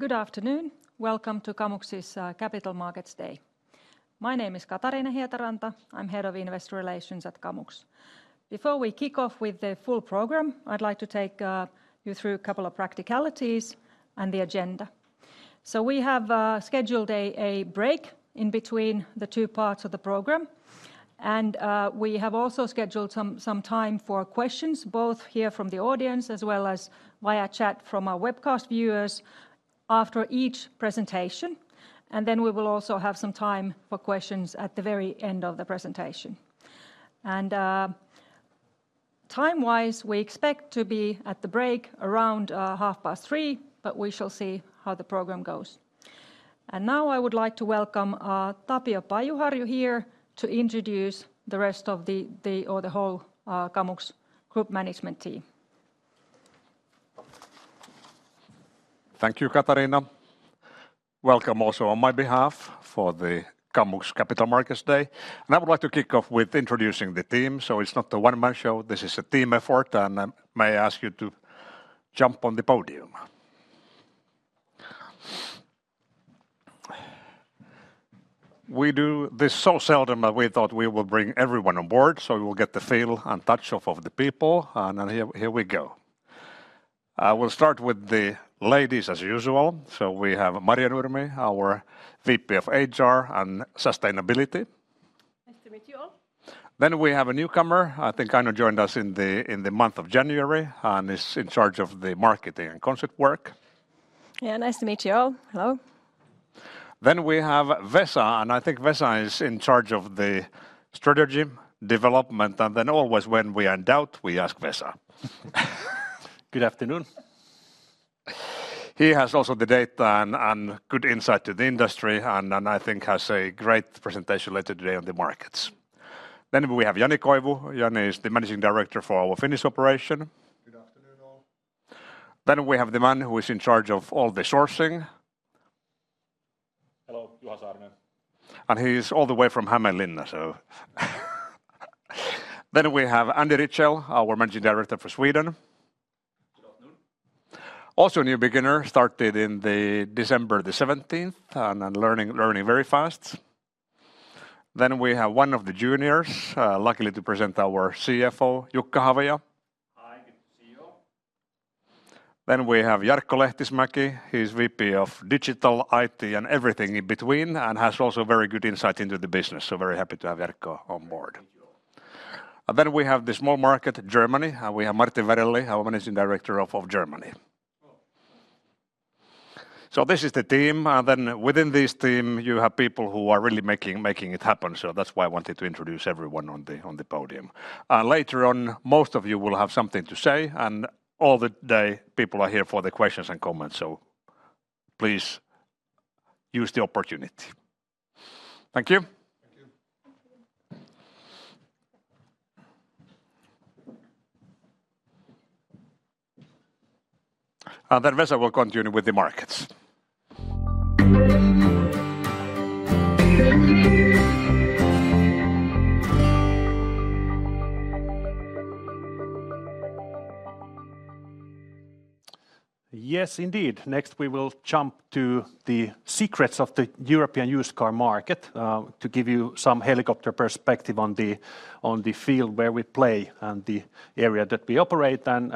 Good afternoon, welcome to Kamux's Capital Markets Day. My name is Katariina Hietaranta, I'm Head of Investor Relations at Kamux. Before we kick off with the full program, I'd like to take you through a couple of practicalities and the agenda. We have scheduled a break in between the two parts of the program, and we have also scheduled some time for questions, both here from the audience as well as via chat from our webcast viewers after each presentation, and then we will also have some time for questions at the very end of the presentation. Time-wise we expect to be at the break around 3:30 P.M., but we shall see how the program goes. Now I would like to welcome Tapio Pajuharju here to introduce the rest of the, or the whole, Kamux Group Management Team. Thank you, Katariina. Welcome also on my behalf for the Kamux Capital Markets Day. I would like to kick off with introducing the team. It's not a one-man show, this is a team effort, and I may ask you to jump on the podium. We do this so seldom that we thought we would bring everyone on board, so we will get the feel and touch of the people, and here we go. I will start with the ladies as usual. We have Marjo Nurmi, our VP of HR and Sustainability. Nice to meet you all. We have a newcomer, I think Aino joined us in the month of January, and is in charge of the marketing and concept work Yeah, nice to meet you all. Hello. Then we have Vesa, and I think Vesa is in charge of the strategy, development, and then always when we are in doubt we ask Vesa. Good afternoon. He has also the data and good insight to the industry, and I think has a great presentation later today on the markets. Then we have Jani Koivu. Jani is the Managing Director for our Finnish operation. Good afternoon all. Then we have the man who is in charge of all the sourcing. Hello, Juha Saarinen. He is all the way from Hämeenlinna, so. We have Andy Rietschel, our Managing Director for Sweden. Good afternoon. Also, a new beginner, started in December the 17th and learning very fast. We have one of the juniors, luckily to present our CFO, Jukka Havia. Hi, good to see you all. Then we have Jarkko Lehtismäki. He is VP of Digital, IT, and everything in between and has also very good insight into the business, so very happy to have Jarkko on board. Thank you all. Then we have the small market, Germany. We have Martin Verrelli, our Managing Director of Germany. So this is the team, and then within this team you have people who are really making it happen, so that's why I wanted to introduce everyone on the podium. Later on most of you will have something to say, and all the day people are here for the questions and comments, so please use the opportunity. Thank you. Thank you. Then Vesa will continue with the markets. Yes, indeed. Next we will jump to the secrets of the European used car market to give you some helicopter perspective on the field where we play and the area that we operate, and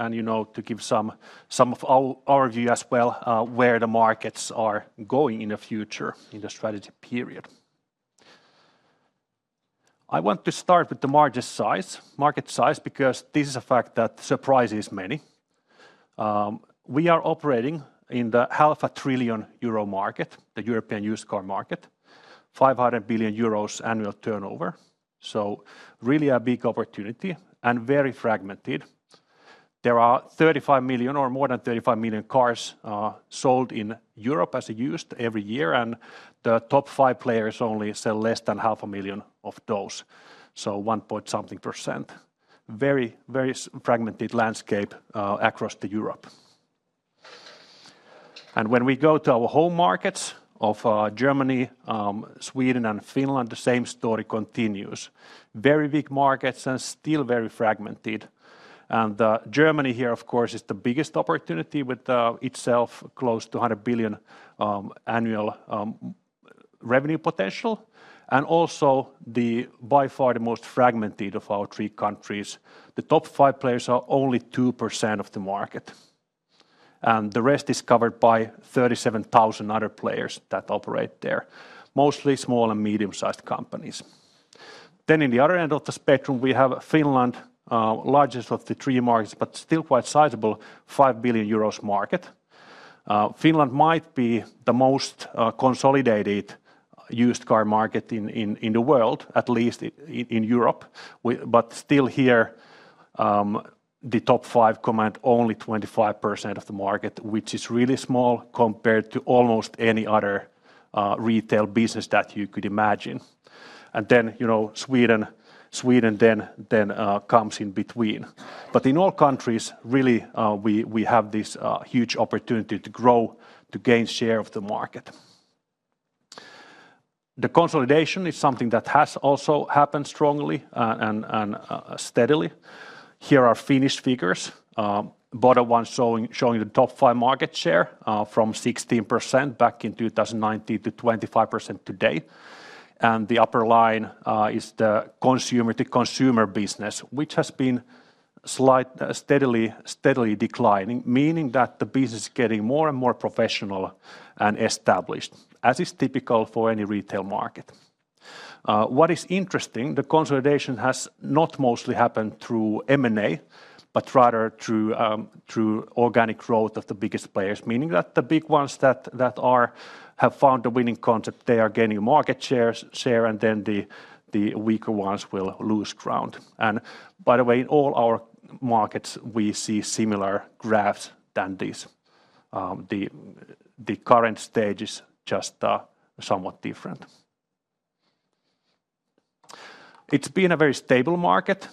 to give some of our view as well where the markets are going in the future, in the strategic period. I want to start with the market size, because this is a fact that surprises many. We are operating in the 500 billion euro market, the European used car market, 500 billion euros annual turnover. So really a big opportunity and very fragmented. There are 35 million or more than 35 million cars sold in Europe as used every year, and the top 5 players only sell less than 500,000 of those. So 1.something%. Very, very fragmented landscape across Europe. And when we go to our home markets of Germany, Sweden, and Finland, the same story continues. Very big markets and still very fragmented. And Germany here, of course, is the biggest opportunity with itself close to 100 billion annual revenue potential. And also the by far the most fragmented of our three countries. The top five players are only 2% of the market. And the rest is covered by 37,000 other players that operate there. Mostly small and medium-sized companies. Then in the other end of the spectrum we have Finland, largest of the three markets but still quite sizable, 5 billion euros market. Finland might be the most consolidated used car market in the world, at least in Europe. But still here the top five command only 25% of the market, which is really small compared to almost any other retail business that you could imagine. And then Sweden then comes in between. But in all countries really we have this huge opportunity to grow, to gain share of the market. The consolidation is something that has also happened strongly and steadily. Here are Finnish figures. Bottom one showing the top five market share from 16% back in 2019 to 25% today. And the upper line is the consumer business, which has been steadily declining, meaning that the business is getting more and more professional and established, as is typical for any retail market. What is interesting, the consolidation has not mostly happened through M&A, but rather through organic growth of the biggest players, meaning that the big ones that have found the winning concept, they are gaining market share and then the weaker ones will lose ground. By the way, in all our markets we see similar graphs than this. The current stage is just somewhat different. It's been a very stable market,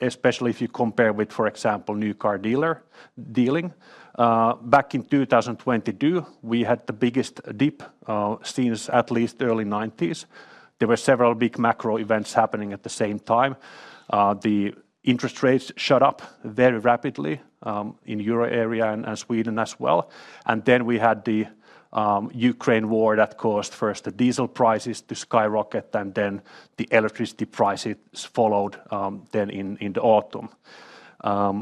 especially if you compare with, for example, new car dealing. Back in 2022 we had the biggest dip since at least early 1990s. There were several big macro events happening at the same time. The interest rates shot up very rapidly in the euro area and Sweden as well. Then we had the Ukraine war that caused first the diesel prices to skyrocket and then the electricity prices followed then in the autumn.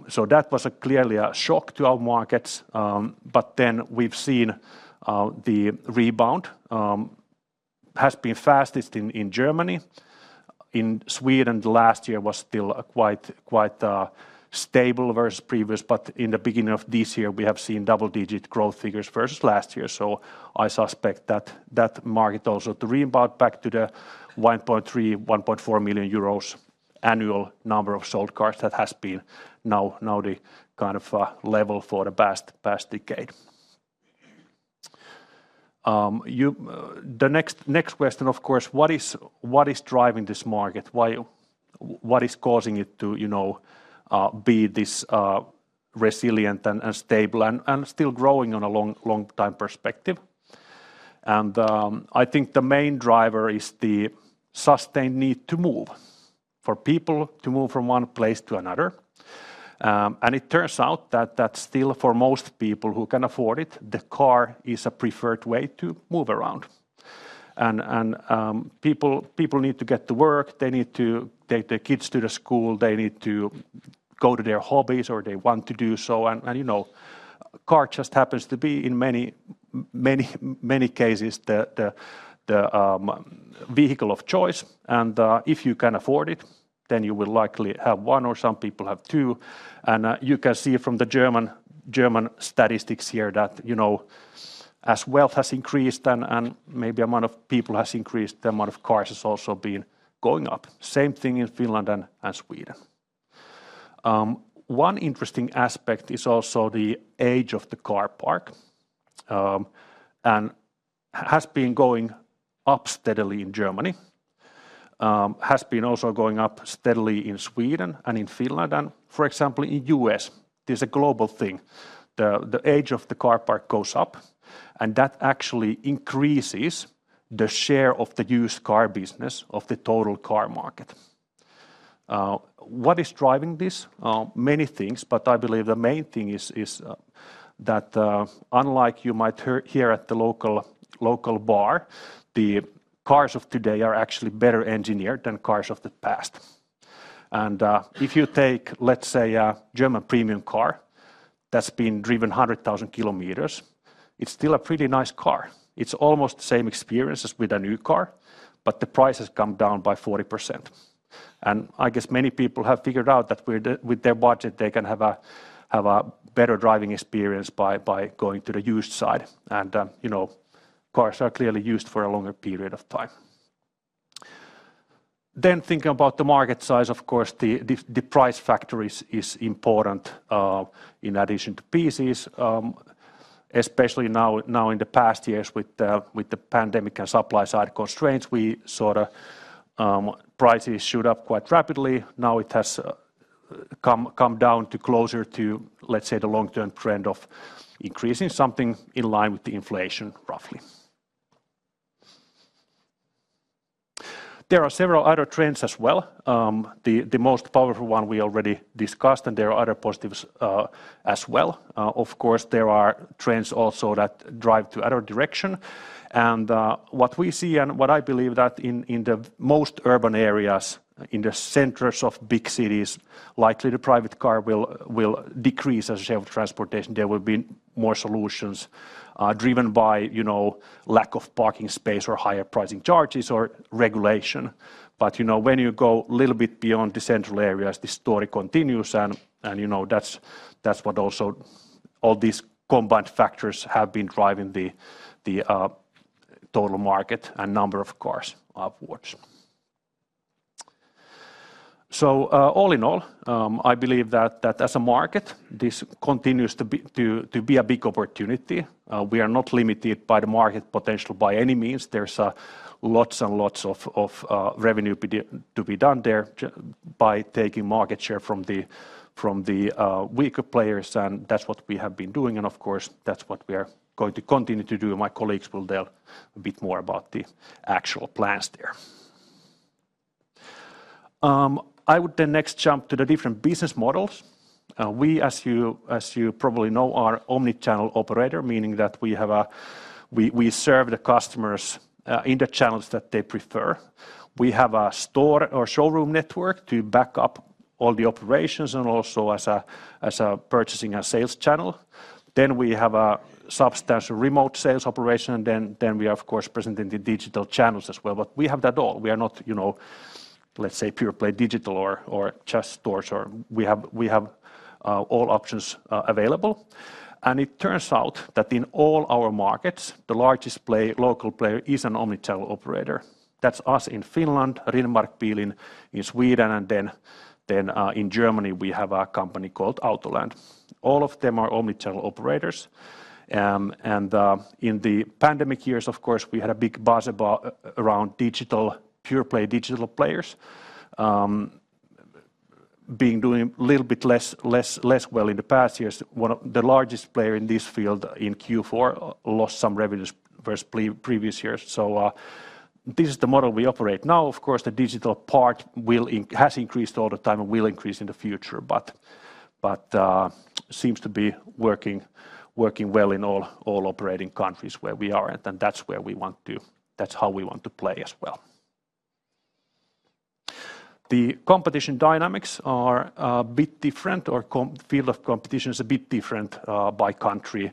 So that was clearly a shock to our markets. But then we've seen the rebound. It has been fastest in Germany. In Sweden last year was still quite stable versus previous, but in the beginning of this year we have seen double-digit growth figures versus last year. So I suspect that market also to rebound back to the 1.3 million-1.4 million euros annual number of sold cars that has been now the kind of level for the past decade. The next question, of course, what is driving this market? What is causing it to be this resilient and stable and still growing on a long-term perspective? And I think the main driver is the sustained need to move. For people to move from one place to another. And it turns out that still for most people who can afford it, the car is a preferred way to move around. People need to get to work, they need to take their kids to the school, they need to go to their hobbies or they want to do so. The car just happens to be in many cases the vehicle of choice. If you can afford it, then you will likely have one or some people have two. You can see from the German statistics here that as wealth has increased and maybe the amount of people has increased, the amount of cars has also been going up. Same thing in Finland and Sweden. One interesting aspect is also the age of the car park. It has been going up steadily in Germany. It has been also going up steadily in Sweden and in Finland and, for example, in the U.S. This is a global thing. The age of the car park goes up and that actually increases the share of the used car business of the total car market. What is driving this? Many things, but I believe the main thing is that unlike you might hear at the local bar, the cars of today are actually better engineered than cars of the past. If you take, let's say, a German premium car that's been driven 100,000 kilometers, it's still a pretty nice car. It's almost the same experience as with a new car, but the price has come down by 40%. I guess many people have figured out that with their budget they can have a better driving experience by going to the used side. Cars are clearly used for a longer period of time. Then thinking about the market size, of course, the price factor is important in addition to pieces. Especially now in the past years with the pandemic and supply-side constraints, prices shoot up quite rapidly. Now it has come down to closer to, let's say, the long-term trend of increasing something in line with the inflation, roughly. There are several other trends as well. The most powerful one we already discussed and there are other positives as well. Of course, there are trends also that drive to another direction. And what we see and what I believe that in the most urban areas, in the centers of big cities, likely the private car will decrease as a share of transportation. There will be more solutions driven by lack of parking space or higher pricing charges or regulation. But when you go a little bit beyond the central areas, the story continues and that's what also all these combined factors have been driving the total market and number of cars upwards. So all in all, I believe that as a market this continues to be a big opportunity. We are not limited by the market potential by any means. There's lots and lots of revenue to be done there by taking market share from the weaker players and that's what we have been doing. And of course, that's what we are going to continue to do. My colleagues will tell a bit more about the actual plans there. I would then next jump to the different business models. We, as you probably know, are omnichannel operators, meaning that we serve the customers in the channels that they prefer. We have a store or showroom network to back up all the operations and also as a purchasing and sales channel. Then we have a substantial remote sales operation and then we are, of course, present in the digital channels as well. But we have that all. We are not, let's say, pure play digital or just stores. We have all options available. It turns out that in all our markets the largest local player is an omnichannel operator. That's us in Finland, Riddermark Bil in Sweden, and then in Germany we have a company called Autoland. All of them are omnichannel operators. In the pandemic years, of course, we had a big buzz about pure play digital players. Being doing a little bit less well in the past years, one of the largest players in this field in Q4 lost some revenues versus previous years. So this is the model we operate now. Of course, the digital part has increased all the time and will increase in the future, but seems to be working well in all operating countries where we are and that's where we want to, that's how we want to play as well. The competition dynamics are a bit different or the field of competition is a bit different by country.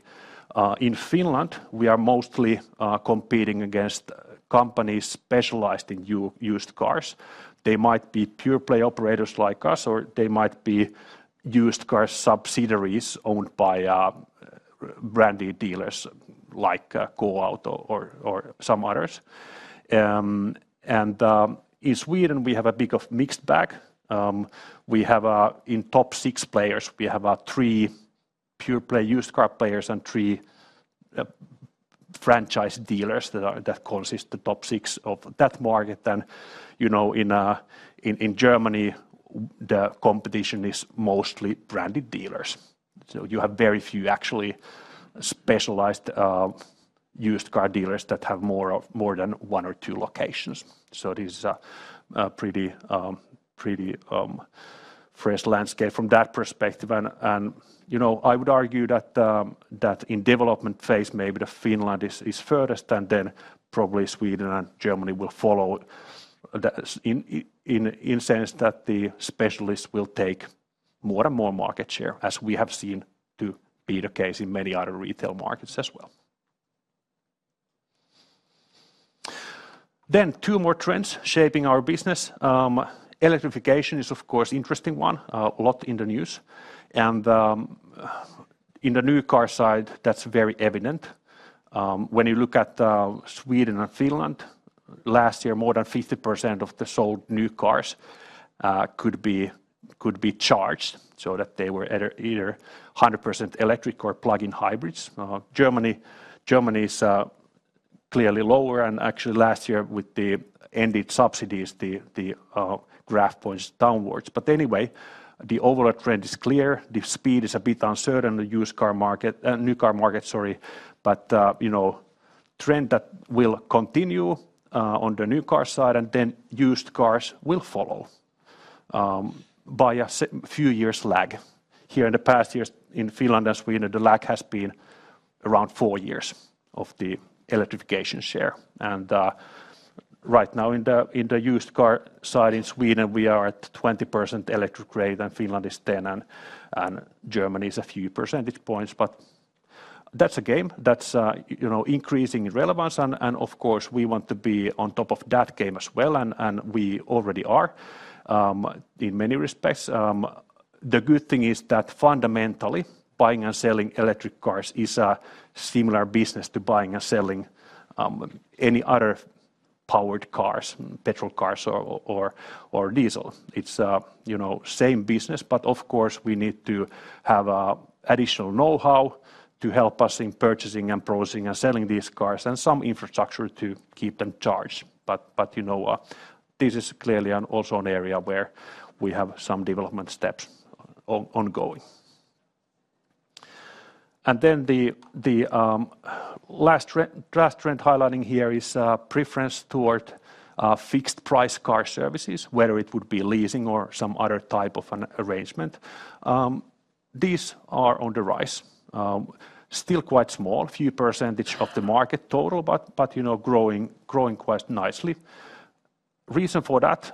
In Finland we are mostly competing against companies specialized in used cars. They might be pure play operators like us or they might be used car subsidiaries owned by branded dealers like K-Auto or some others. And in Sweden we have a big mixed bag. In top six players we have three pure play used car players and three franchise dealers that consist of the top six of that market. And you know in Germany the competition is mostly branded dealers. You have very few actually specialized used car dealers that have more than one or two locations. This is a pretty fresh landscape from that perspective. You know, I would argue that in the development phase maybe Finland is furthest and then probably Sweden and Germany will follow in the sense that the specialists will take more and more market share as we have seen to be the case in many other retail markets as well. Two more trends shaping our business. Electrification is, of course, an interesting one, a lot in the news. In the new car side that's very evident. When you look at Sweden and Finland, last year more than 50% of the sold new cars could be charged so that they were either 100% electric or plug-in hybrids. Germany is clearly lower and actually last year with the ended subsidies the graph points downwards. But anyway, the overall trend is clear. The speed is a bit uncertain in the used car market, new car market, sorry. But you know the trend that will continue on the new car side and then used cars will follow by a few years' lag. Here in the past years in Finland and Sweden the lag has been around four years of the electrification share. And right now in the used car side in Sweden we are at 20% electric rate and Finland is 10% and Germany is a few percentage points. But that's a game. That's increasing relevance and, of course, we want to be on top of that game as well and we already are in many respects. The good thing is that fundamentally buying and selling electric cars is a similar business to buying and selling any other powered cars, petrol cars or diesel. It's the same business, but of course we need to have additional know-how to help us in purchasing and producing and selling these cars and some infrastructure to keep them charged. But you know this is clearly also an area where we have some development steps ongoing. And then the last trend highlighting here is a preference toward fixed-price car services, whether it would be leasing or some other type of an arrangement. These are on the rise. Still quite small, a few percentage of the market total, but growing quite nicely. The reason for that,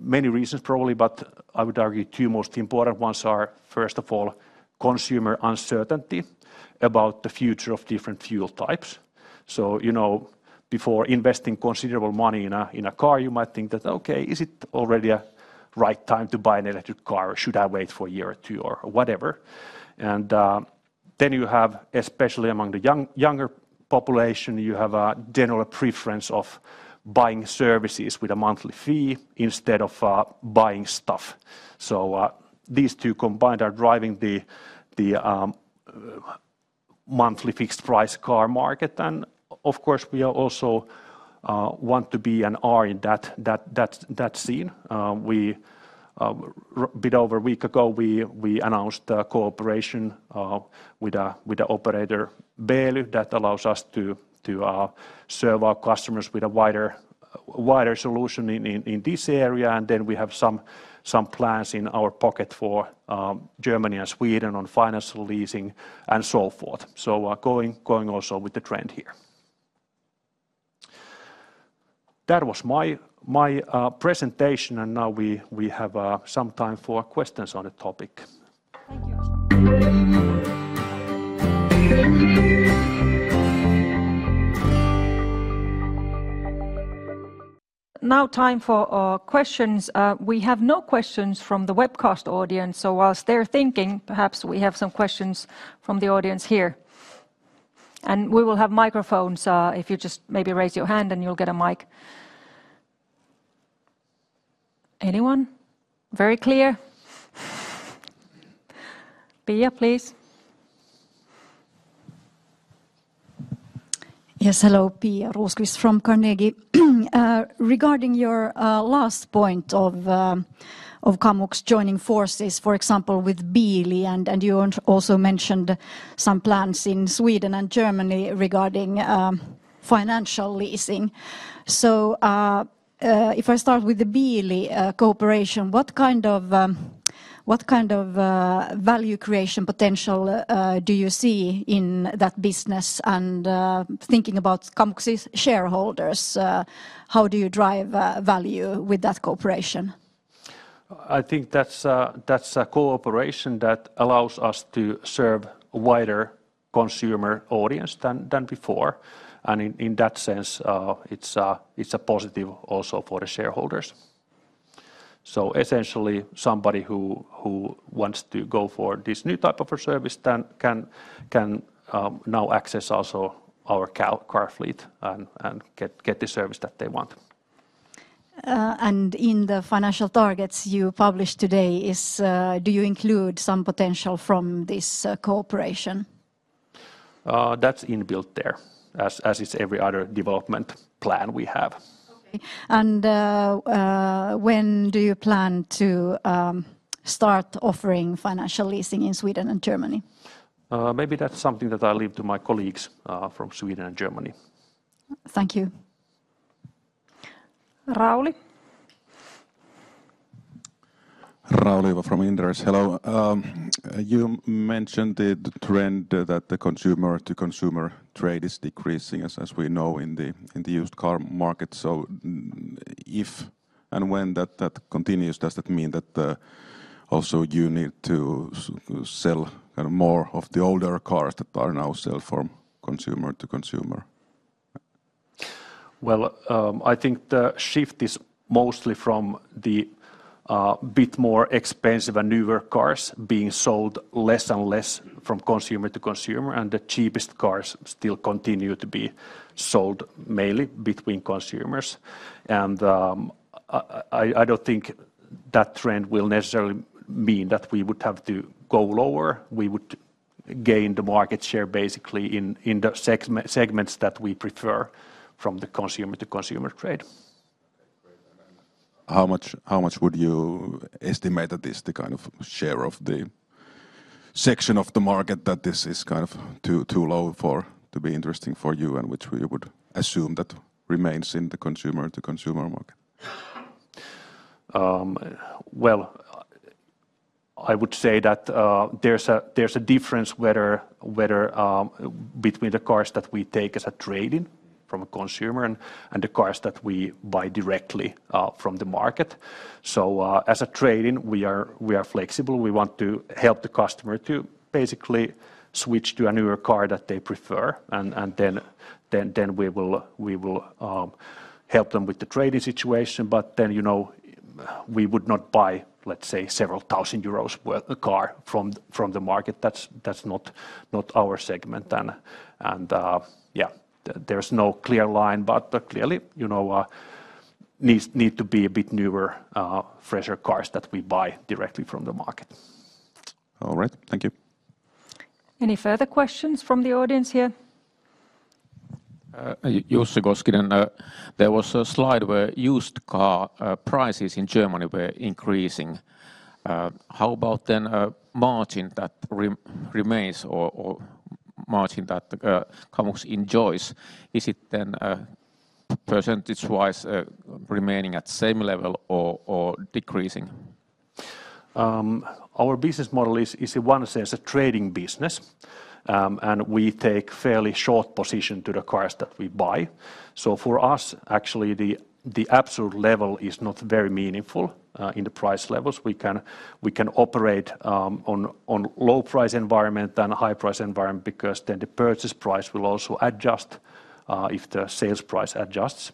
many reasons probably, but I would argue two most important ones are first of all consumer uncertainty about the future of different fuel types. So you know before investing considerable money in a car you might think that, "Okay, is it already the right time to buy an electric car or should I wait for a year or two or whatever?" And then you have, especially among the younger population, you have a general preference of buying services with a monthly fee instead of buying stuff. So these two combined are driving the monthly fixed-price car market. And, of course, we also want to be and are in that scene. A bit over a week ago we announced a cooperation with the operator Beely that allows us to serve our customers with a wider solution in this area. And then we have some plans in our pocket for Germany and Sweden on financial leasing and so forth. So going also with the trend here. That was my presentation, and now we have some time for questions on the topic. Thank you. Now, time for questions. We have no questions from the webcast audience, so whilst they're thinking, perhaps we have some questions from the audience here. We will have microphones if you just maybe raise your hand and you'll get a mic. Anyone? Very clear. Pia, please. Yes, hello Pia Rosqvist from Carnegie. Regarding your last point of Kamux joining forces, for example with Beely and you also mentioned some plans in Sweden and Germany regarding financial leasing. So if I start with the Beely cooperation, what kind of value creation potential do you see in that business? And thinking about Kamux's shareholders, how do you drive value with that cooperation? I think that's a cooperation that allows us to serve a wider consumer audience than before. In that sense it's a positive also for the shareholders. Essentially somebody who wants to go for this new type of a service can now access also our car fleet and get the service that they want. In the financial targets you published today, do you include some potential from this cooperation? That's inbuilt there as is every other development plan we have. When do you plan to start offering financial leasing in Sweden and Germany? Maybe that's something that I leave to my colleagues from Sweden and Germany. Thank you. Rauli? Rauli, you are from Inderes. Hello. You mentioned the trend that the consumer-to-consumer trade is decreasing as we know in the used car market. So if and when that continues, does that mean that also you need to sell more of the older cars that are now sold from consumer to consumer? Well, I think the shift is mostly from a bit more expensive and newer cars being sold less and less from consumer to consumer and the cheapest cars still continue to be sold mainly between consumers. I don't think that trend will necessarily mean that we would have to go lower. We would gain the market share basically in the segments that we prefer from the consumer-to-consumer trade. How much would you estimate that is the kind of share of the section of the market that this is kind of too low for to be interesting for you and which we would assume that remains in the consumer-to-consumer market? Well, I would say that there's a difference whether between the cars that we take as a trading from a consumer and the cars that we buy directly from the market. So as a trading we are flexible. We want to help the customer to basically switch to a newer car that they prefer and then we will help them with the trading situation. But then you know we would not buy, let's say, several thousand euros' worth of a car from the market. That's not our segment. And yeah, there's no clear line, but clearly you know need to be a bit newer, fresher cars that we buy directly from the market. All right. Thank you. Any further questions from the audience here? Jussi Koskinen, there was a slide where used car prices in Germany were increasing. How about then the margin that remains or margin that Kamux enjoys? Is it then percentage-wise remaining at the same level or decreasing? Our business model is, in one sense, a trading business and we take a fairly short position to the cars that we buy. So for us actually the absolute level is not very meaningful in the price levels. We can operate on a low-price environment and a high-price environment because then the purchase price will also adjust if the sales price adjusts.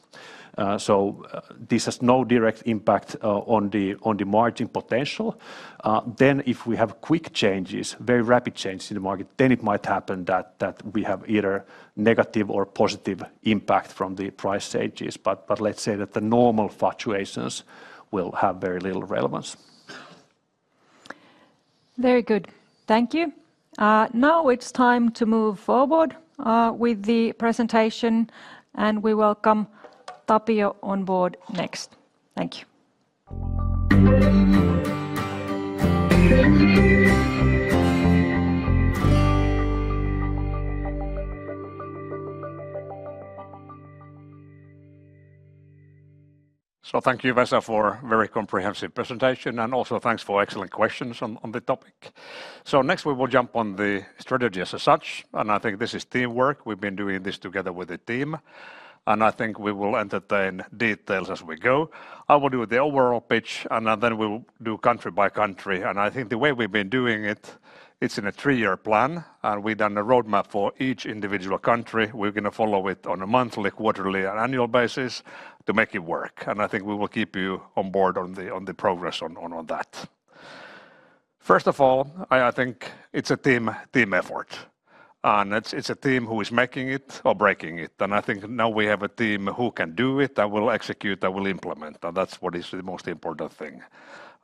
So this has no direct impact on the margin potential. Then if we have quick changes, very rapid changes in the market, then it might happen that we have either negative or positive impact from the price changes. But let's say that the normal fluctuations will have very little relevance. Very good. Thank you. Now it's time to move forward with the presentation and we welcome Tapio on board next. Thank you. So thank you, Vesa, for a very comprehensive presentation and also thanks for excellent questions on the topic. Next we will jump on the strategy as such and I think this is teamwork. We've been doing this together with the team and I think we will entertain details as we go. I will do the overall pitch and then we will do country by country. I think the way we've been doing it, it's in a three-year plan and we've done a roadmap for each individual country. We're going to follow it on a monthly, quarterly, and annual basis to make it work. I think we will keep you on board on the progress on that. First of all, I think it's a team effort. It's a team who is making it or breaking it. I think now we have a team who can do it, that will execute, that will implement. That's what is the most important thing.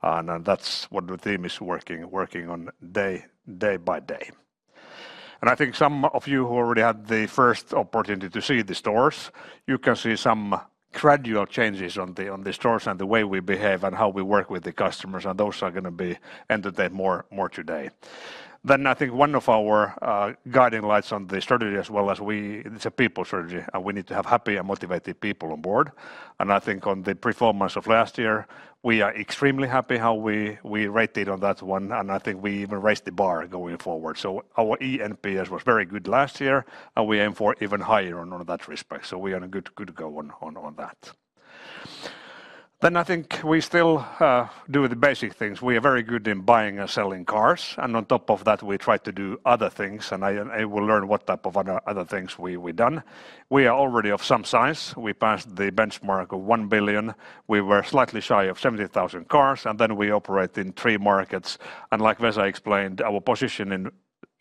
That's what the team is working on day by day. I think some of you who already had the first opportunity to see the stores, you can see some gradual changes on the stores and the way we behave and how we work with the customers. Those are going to be entertained more today. I think one of our guiding lights on the strategy as well. As we, it's a people strategy and we need to have happy and motivated people on board. I think on the performance of last year we are extremely happy how we rated on that one. I think we even raised the bar going forward. So our ENPS was very good last year and we aim for even higher on that respect. So we are on a good go on that. Then I think we still do the basic things. We are very good in buying and selling cars and on top of that we try to do other things and I will learn what type of other things we've done. We are already of some size. We passed the benchmark of 1 billion. We were slightly shy of 70,000 cars and then we operate in three markets. And like Vesa explained, our position in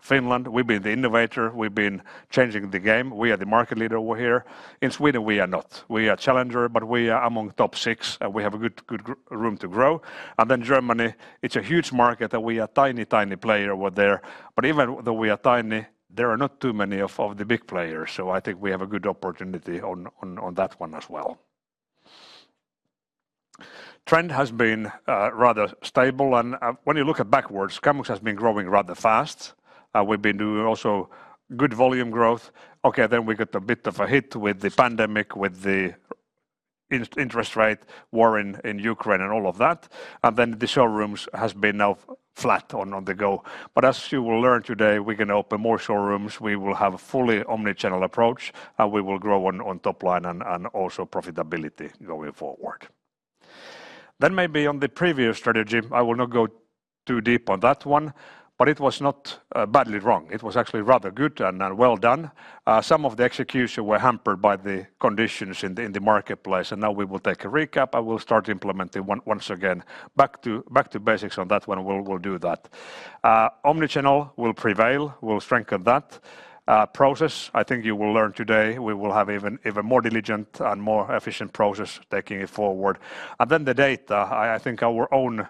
Finland, we've been the innovator. We've been changing the game. We are the market leader over here. In Sweden we are not. We are a challenger, but we are among top six and we have a good room to grow. And then Germany, it's a huge market and we are a tiny, tiny player over there. But even though we are tiny, there are not too many of the big players. So I think we have a good opportunity on that one as well. The trend has been rather stable and when you look at backwards, Kamux has been growing rather fast. We've been doing also good volume growth. Okay, then we got a bit of a hit with the pandemic, with the interest rate, war in Ukraine and all of that. And then the showrooms have been now flat on the go. But as you will learn today, we're going to open more showrooms. We will have a fully omnichannel approach and we will grow on top line and also profitability going forward. Then maybe on the previous strategy, I will not go too deep on that one. But it was not badly wrong. It was actually rather good and well done. Some of the execution was hampered by the conditions in the marketplace, and now we will take a recap. I will start implementing once again back to basics on that one. We'll do that. Omnichannel will prevail. We'll strengthen that. The process, I think you will learn today, we will have even more diligent and more efficient process taking it forward. And then the data, I think our own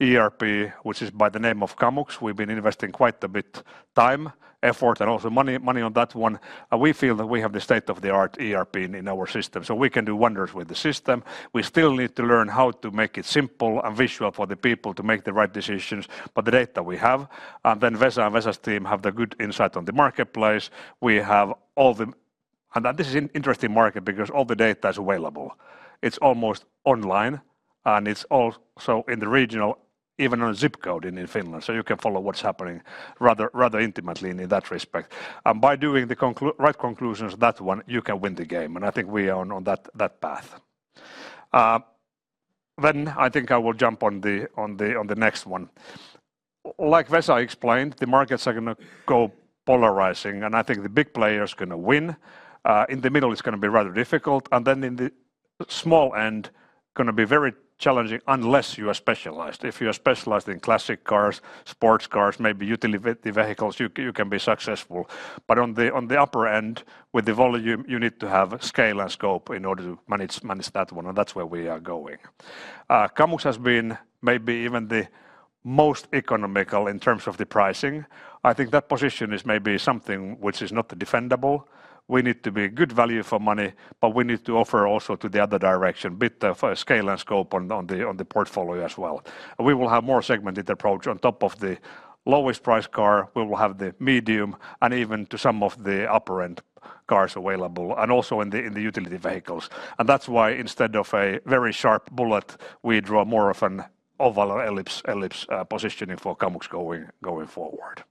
ERP, which is by the name of Kamux, we've been investing quite a bit of time, effort, and also money on that one. And we feel that we have the state-of-the-art ERP in our system. So we can do wonders with the system. We still need to learn how to make it simple and visual for the people to make the right decisions with the data we have. Then Vesa and Vesa's team have the good insight on the marketplace. We have all the... This is an interesting market because all the data is available. It's almost online and it's also in the regional, even on a zip code in Finland. So you can follow what's happening rather intimately in that respect. By doing the right conclusions on that one, you can win the game. I think we are on that path. Then I think I will jump on the next one. Like Vesa explained, the markets are going to go polarizing and I think the big players are going to win. In the middle, it's going to be rather difficult. And then in the small end, it's going to be very challenging unless you are specialized. If you are specialized in classic cars, sports cars, maybe utility vehicles, you can be successful. But on the upper end, with the volume, you need to have scale and scope in order to manage that one and that's where we are going. Kamux has been maybe even the most economical in terms of the pricing. I think that position is maybe something which is not defendable. We need to be good value for money, but we need to offer also to the other direction a bit of scale and scope on the portfolio as well. We will have a more segmented approach. On top of the lowest priced car, we will have the medium and even to some of the upper end cars available and also in the utility vehicles. That's why instead of a very sharp bullet, we draw more of an oval or ellipse positioning for Kamux going forward.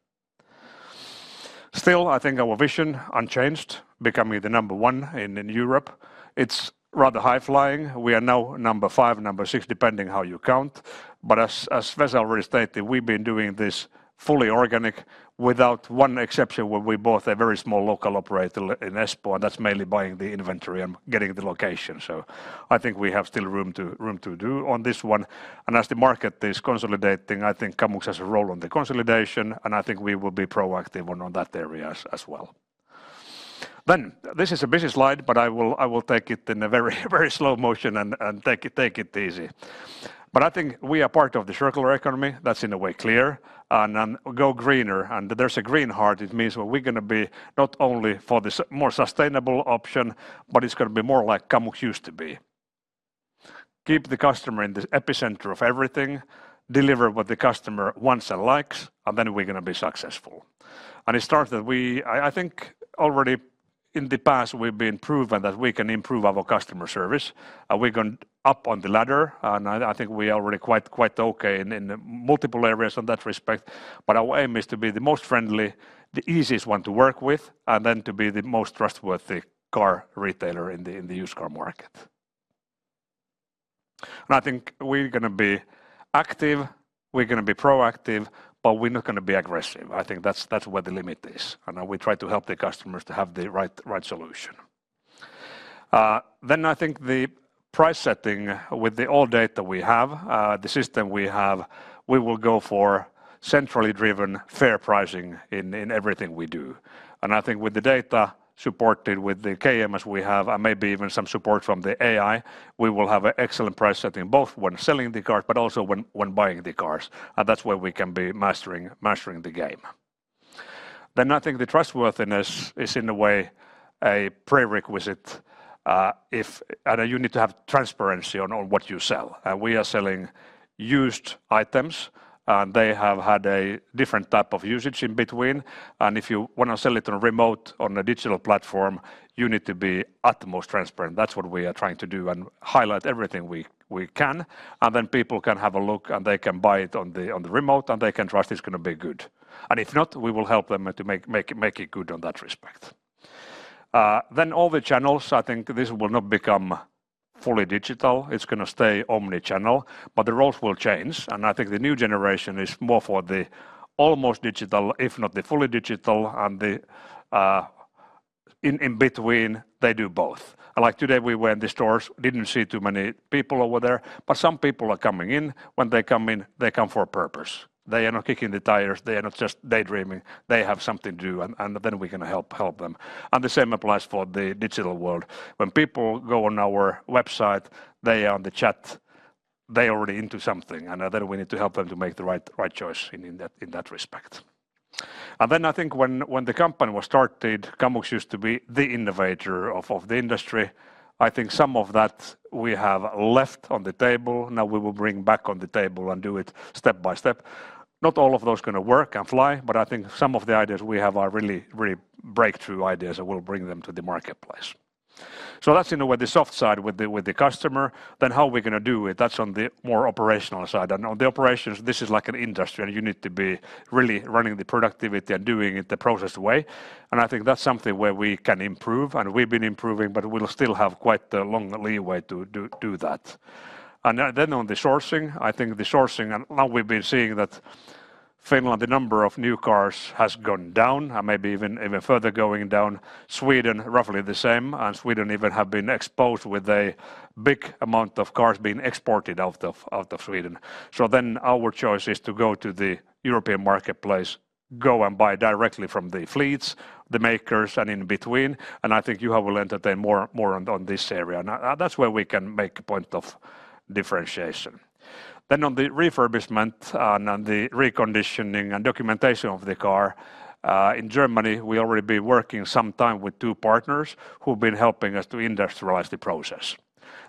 Still, I think our vision is unchanged, becoming the number 1 in Europe. It's rather high flying. We are now number 5, number 6, depending on how you count. But as Vesa already stated, we've been doing this fully organic without one exception where we bought a very small local operator in Espoo. And that's mainly buying the inventory and getting the location. So I think we have still room to do on this one. And as the market is consolidating, I think Kamux has a role on the consolidation and I think we will be proactive on that area as well. Then this is a busy slide, but I will take it in a very slow motion and take it easy. But I think we are part of the circular economy. That's in a way clear. And go greener and there's a Green Heart. It means we're going to be not only for the more sustainable option, but it's going to be more like Kamux used to be. Keep the customer in the epicenter of everything. Deliver what the customer wants and likes and then we're going to be successful. And it starts that we, I think already in the past, we've been proven that we can improve our customer service. And we're going up on the ladder and I think we are already quite okay in multiple areas on that respect. But our aim is to be the most friendly, the easiest one to work with, and then to be the most trustworthy car retailer in the used car market. And I think we're going to be active. We're going to be proactive, but we're not going to be aggressive. I think that's where the limit is. We try to help the customers to have the right solution. I think the price setting with the old data we have, the system we have, we will go for centrally driven fair pricing in everything we do. I think with the data supported with the KMS we have and maybe even some support from the AI, we will have an excellent price setting both when selling the cars, but also when buying the cars. That's where we can be mastering the game. I think the trustworthiness is in a way a prerequisite if you need to have transparency on what you sell. We are selling used items and they have had a different type of usage in between. And if you want to sell it on remote, on a digital platform, you need to be utmost transparent. That's what we are trying to do and highlight everything we can. And then people can have a look and they can buy it on the remote and they can trust it's going to be good. And if not, we will help them to make it good on that respect. Then all the channels, I think this will not become fully digital. It's going to stay omnichannel, but the roles will change. And I think the new generation is more for the almost digital, if not the fully digital, and the in between, they do both. Like today we were in the stores, didn't see too many people over there, but some people are coming in. When they come in, they come for a purpose. They are not kicking the tires. They are not just daydreaming. They have something to do and then we're going to help them. The same applies for the digital world. When people go on our website, they are on the chat. They are already into something and then we need to help them to make the right choice in that respect. Then I think when the company was started, Kamux used to be the innovator of the industry. I think some of that we have left on the table. Now we will bring back on the table and do it step by step. Not all of those are going to work and fly, but I think some of the ideas we have are really breakthrough ideas and we'll bring them to the marketplace. That's in a way the soft side with the customer. Then how we're going to do it, that's on the more operational side. On the operations, this is like an industry and you need to be really running the productivity and doing it the processed way. I think that's something where we can improve and we've been improving, but we'll still have quite a long leeway to do that. Then on the sourcing, I think the sourcing, and now we've been seeing that Finland, the number of new cars has gone down and maybe even further going down. Sweden, roughly the same. Sweden even has been exposed with a big amount of cars being exported out of Sweden. So then our choice is to go to the European marketplace, go and buy directly from the fleets, the makers, and in between. I think you will entertain more on this area. And that's where we can make a point of differentiation. On the refurbishment and the reconditioning and documentation of the car, in Germany, we'll already be working some time with two partners who've been helping us to industrialize the process.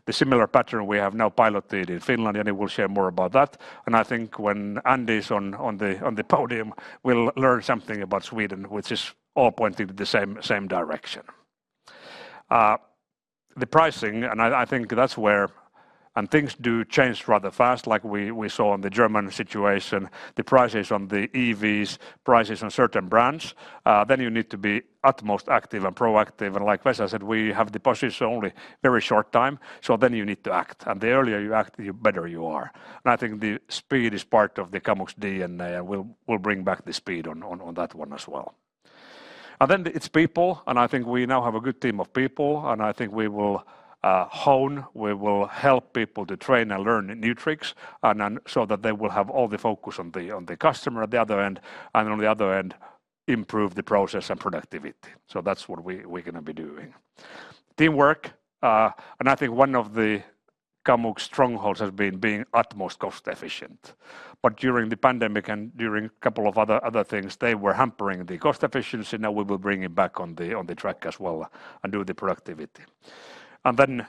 The similar pattern we have now piloted in Finland and I will share more about that. And I think when Andy is on the podium, we'll learn something about Sweden, which is all pointing to the same direction. The pricing, and I think that's where... And things do change rather fast, like we saw in the German situation. The prices on the EVs, prices on certain brands. Then you need to be utmost active and proactive. And like Vesa said, we have the position only a very short time. So then you need to act. And the earlier you act, the better you are. I think the speed is part of the Kamux DNA and we'll bring back the speed on that one as well. Then it's people. I think we now have a good team of people. I think we will hone, we will help people to train and learn new tricks so that they will have all the focus on the customer at the other end and on the other end improve the process and productivity. So that's what we're going to be doing. Teamwork. I think one of the Kamux strongholds has been being utmost cost-efficient. But during the pandemic and during a couple of other things, they were hampering the cost efficiency. Now we will bring it back on the track as well and do the productivity. Then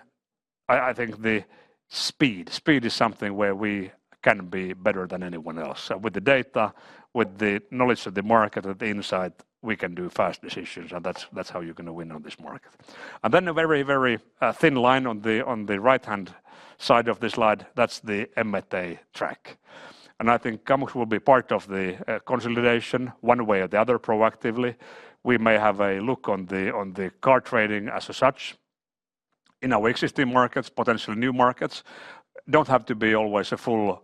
I think the speed. Speed is something where we can be better than anyone else. With the data, with the knowledge of the market, with the insight, we can do fast decisions. That's how you're going to win on this market. Then a very, very thin line on the right-hand side of the slide, that's the M&A track. I think Kamux will be part of the consolidation one way or the other proactively. We may have a look on the car trading as such in our existing markets, potentially new markets. It doesn't have to be always a full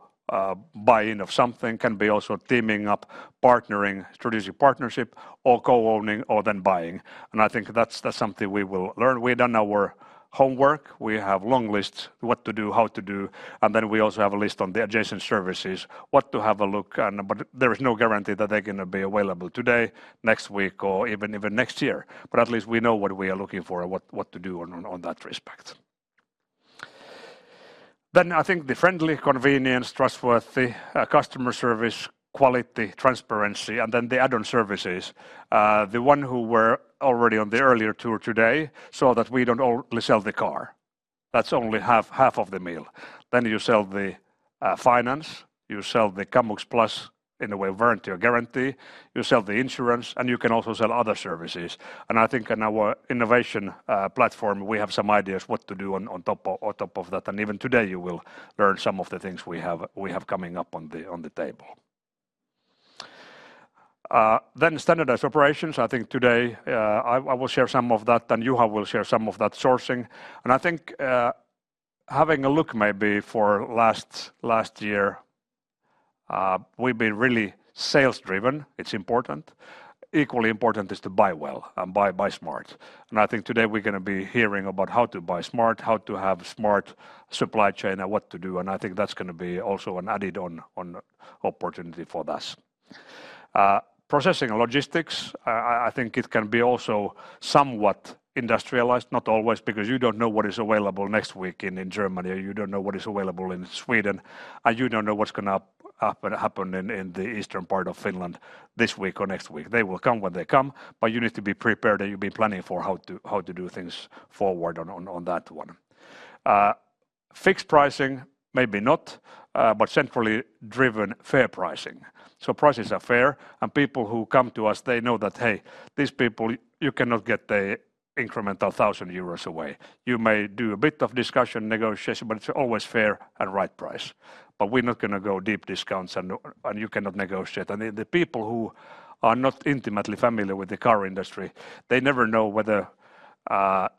buy-in of something. It can be also teaming up, partnering, strategic partnership, or co-owning, or then buying. I think that's something we will learn. We've done our homework. We have long lists of what to do, how to do. Then we also have a list on the adjacent services, what to have a look on. But there is no guarantee that they're going to be available today, next week, or even next year. But at least we know what we are looking for and what to do on that respect. Then I think the friendly, convenient, trustworthy customer service, quality, transparency, and then the add-on services. The one who were already on the earlier tour today saw that we don't only sell the car. That's only half of the meal. Then you sell the finance. You sell the Kamux Plus in a way of warranty or guarantee. You sell the insurance and you can also sell other services. And I think in our innovation platform, we have some ideas what to do on top of that. And even today you will learn some of the things we have coming up on the table. Then standardized operations. I think today I will share some of that, and Juha will share some of that sourcing. I think having a look maybe for last year, we've been really sales-driven. It's important. Equally important is to buy well and buy smart. I think today we're going to be hearing about how to buy smart, how to have a smart supply chain and what to do. I think that's going to be also an added-on opportunity for us. Processing and logistics, I think it can be also somewhat industrialized, not always, because you don't know what is available next week in Germany. You don't know what is available in Sweden. You don't know what's going to happen in the eastern part of Finland this week or next week. They will come when they come, but you need to be prepared and you've been planning for how to do things forward on that one. Fixed pricing, maybe not, but centrally driven fair pricing. So prices are fair and people who come to us, they know that, hey, these people, you cannot get the incremental 1,000 euros away. You may do a bit of discussion, negotiation, but it's always fair and right price. But we're not going to go deep discounts and you cannot negotiate. And the people who are not intimately familiar with the car industry, they never know whether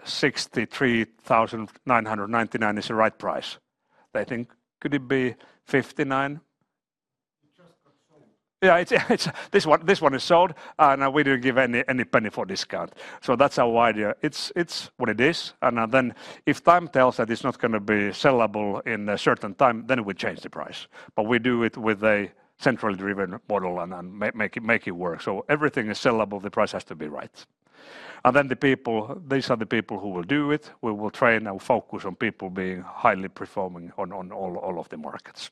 63,999 is the right price. They think, could it be 59,000? You just got sold. Yeah, this one is sold and we didn't give any penny for discount. So that's our idea. It's what it is. And then if time tells that it's not going to be sellable in a certain time, then we change the price. But we do it with a centrally driven model and make it work. So everything is sellable, the price has to be right. And then the people, these are the people who will do it. We will train and focus on people being highly performing on all of the markets.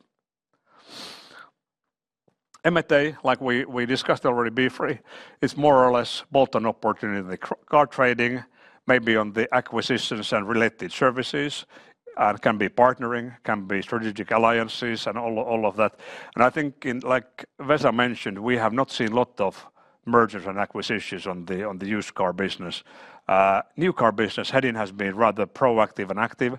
M&A, like we discussed already, B2B, it's more or less bolt-on opportunity. Car trading, maybe on the acquisitions and related services. And can be partnering, can be strategic alliances and all of that. And I think, like Vesa mentioned, we have not seen a lot of mergers and acquisitions on the used car business. New car business, Hedin has been rather proactive and active.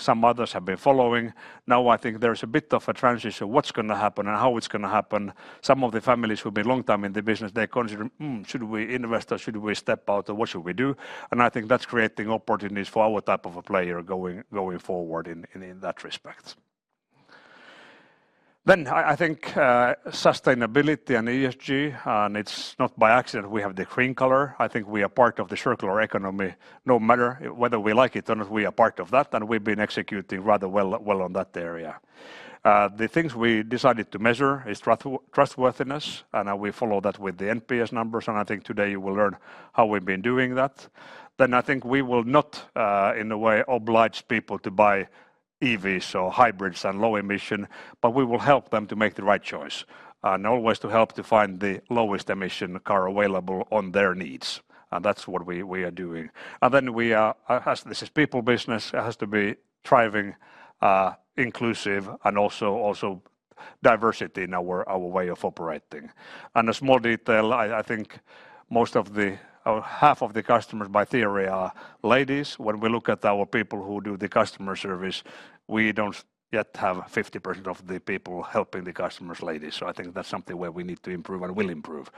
Some others have been following. Now I think there's a bit of a transition. What's going to happen and how it's going to happen? Some of the families who've been a long time in the business, they consider, should we invest or should we step out or what should we do? And I think that's creating opportunities for our type of a player going forward in that respect. Then I think sustainability and ESG. And it's not by accident we have the green color. I think we are part of the circular economy. No matter whether we like it or not, we are part of that. And we've been executing rather well on that area. The things we decided to measure is trustworthiness. And we follow that with the NPS numbers. And I think today you will learn how we've been doing that. Then I think we will not, in a way, oblige people to buy EVs or hybrids and low emission, but we will help them to make the right choice. And always to help to find the lowest emission car available for their needs. And that's what we are doing. And then we are, as this is people business, it has to be driving inclusive and also diversity in our way of operating. And a small detail, I think most of the, half of the customers in theory are ladies. When we look at our people who do the customer service, we don't yet have 50% of the people helping the customers ladies. So I think that's something where we need to improve and will improve.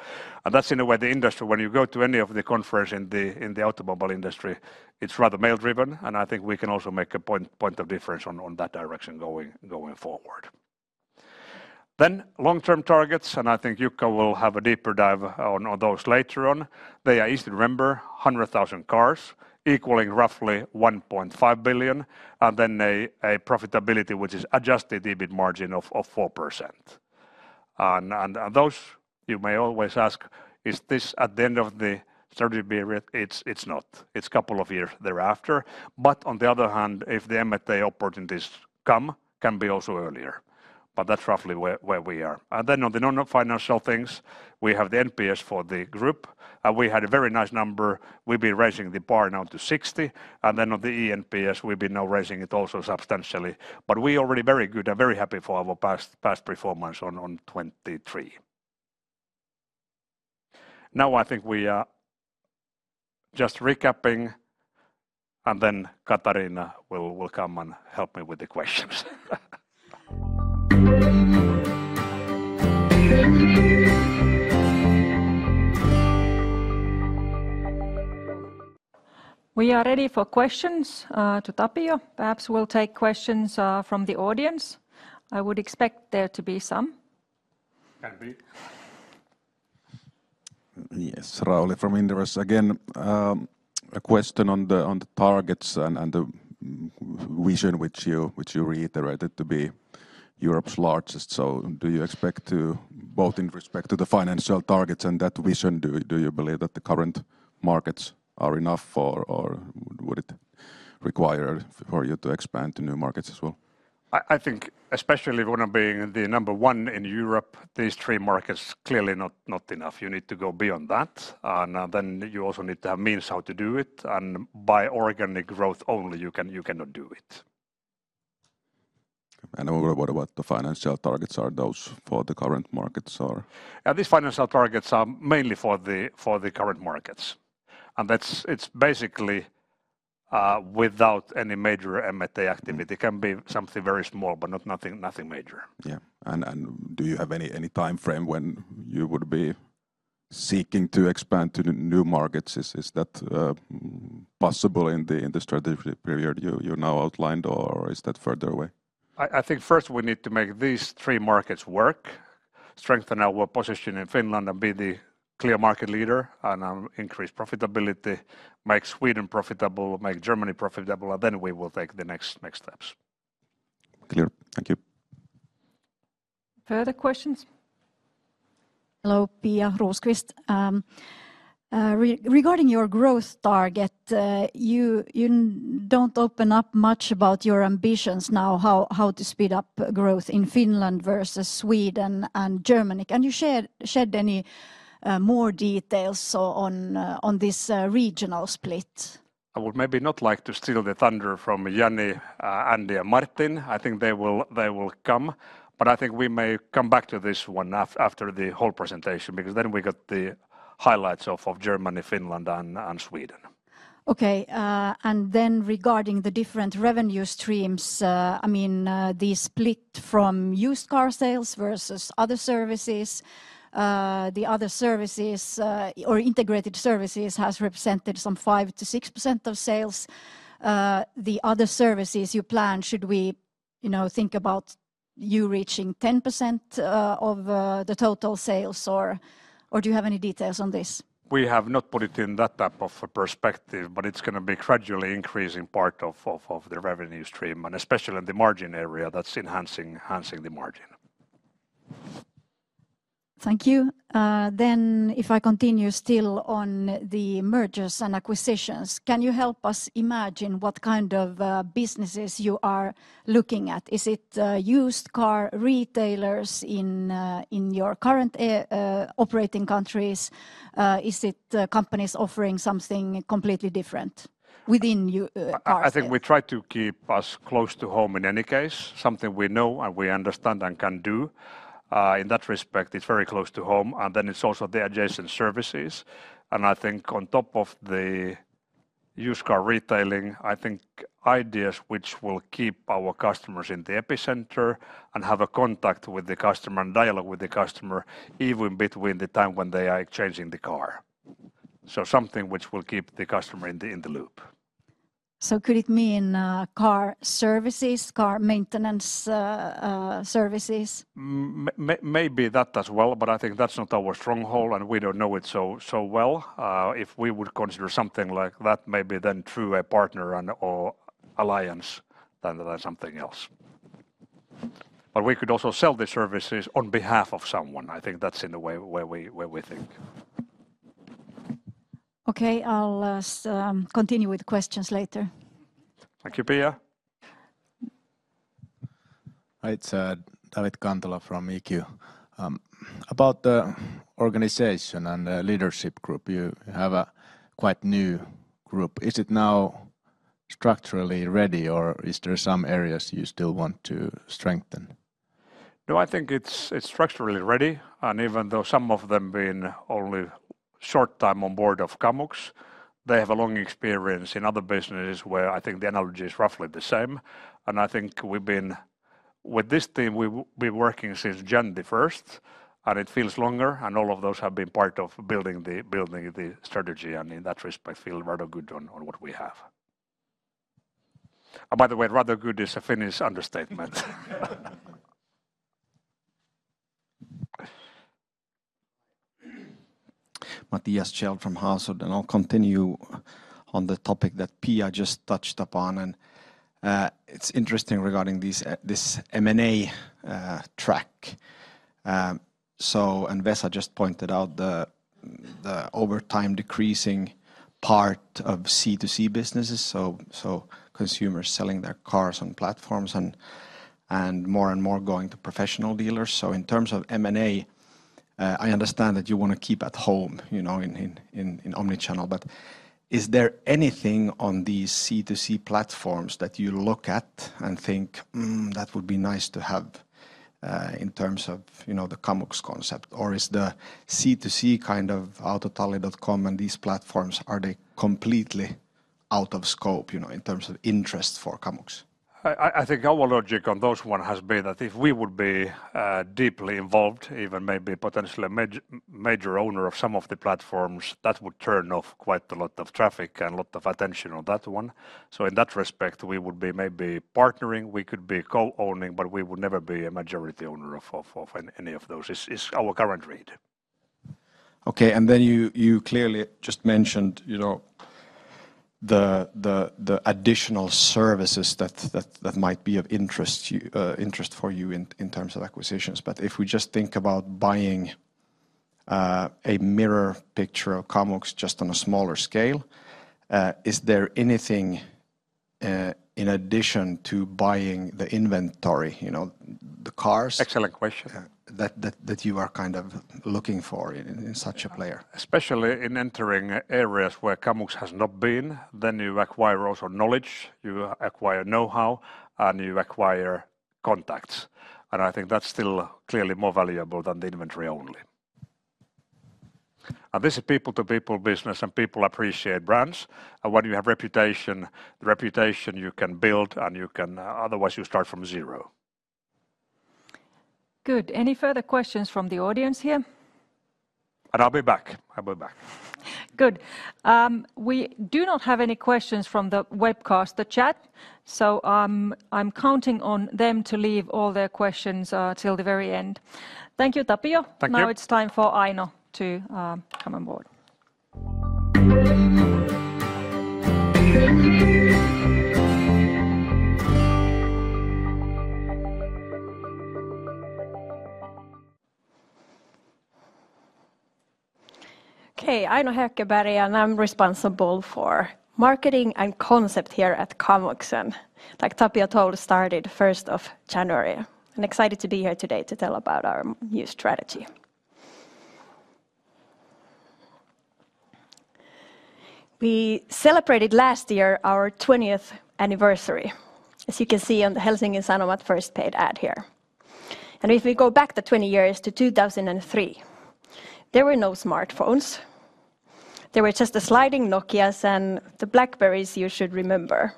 And that's in a way the industry, when you go to any of the conferences in the automobile industry, it's rather male-driven. I think we can also make a point of difference on that direction going forward. Then long-term targets. And I think Jukka will have a deeper dive on those later on. They are, easy to remember, 100,000 cars, equaling roughly 1.5 billion. And then a profitability, which is adjusted EBIT margin of 4%. And those, you may always ask, is this at the end of the strategy period? It's not. It's a couple of years thereafter. But on the other hand, if the M&A opportunities come, it can be also earlier. But that's roughly where we are. And then on the non-financial things, we have the NPS for the group. And we had a very nice number. We've been raising the bar now to 60. And then on the ENPS, we've been now raising it also substantially. But we're already very good and very happy for our past performance in 2023. Now I think we are just recapping and then Katariina will come and help me with the questions. We are ready for questions to Tapio. Perhaps we'll take questions from the audience. I would expect there to be some. Can be. Yes, Rauli from Inderes again. A question on the targets and the vision, which you reiterated to be Europe's largest. So do you expect to, both in respect to the financial targets and that vision, do you believe that the current markets are enough or would it require for you to expand to new markets as well? I think, especially when I'm being the number one in Europe, these three markets are clearly not enough. You need to go beyond that. And then you also need to have means how to do it. By organic growth only, you cannot do it. What about the financial targets? Are those for the current markets? These financial targets are mainly for the current markets. It's basically without any major M&A activity. It can be something very small, but not nothing major. Yeah. Do you have any time frame when you would be seeking to expand to new markets? Is that possible in the strategic period you now outlined or is that further away? I think first we need to make these three markets work, strengthen our position in Finland and be the clear market leader. Increase profitability, make Sweden profitable, make Germany profitable, and then we will take the next steps. C lear. Thank you. Further questions? Hello, Pia Rosqvist. Regarding your growth target, you don't open up much about your ambitions now, how to speed up growth in Finland versus Sweden and Germany. Can you shed any more details on this regional split? I would maybe not like to steal the thunder from Jani, Andy, and Martin. I think they will come. But I think we may come back to this one after the whole presentation, because then we got the highlights of Germany, Finland, and Sweden. Okay. And then regarding the different revenue streams, I mean, the split from used car sales versus other services. The other services or integrated services have represented some 5%-6% of sales. The other services you plan, should we think about you reaching 10% of the total sales? Or do you have any details on this? We have not put it in that type of perspective, but it's going to be gradually increasing part of the revenue stream. And especially in the margin area, that's enhancing the margin. Thank you. Then, if I continue still on the mergers and acquisitions, can you help us imagine what kind of businesses you are looking at? Is it used car retailers in your current operating countries? Is it companies offering something completely different within your parts? I think we try to keep us close to home in any case. Something we know and we understand and can do. In that respect, it's very close to home. And then it's also the adjacent services. And I think on top of the used car retailing, I think ideas which will keep our customers in the epicenter and have a contact with the customer and dialogue with the customer, even between the time when they are exchanging the car. So something which will keep the customer in the loop. So could it mean car services, car maintenance services? Maybe that as well, but I think that's not our stronghold and we don't know it so well. If we would consider something like that, maybe then through a partner or alliance than something else. But we could also sell the services on behalf of someone. I think that's in a way where we think. Okay. I'll continue with questions later. Thank you, Pia. Hi, it's David Kantola from eQ. About the organization and the leadership group, you have a quite new group. Is it now structurally ready or is there some areas you still want to strengthen? No, I think it's structurally ready. Even though some of them have been only a short time on board of Kamux, they have a long experience in other businesses where I think the analogy is roughly the same. And I think we've been, with this team, we've been working since January 1st. And it feels longer and all of those have been part of building the strategy. And in that respect, I feel rather good on what we have. And by the way, rather good is a Finnish understatement. from. I'll continue on the topic that Pia just touched upon. It's interesting regarding this M&A track. So, and Vesa just pointed out the over time decreasing part of C to C businesses. So consumers selling their cars on platforms and more and more going to professional dealers. So in terms of M&A, I understand that you want to keep at home, you know, in omnichannel. But is there anything on these C to C platforms that you look at and think, that would be nice to have in terms of the Kamux concept? Or is the C to C kind of AUTOTALLI.com and these platforms, are they completely out of scope in terms of interest for Kamux? I think our logic on those ones has been that if we would be deeply involved, even maybe potentially a major owner of some of the platforms, that would turn off quite a lot of traffic and a lot of attention on that one. So in that respect, we would be maybe partnering. We could be co-owning, but we would never be a majority owner of any of those. It's our current read. Okay. And then you clearly just mentioned the additional services that might be of interest for you in terms of acquisitions. But if we just think about buying a mirror picture of Kamux just on a smaller scale, is there anything in addition to buying the inventory, you know, the cars? Excellent question. That you are kind of looking for in such a player? Especially in entering areas where Kamux has not been, then you acquire also knowledge. You acquire know-how and you acquire contacts. And I think that's still clearly more valuable than the inventory only. And this is people-to-people business and people appreciate brands. And when you have reputation, the reputation you can build and you can, otherwise you start from zero. Good. Any further questions from the audience here? I'll be back. I'll be back. Good. We do not have any questions from the webcast, the chat. So I'm counting on them to leave all their questions till the very end. Thank you, Tapio. Now it's time for Aino to come on board. Okay. Aino Hökeberg and I'm responsible for marketing and concept here at Kamux. And like Tapio told, started first of January. And excited to be here today to tell about our new strategy. We celebrated last year our 20th anniversary, as you can see on the Helsingin Sanomat first paid ad here. And if we go back the 20 years to 2003, there were no smartphones. There were just the sliding Nokias and the BlackBerrys you should remember.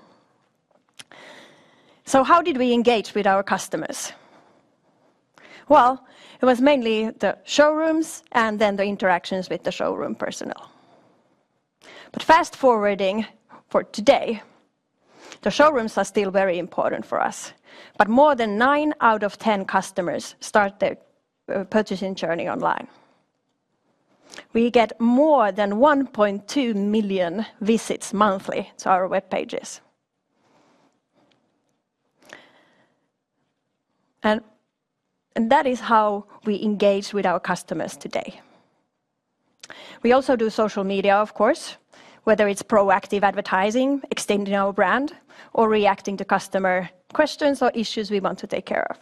So how did we engage with our customers? Well, it was mainly the showrooms and then the interactions with the showroom personnel. But fast forwarding for today, the showrooms are still very important for us. But more than nine out of ten customers start their purchasing journey online. We get more than 1.2 million visits monthly to our web pages. And that is how we engage with our customers today. We also do social media, of course, whether it's proactive advertising, extending our brand, or reacting to customer questions or issues we want to take care of.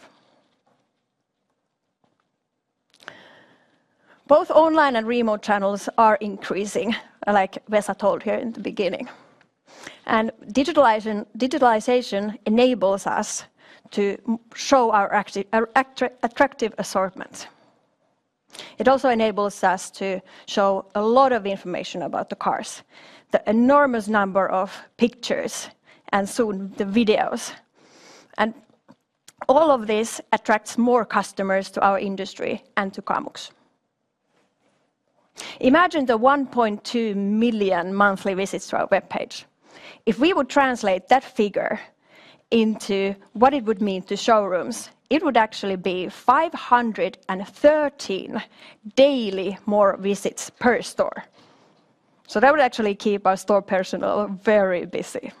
Both online and remote channels are increasing, like Vesa told here in the beginning. And digitalization enables us to show our attractive assortments. It also enables us to show a lot of information about the cars, the enormous number of pictures, and soon the videos. And all of this attracts more customers to our industry and to Kamux. Imagine the 1.2 million monthly visits to our web page. If we would translate that figure into what it would mean to showrooms, it would actually be 513 daily more visits per store. So that would actually keep our store personnel very busy.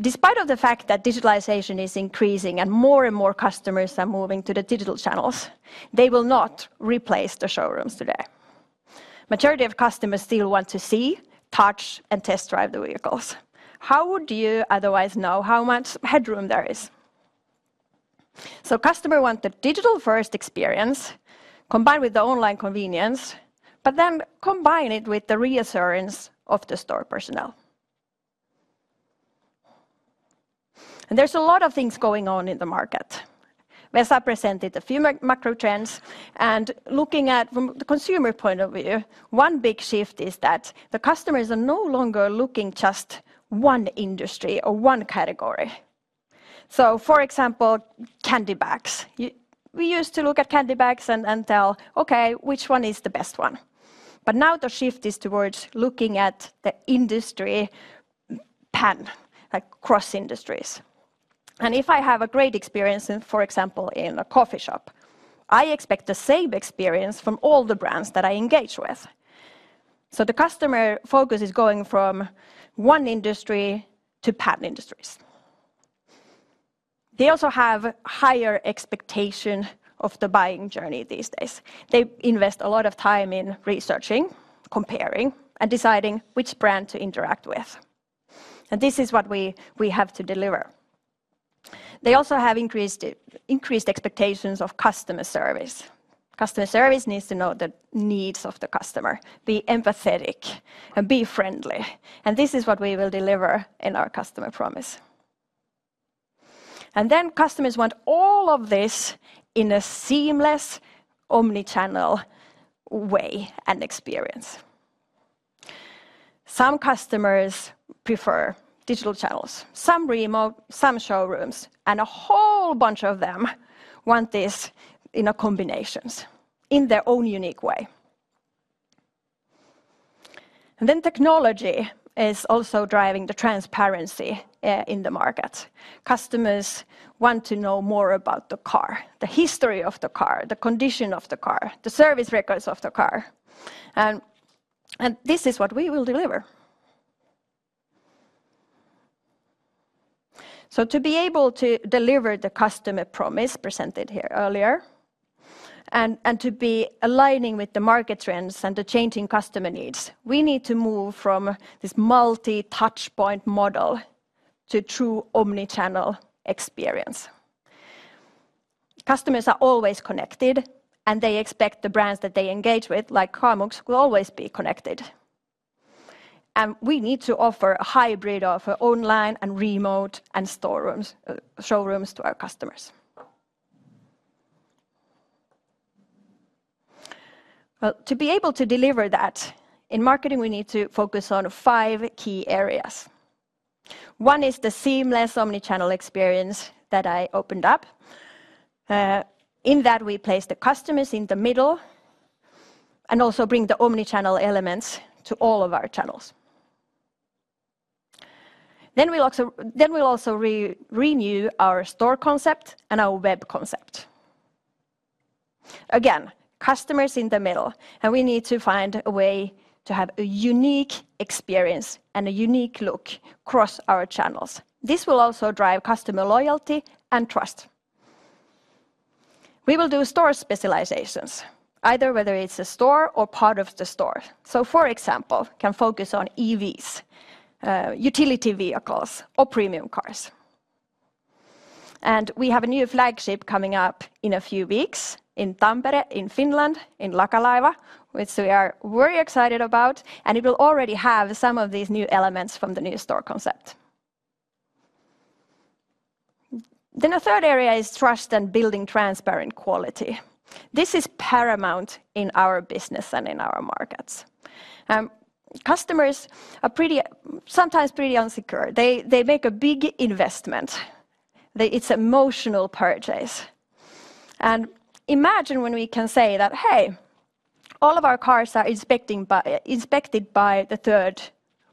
Despite the fact that digitalization is increasing and more and more customers are moving to the digital channels, they will not replace the showrooms today. The majority of customers still want to see, touch, and test drive the vehicles. How would you otherwise know how much headroom there is? So customers want the digital-first experience combined with the online convenience, but then combine it with the reassurance of the store personnel. And there's a lot of things going on in the market. Vesa presented a few macro trends. And looking at from the consumer point of view, one big shift is that the customers are no longer looking just one industry or one category. So, for example, candy bags. We used to look at candy bags and tell, okay, which one is the best one? But now the shift is towards looking at the industry pan, like cross industries. And if I have a great experience, for example, in a coffee shop, I expect the same experience from all the brands that I engage with. So the customer focus is going from one industry to pan industries. They also have higher expectations of the buying journey these days. They invest a lot of time in researching, comparing, and deciding which brand to interact with. And this is what we have to deliver. They also have increased expectations of customer service. Customer service needs to know the needs of the customer, be empathetic, and be friendly. This is what we will deliver in our customer promise. Customers want all of this in a seamless omnichannel way and experience. Some customers prefer digital channels, some remote, some showrooms. A whole bunch of them want this in combinations, in their own unique way. Technology is also driving the transparency in the market. Customers want to know more about the car, the history of the car, the condition of the car, the service records of the car. This is what we will deliver. To be able to deliver the customer promise presented here earlier, and to be aligning with the market trends and the changing customer needs, we need to move from this multi-touchpoint model to a true omnichannel experience. Customers are always connected and they expect the brands that they engage with, like Kamux, will always be connected. We need to offer a hybrid of online and remote and showrooms to our customers. Well, to be able to deliver that, in marketing we need to focus on five key areas. One is the seamless omnichannel experience that I opened up. In that, we place the customers in the middle and also bring the omnichannel elements to all of our channels. We'll also renew our store concept and our web concept. Again, customers in the middle. We need to find a way to have a unique experience and a unique look across our channels. This will also drive customer loyalty and trust. We will do store specializations, either whether it's a store or part of the store. So, for example, we can focus on EVs, utility vehicles, or premium cars. We have a new flagship coming up in a few weeks in Tampere, in Finland, in Lakalaiva, which we are very excited about. It will already have some of these new elements from the new store concept. A third area is trust and building transparent quality. This is paramount in our business and in our markets. Customers are sometimes pretty insecure. They make a big investment. It's an emotional purchase. Imagine when we can say that, hey, all of our cars are inspected by the third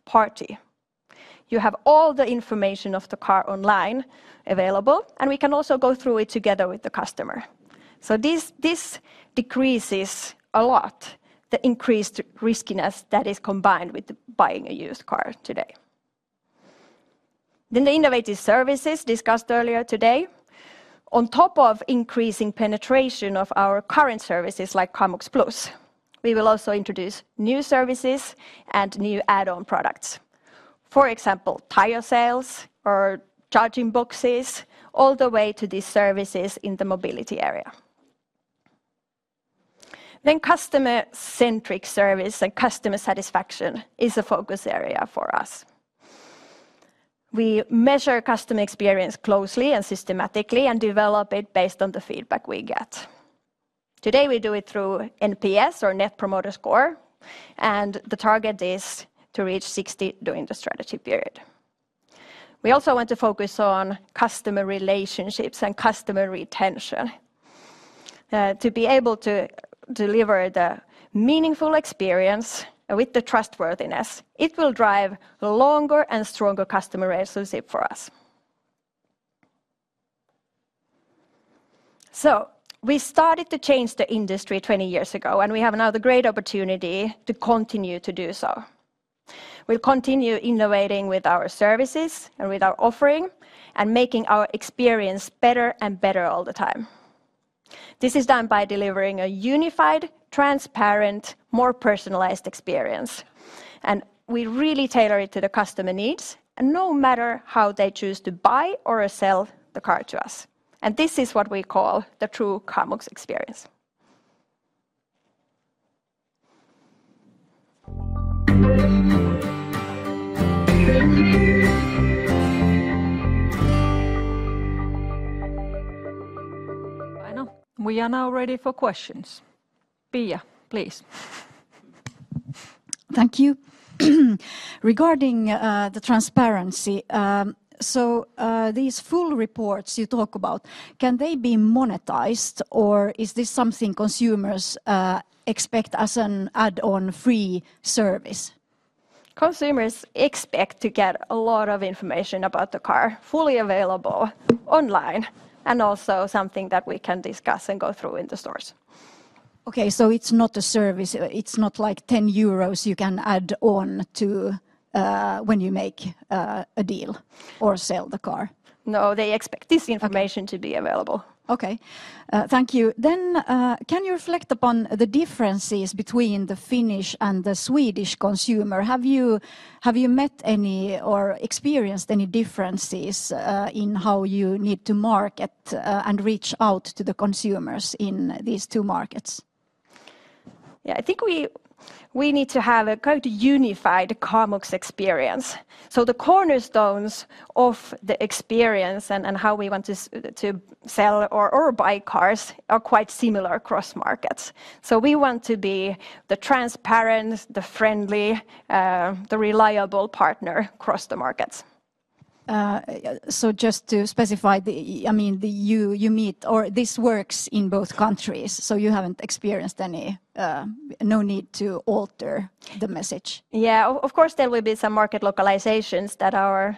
party. You have all the information of the car online available and we can also go through it together with the customer. So this decreases a lot the increased riskiness that is combined with buying a used car today. The innovative services discussed earlier today. On top of increasing penetration of our current services like Kamux Plus, we will also introduce new services and new add-on products. For example, tire sales or charging boxes, all the way to these services in the mobility area. Customer-centric service and customer satisfaction is a focus area for us. We measure customer experience closely and systematically and develop it based on the feedback we get. Today we do it through NPS or Net Promoter Score. The target is to reach 60 during the strategy period. We also want to focus on customer relationships and customer retention. To be able to deliver the meaningful experience with the trustworthiness, it will drive a longer and stronger customer relationship for us. We started to change the industry 20 years ago and we have now the great opportunity to continue to do so. We'll continue innovating with our services and with our offering and making our experience better and better all the time. This is done by delivering a unified, transparent, more personalized experience. We really tailor it to the customer needs and no matter how they choose to buy or sell the car to us. This is what we call the true Kamux experience. Aino, we are now ready for questions. Pia, please. Thank you. Regarding the transparency, so these full reports you talk about, can they be monetized or is this something consumers expect as an add-on free service? Consumers expect to get a lot of information about the car fully available online and also something that we can discuss and go through in the stores. Okay. So it's not a service. It's not like 10 euros you can add on to when you make a deal or sell the car. No, they expect this information to be available. Okay. Thank you. Then can you reflect upon the differences between the Finnish and the Swedish consumer? Have you met any or experienced any differences in how you need to market and reach out to the consumers in these two markets? Yeah, I think we need to have a quite unified Kamux experience. So the cornerstones of the experience and how we want to sell or buy cars are quite similar across markets. So we want to be the transparent, the friendly, the reliable partner across the markets. So just to specify, I mean, you meet or this works in both countries. So you haven't experienced any no need to alter the message. Yeah, of course there will be some market localizations that our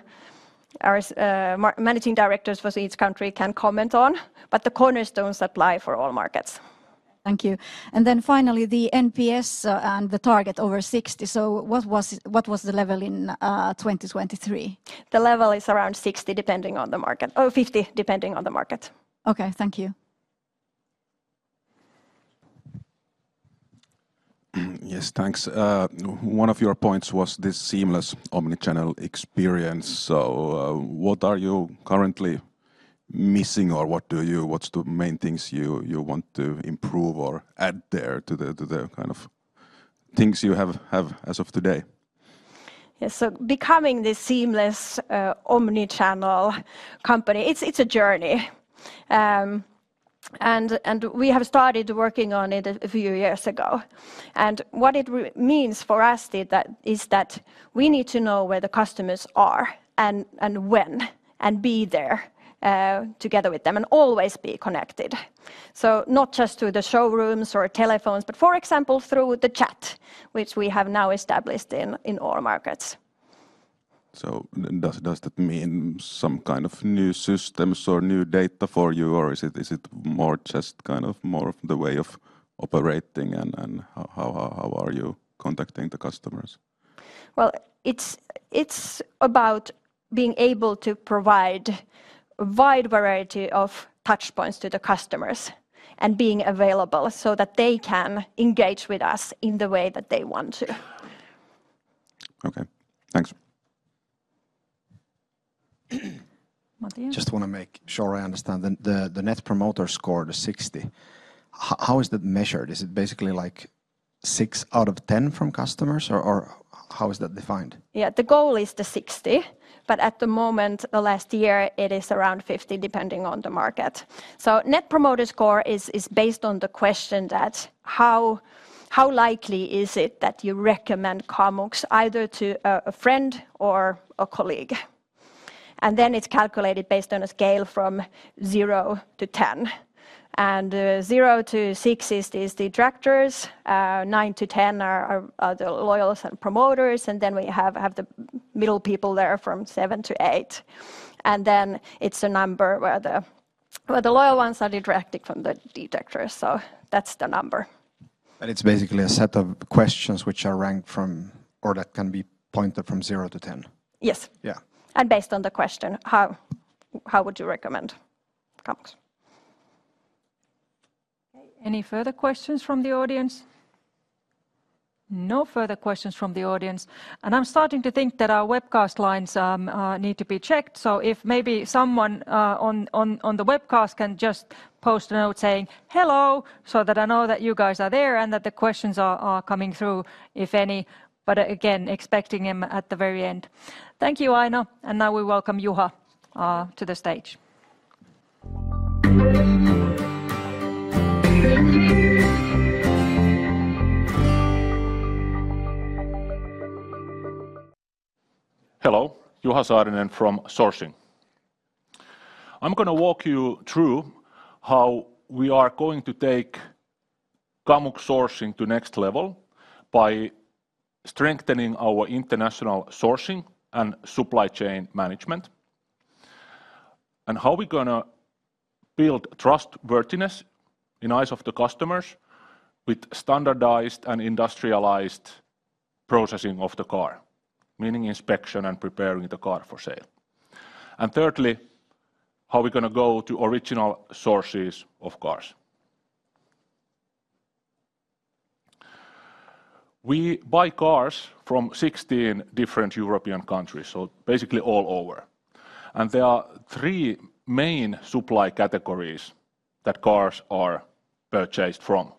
managing directors for each country can comment on. But the cornerstones apply for all markets. Thank you. And then finally the NPS and the target over 60. So what was the level in 2023? The level is around 60 depending on the market, or 50 depending on the market. Okay. Thank you. Yes, thanks. One of your points was this seamless omnichannel experience. So what are you currently missing or what do you what's the main things you want to improve or add there to the kind of things you have as of today? Yes, so becoming this seamless omnichannel company, it's a journey. And we have started working on it a few years ago. What it means for us is that we need to know where the customers are and when and be there together with them and always be connected. So not just through the showrooms or telephones, but for example, through the chat, which we have now established in all markets. So does that mean some kind of new systems or new data for you or is it more just kind of more of the way of operating and how are you contacting the customers? Well, it's about being able to provide a wide variety of touchpoints to the customers and being available so that they can engage with us in the way that they want to. Okay. Thanks. Mattias? Just want to make sure I understand. The Net Promoter Score, the 60, how is that measured? Is it basically like 6 out of 10 from customers or how is that defined? Yeah, the goal is the 60. But at the moment, the last year it is around 50 depending on the market. So Net Promoter Score is based on the question that how likely is it that you recommend Kamux either to a friend or a colleague? And then it is calculated based on a scale from 0 to 10. And 0 to 6 is the detractors, 9 to 10 are the loyals and promoters, and then we have the middle people there from 7 to 8. And then it is a number where the loyal ones are subtracted from the detractors. So that is the number. And it is basically a set of questions which are ranked from or that can be pointed from 0 to 10? Yes. Yeah. And based on the question, how would you recommend Kamux? Okay. Any further questions from the audience? No further questions from the audience. And I'm starting to think that our webcast lines need to be checked. So if maybe someone on the webcast can just post a note saying, "Hello," so that I know that you guys are there and that the questions are coming through, if any. But again, expecting them at the very end. Thank you, Aino. And now we welcome Juha to the stage. Hello, Juha Saarinen from Sourcing. I'm going to walk you through how we are going to take Kamux sourcing to the next level by strengthening our international sourcing and supply chain management. And how we're going to build trustworthiness in the eyes of the customers with standardized and industrialized processing of the car, meaning inspection and preparing the car for sale. And thirdly, how we're going to go to original sources of cars. We buy cars from 16 different European countries, so basically all over. There are three main supply categories that cars are purchased from: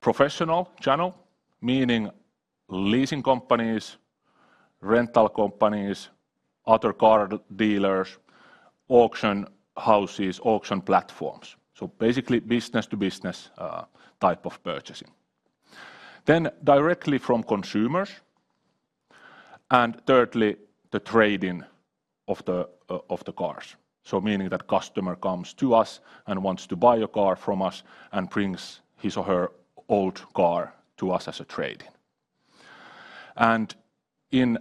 professional channel, meaning leasing companies, rental companies, other car dealers, auction houses, auction platforms. So basically business-to-business type of purchasing. Then directly from consumers. Thirdly, the trading of the cars. So meaning that the customer comes to us and wants to buy a car from us and brings his or her old car to us as a trading. In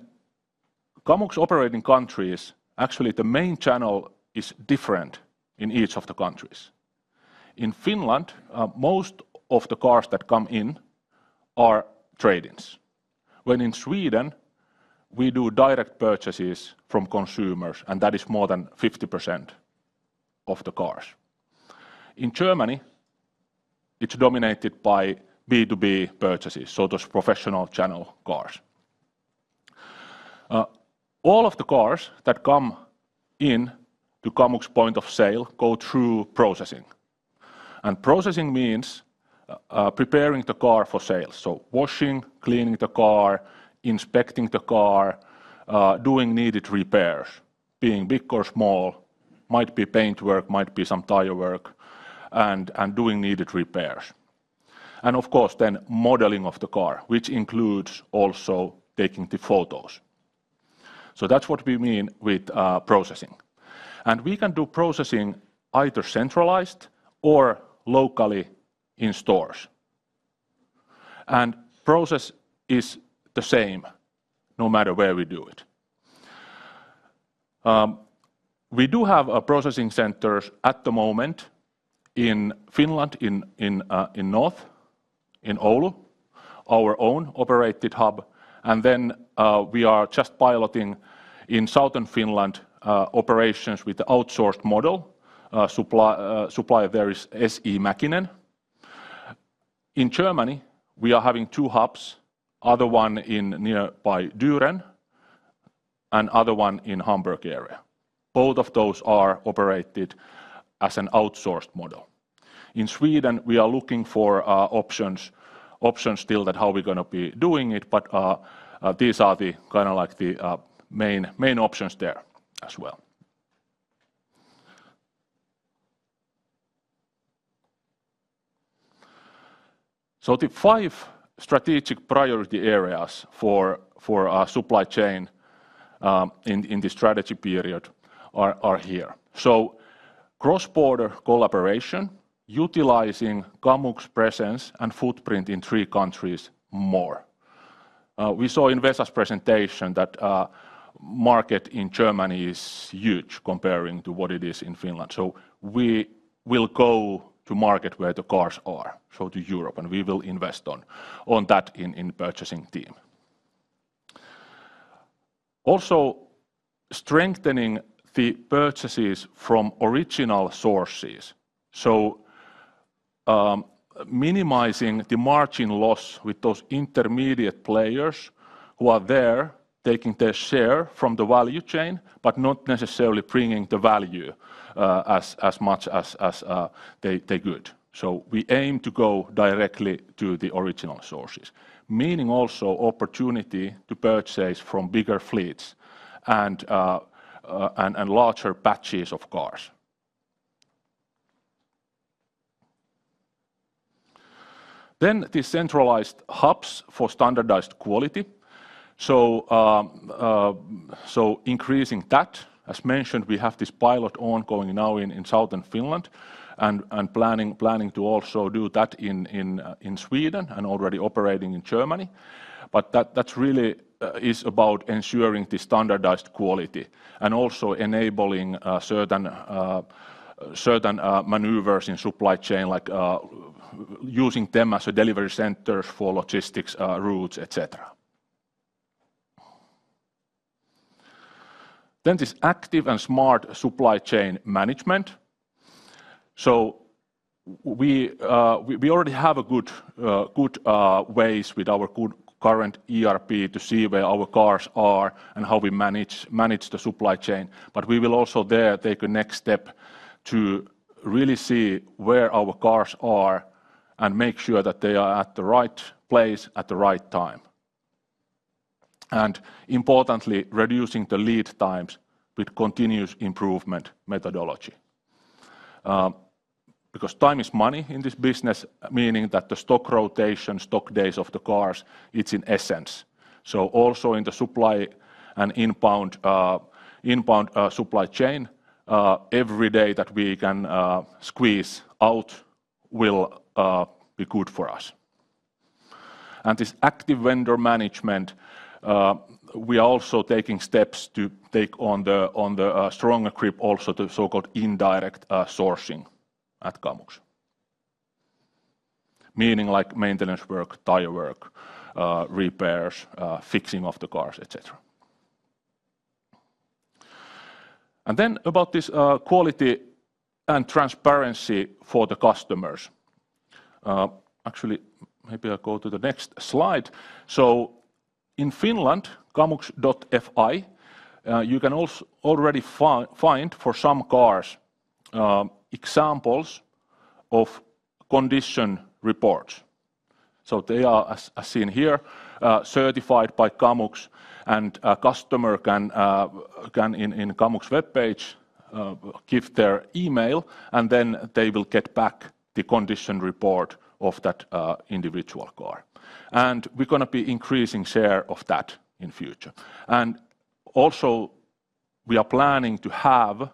Kamux operating countries, actually the main channel is different in each of the countries. In Finland, most of the cars that come in are tradings. When in Sweden, we do direct purchases from consumers and that is more than 50% of the cars. In Germany, it's dominated by B2B purchases, so those professional channel cars. All of the cars that come into Kamux point of sale go through processing. Processing means preparing the car for sale. So washing, cleaning the car, inspecting the car, doing needed repairs, being big or small, might be paintwork, might be some tire work, and doing needed repairs. Of course then modeling of the car, which includes also taking the photos. So that's what we mean with processing. We can do processing either centralized or locally in stores. Process is the same no matter where we do it. We do have processing centers at the moment in Finland, in north, in Oulu, our own operated hub. Then we are just piloting in southern Finland operations with the outsourced model, supplier there is SE-Mäkinen. In Germany, we are having two hubs, the other one nearby Düren and the other one in the Hamburg area. Both of those are operated as an outsourced model. In Sweden, we are looking for options still that how we're going to be doing it. But these are the kind of like the main options there as well. So the five strategic priority areas for our supply chain in this strategy period are here. So cross-border collaboration utilizing Kamux presence and footprint in three countries more. We saw in Vesa's presentation that the market in Germany is huge comparing to what it is in Finland. So we will go to the market where the cars are, so to Europe. And we will invest on that in the purchasing team. Also strengthening the purchases from original sources. So minimizing the margin loss with those intermediate players who are there taking their share from the value chain, but not necessarily bringing the value as much as they could. So we aim to go directly to the original sources. Meaning also opportunity to purchase from bigger fleets and larger batches of cars. Then the centralized hubs for standardized quality. So increasing that. As mentioned, we have this pilot ongoing now in southern Finland and planning to also do that in Sweden and already operating in Germany. But that really is about ensuring the standardized quality and also enabling certain maneuvers in supply chain like using them as a delivery center for logistics, routes, etc. Then this active and smart supply chain management. So we already have good ways with our current ERP to see where our cars are and how we manage the supply chain. But we will also there take a next step to really see where our cars are and make sure that they are at the right place at the right time. And, importantly, reducing the lead times with continuous improvement methodology. Because time is money in this business, meaning that the stock rotation, stock days of the cars, it's in essence. So also in the supply and inbound supply chain, every day that we can squeeze out will be good for us. And this active vendor management, we are also taking steps to take on the stronger grip also to so-called indirect sourcing at Kamux. Meaning like maintenance work, tire work, repairs, fixing of the cars, etc. And then about this quality and transparency for the customers. Actually, maybe I go to the next slide. So in Finland, Kamux.fi, you can already find for some cars examples of condition reports. So they are, as seen here, certified by Kamux. A customer can in Kamux webpage give their email and then they will get back the condition report of that individual car. We're going to be increasing the share of that in the future. Also we are planning to have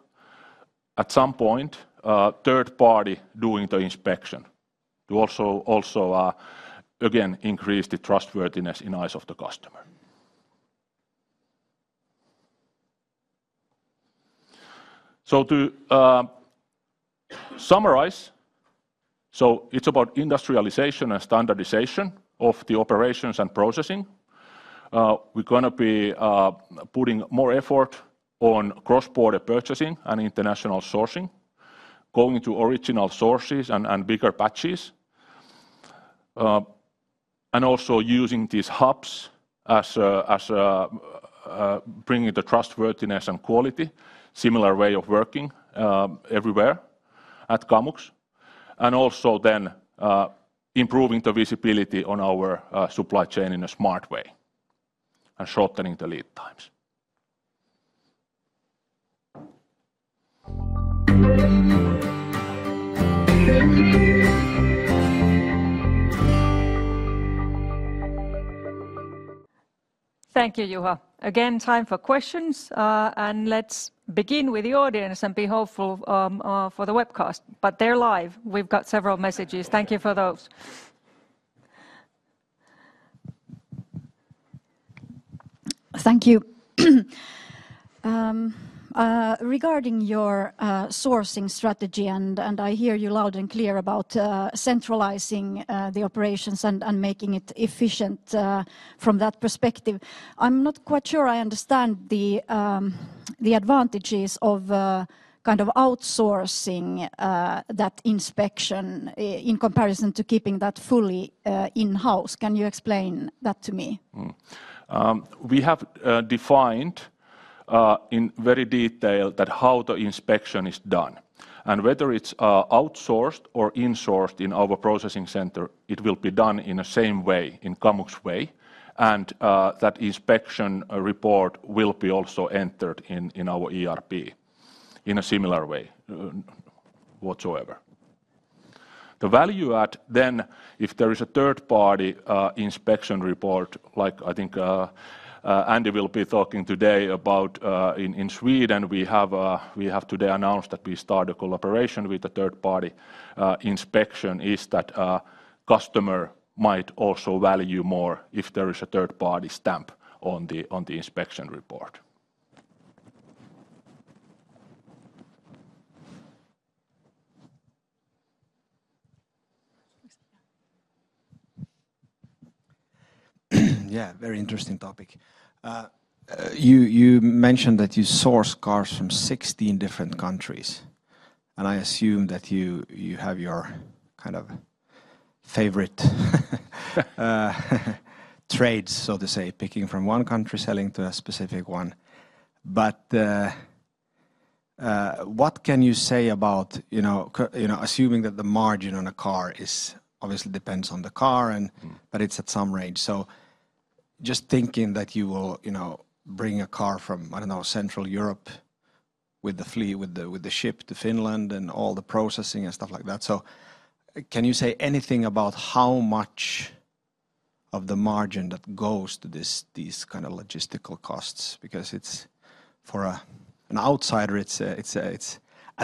at some point a third party doing the inspection to also, again, increase the trustworthiness in the eyes of the customer. So to summarize, so it's about industrialization and standardization of the operations and processing. We're going to be putting more effort on cross-border purchasing and international sourcing, going to original sources and bigger batches. Also using these hubs as bringing the trustworthiness and quality, similar way of working everywhere at Kamux. Also then improving the visibility on our supply chain in a smart way and shortening the lead times. Thank you, Juha. Again, time for questions. Let's begin with the audience and be hopeful for the webcast. They're live. We've got several messages. Thank you for those. Thank you. Regarding your sourcing strategy, I hear you loud and clear about centralizing the operations and making it efficient from that perspective. I'm not quite sure I understand the advantages of kind of outsourcing that inspection in comparison to keeping that fully in-house. Can you explain that to me? We have defined in very detail how the inspection is done. Whether it's outsourced or insourced in our processing center, it will be done in the same way, in Kamux way. That inspection report will be also entered in our ERP in a similar way whatsoever. The value add then, if there is a third party inspection report, like I think Andy will be talking today about, in Sweden we have today announced that we started a collaboration with a third party inspection, is that a customer might also value more if there is a third party stamp on the inspection report. Yeah, very interesting topic. You mentioned that you source cars from 16 different countries. I assume that you have your kind of favorite trades, so to say, picking from one country, selling to a specific one. What can you say about, you know, assuming that the margin on a car obviously depends on the car, but it's at some range. Just thinking that you will bring a car from, I don't know, Central Europe with the ship to Finland and all the processing and stuff like that. So can you say anything about how much of the margin that goes to these kind of logistical costs? Because for an outsider, at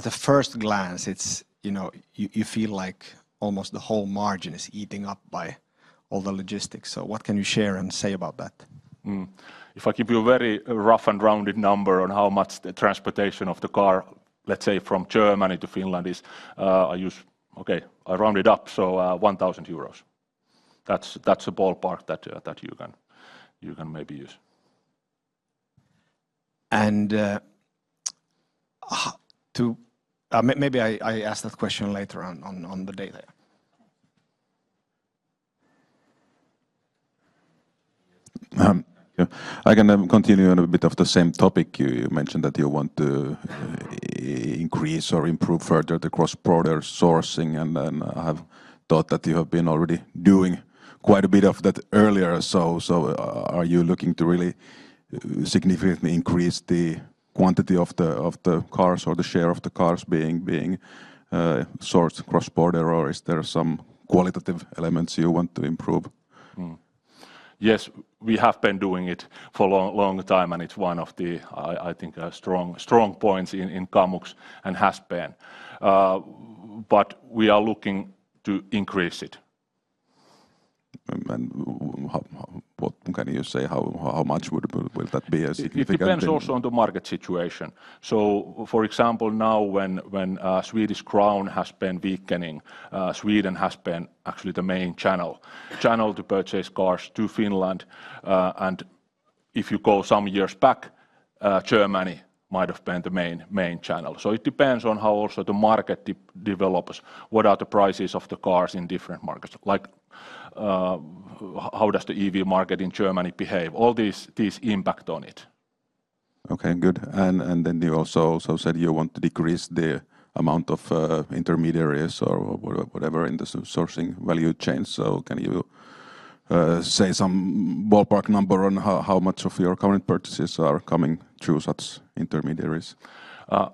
the first glance, you feel like almost the whole margin is eating up by all the logistics. So what can you share and say about that? If I give you a very rough and rounded number on how much the transportation of the car, let's say, from Germany to Finland is, I use, okay, I round it up, so 1,000 euros. That's a ballpark that you can maybe use. And maybe I ask that question later on the data. I can continue on a bit of the same topic. You mentioned that you want to increase or improve further the cross-border sourcing. And then I have thought that you have been already doing quite a bit of that earlier. So are you looking to really significantly increase the quantity of the cars or the share of the cars being sourced cross-border? Or is there some qualitative elements you want to improve? Yes, we have been doing it for a long time. And it's one of the, I think, strong points in Kamux and has been. But we are looking to increase it. And what can you say? How much will that be? It depends also on the market situation. So for example, now when the Swedish krona has been weakening, Sweden has been actually the main channel to purchase cars to Finland. And if you go some years back, Germany might have been the main channel. So it depends on how also the market develops, what are the prices of the cars in different markets. Like how does the EV market in Germany behave? All these impact on it. Okay, good. And then you also said you want to decrease the amount of intermediaries or whatever in the sourcing value chain. So can you say some ballpark number on how much of your current purchases are coming through such intermediaries?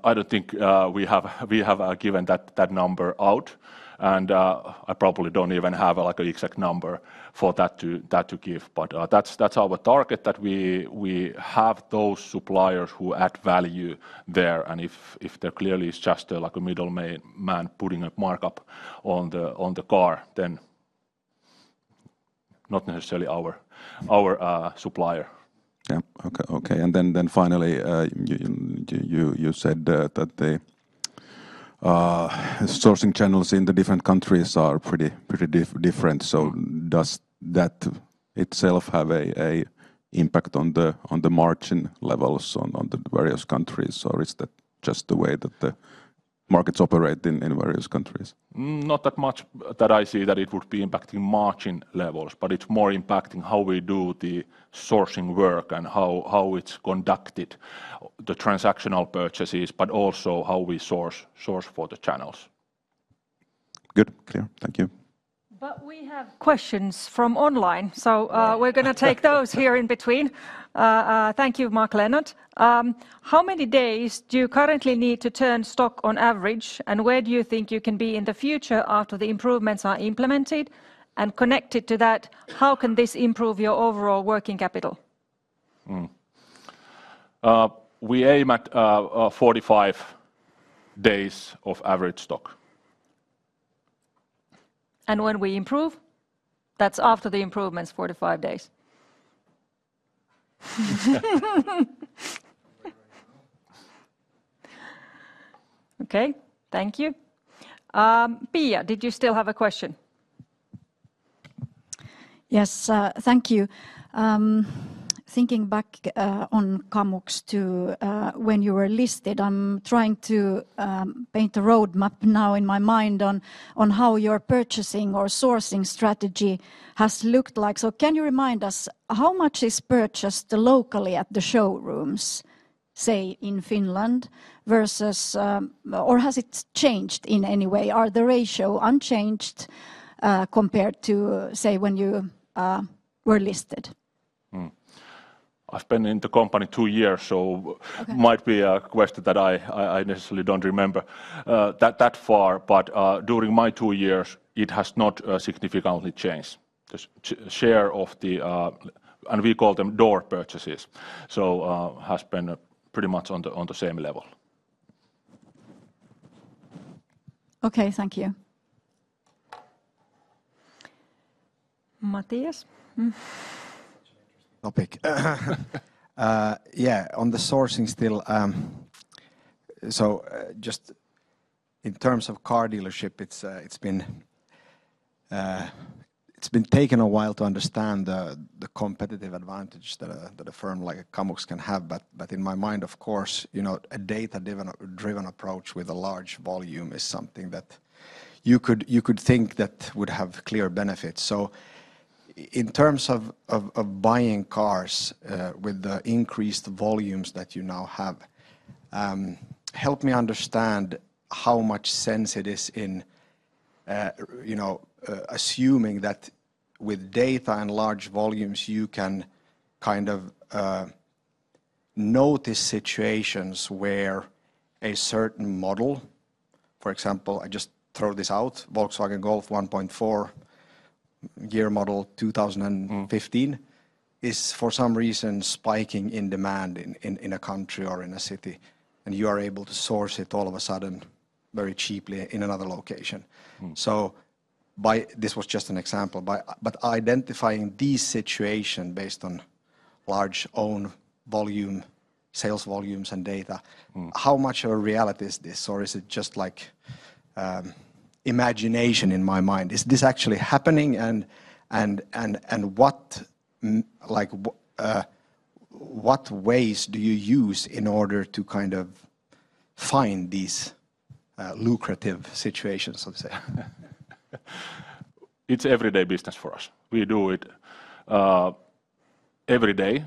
I don't think we have given that number out. And I probably don't even have an exact number for that to give. But that's our target, that we have those suppliers who add value there. And if there clearly is just a middleman putting a markup on the car, then not necessarily our supplier. Yeah, okay. And then finally, you said that the sourcing channels in the different countries are pretty different. So does that itself have an impact on the margin levels on the various countries? Or is that just the way that the markets operate in various countries? Not that much that I see that it would be impacting margin levels. But it's more impacting how we do the sourcing work and how it's conducted, the transactional purchases, but also how we source for the channels. Good, clear. Thank you. But we have questions from online. So we're going to take those here in between. Thank you, Mark Lehtonen. How many days do you currently need to turn stock on average? And where do you think you can be in the future after the improvements are implemented? And connected to that, how can this improve your overall working capital? We aim at 45 days of average stock. And when we improve? That's after the improvements, 45 days. Okay, thank you. Pia, did you still have a question? Yes, thank you. Thinking back on Kamux to when you were listed, I'm trying to paint a roadmap now in my mind on how your purchasing or sourcing strategy has looked like. So can you remind us how much is purchased locally at the showrooms, say in Finland, versus or has it changed in any way? Are the ratio unchanged compared to, say, when you were listed? I've been in the company two years, so it might be a question that I necessarily don't remember that far. But during my two years, it has not significantly changed. The share of the, and we call them door purchases, so it has been pretty much on the same level. Okay, thank you. Mattias? Interesting topic. Yeah, on the sourcing still. So just in terms of car dealership, it's been taken a while to understand the competitive advantage that a firm like Kamux can have. But in my mind, of course, a data-driven approach with a large volume is something that you could think that would have clear benefits. So in terms of buying cars with the increased volumes that you now have, help me understand how much sense it is in assuming that with data and large volumes, you can kind of notice situations where a certain model, for example, I just throw this out, Volkswagen Golf 1.4, year model 2015, is for some reason spiking in demand in a country or in a city. And you are able to source it all of a sudden very cheaply in another location. So this was just an example. But identifying these situations based on large own volume, sales volumes, and data, how much of a reality is this? Or is it just like imagination in my mind? Is this actually happening? And what ways do you use in order to kind of find these lucrative situations, so to say? It's everyday business for us. We do it every day,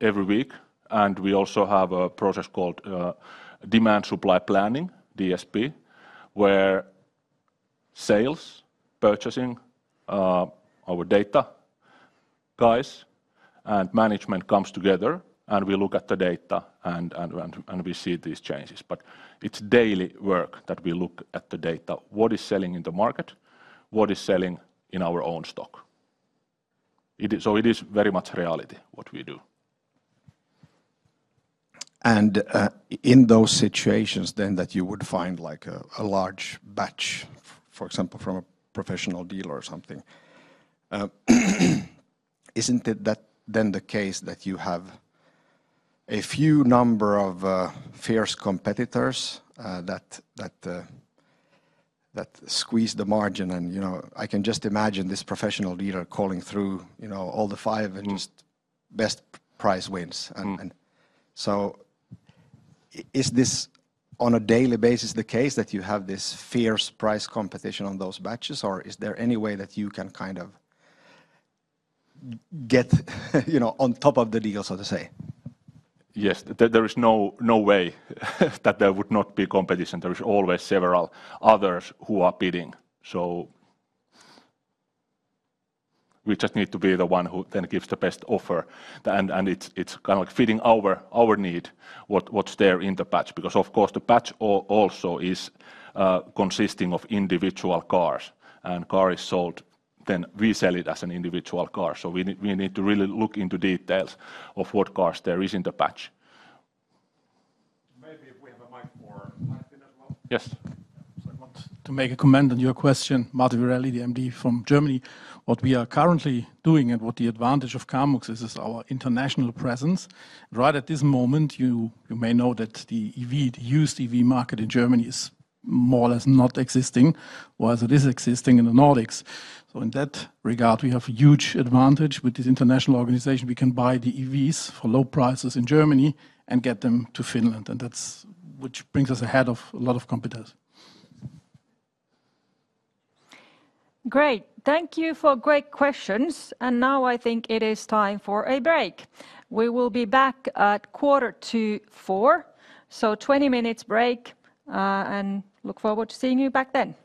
every week. And we also have a process called demand supply planning, DSP, where sales, purchasing, our data guys, and management come together. And we look at the data and we see these changes. But it's daily work that we look at the data. What is selling in the market? What is selling in our own stock? So it is very much reality what we do. And in those situations then that you would find like a large batch, for example, from a professional dealer or something, isn't it then the case that you have a few number of fierce competitors that squeeze the margin? I can just imagine this professional dealer calling through all the 5 and just best price wins. So is this on a daily basis the case that you have this fierce price competition on those batches? Or is there any way that you can kind of get on top of the deal, so to say? Yes, there is no way that there would not be competition. There is always several others who are bidding. So we just need to be the one who then gives the best offer. And it's kind of like fitting our need, what's there in the batch. Because of course, the batch also is consisting of individual cars. And car is sold, then we sell it as an individual car. So we need to really look into details of what cars there are in the batch. Maybe if we have a mic for Martin as well. Yes. So I want to make a comment on your question, Martin Verrelli, the MD from Germany. What we are currently doing and what the advantage of Kamux is, is our international presence. Right at this moment, you may know that the used EV market in Germany is more or less not existing, whereas it is existing in the Nordics. So in that regard, we have a huge advantage with this international organization. We can buy the EVs for low prices in Germany and get them to Finland. And that's what brings us ahead of a lot of competitors. Great. Thank you for great questions. And now I think it is time for a break. We will be back at 3:45 P.M. So 20-minute break. And look forward to seeing you back then.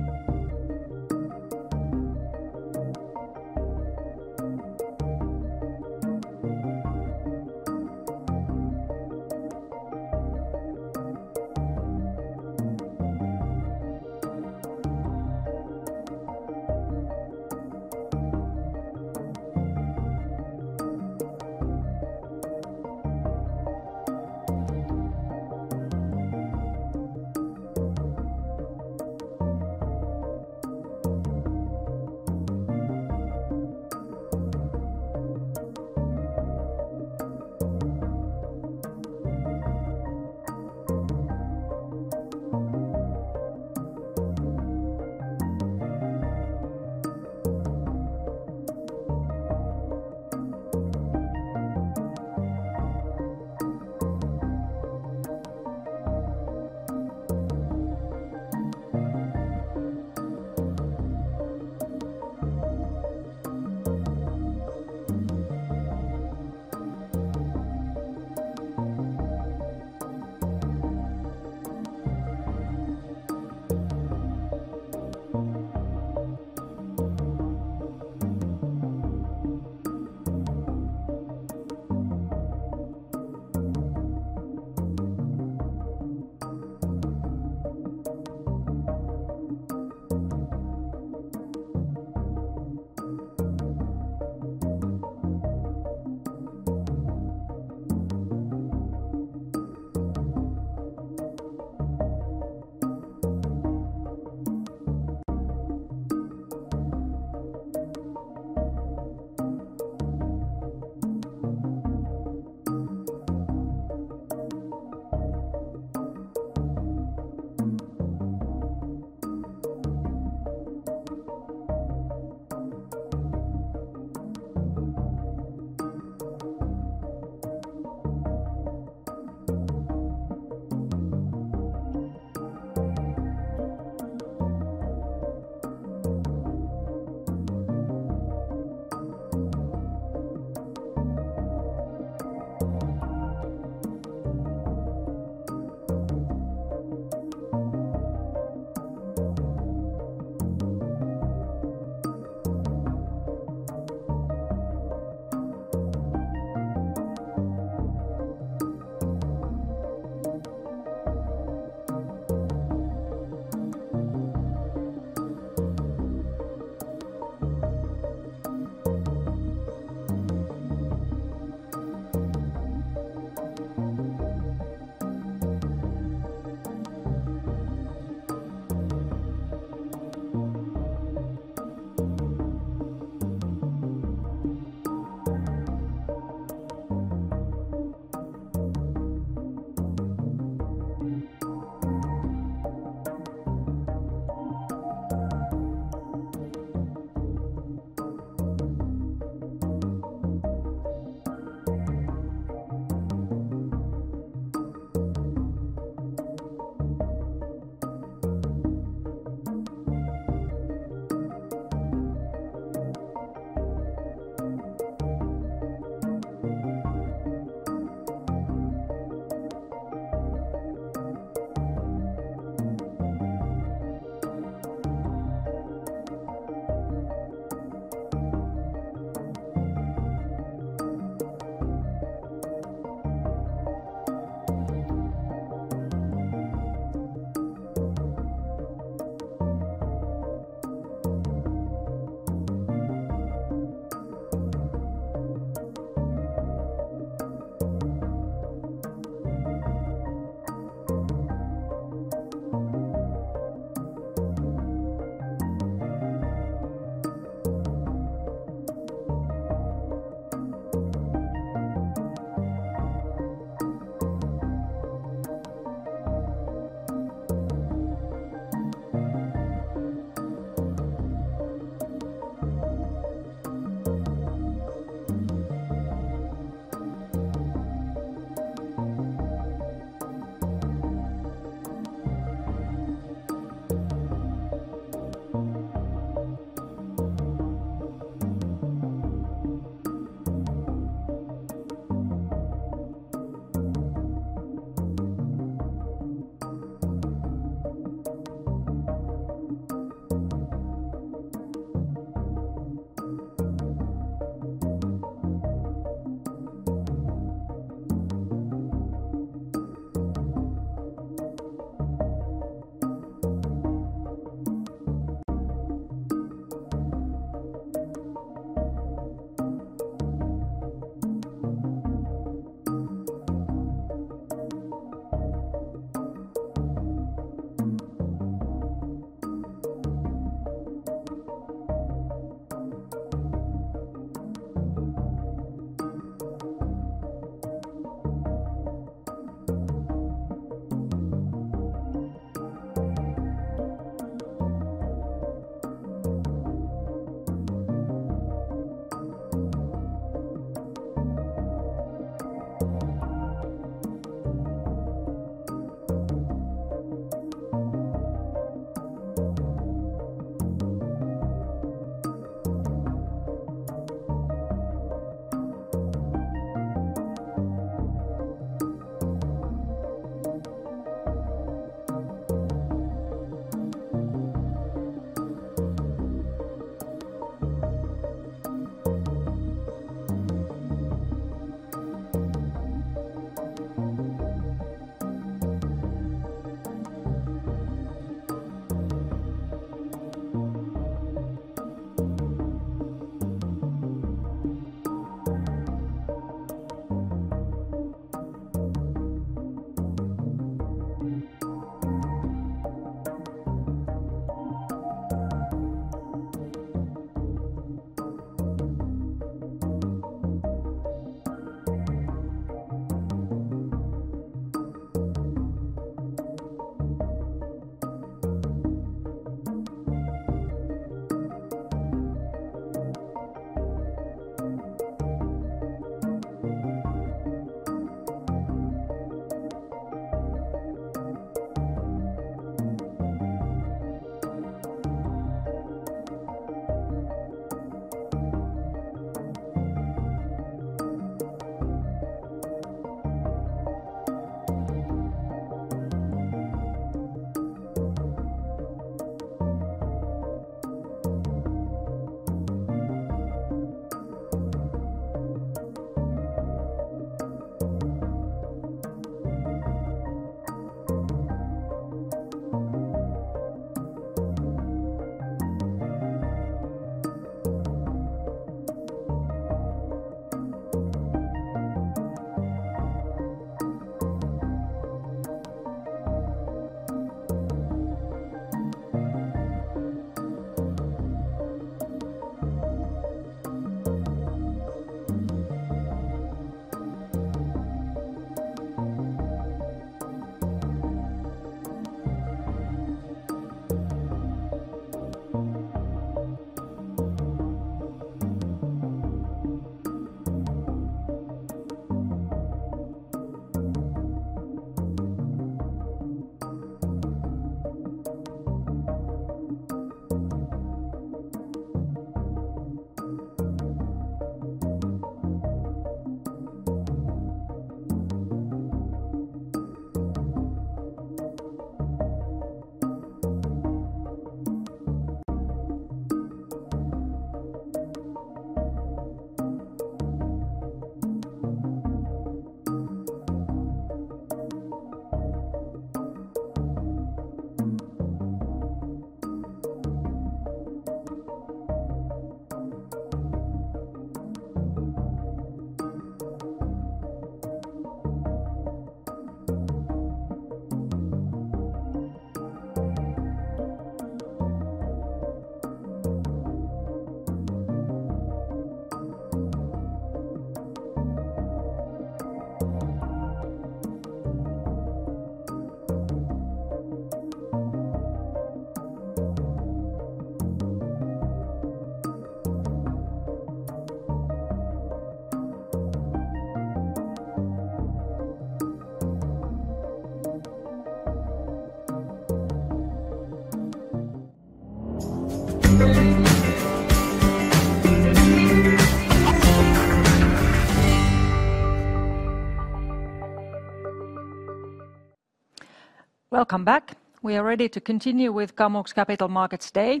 Welcome back. We are ready to continue with Kamux Capital Markets Day.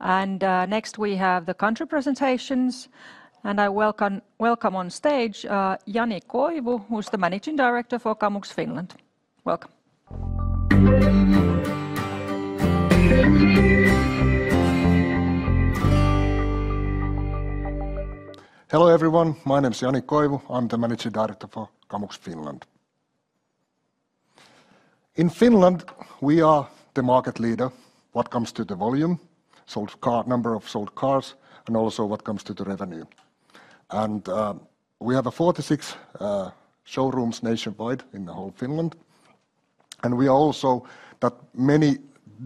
Next we have the country presentations. I welcome on stage Jani Koivu, who's the Managing Director for Kamux Finland. Welcome. Hello everyone. My name is Jani Koivu. I'm the Managing Director for Kamux Finland. In Finland, we are the market leader what comes to the volume, number of sold cars, and also what comes to the revenue. We have 46 showrooms nationwide in the whole Finland. We are also, that many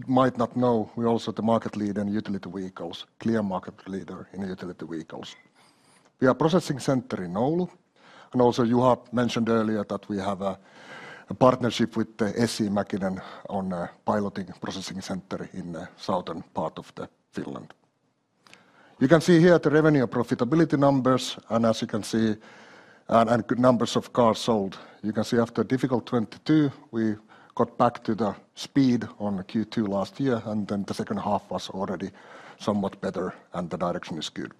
might not know, we are also the market leader in utility vehicles, clear market leader in utility vehicles. We are a processing center in Oulu. Also Juha mentioned earlier that we have a partnership with the SE-Mäkinen on piloting processing center in the southern part of Finland. You can see here the revenue and profitability numbers. As you can see in the numbers of cars sold, you can see after a difficult 2022, we got back to the speed on Q2 last year. Then the second half was already somewhat better. The direction is good.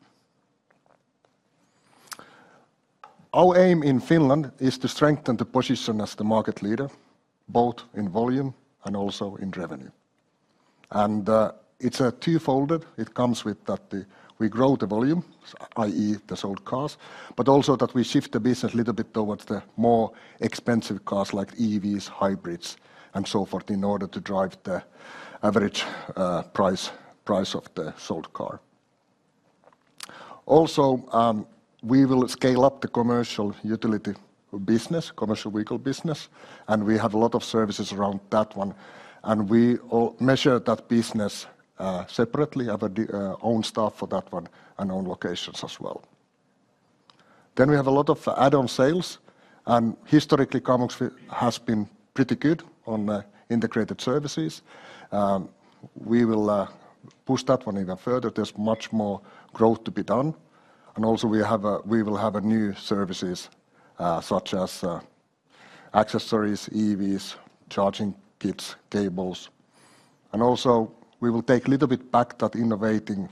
Our aim in Finland is to strengthen the position as the market leader, both in volume and also in revenue. It's twofold. It comes with that we grow the volume, i.e., the sold cars. But also that we shift the business a little bit towards the more expensive cars like EVs, hybrids, and so forth in order to drive the average price of the sold car. Also, we will scale up the commercial utility business, commercial vehicle business. We have a lot of services around that one. We measure that business separately, have our own staff for that one and own locations as well. Then we have a lot of add-on sales. And historically, Kamux has been pretty good on integrated services. We will push that one even further. There's much more growth to be done. And also we will have new services such as accessories, EVs, charging kits, cables. And also we will take a little bit back that innovating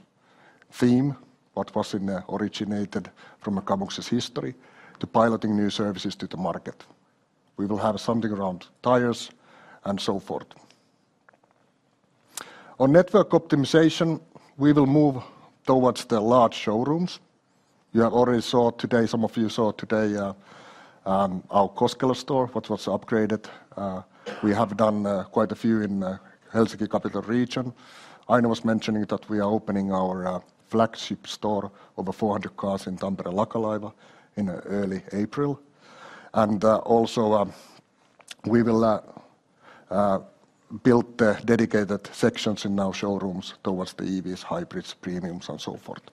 theme what was originated from Kamux's history to piloting new services to the market. We will have something around tires and so forth. On network optimization, we will move towards the large showrooms. You have already saw today, some of you saw today our Koskela store what was upgraded. We have done quite a few in the Helsinki capital region. Aino was mentioning that we are opening our flagship store over 400 cars in Tampere Lakalaiva in early April. And also we will build the dedicated sections in our showrooms towards the EVs, hybrids, premiums, and so forth.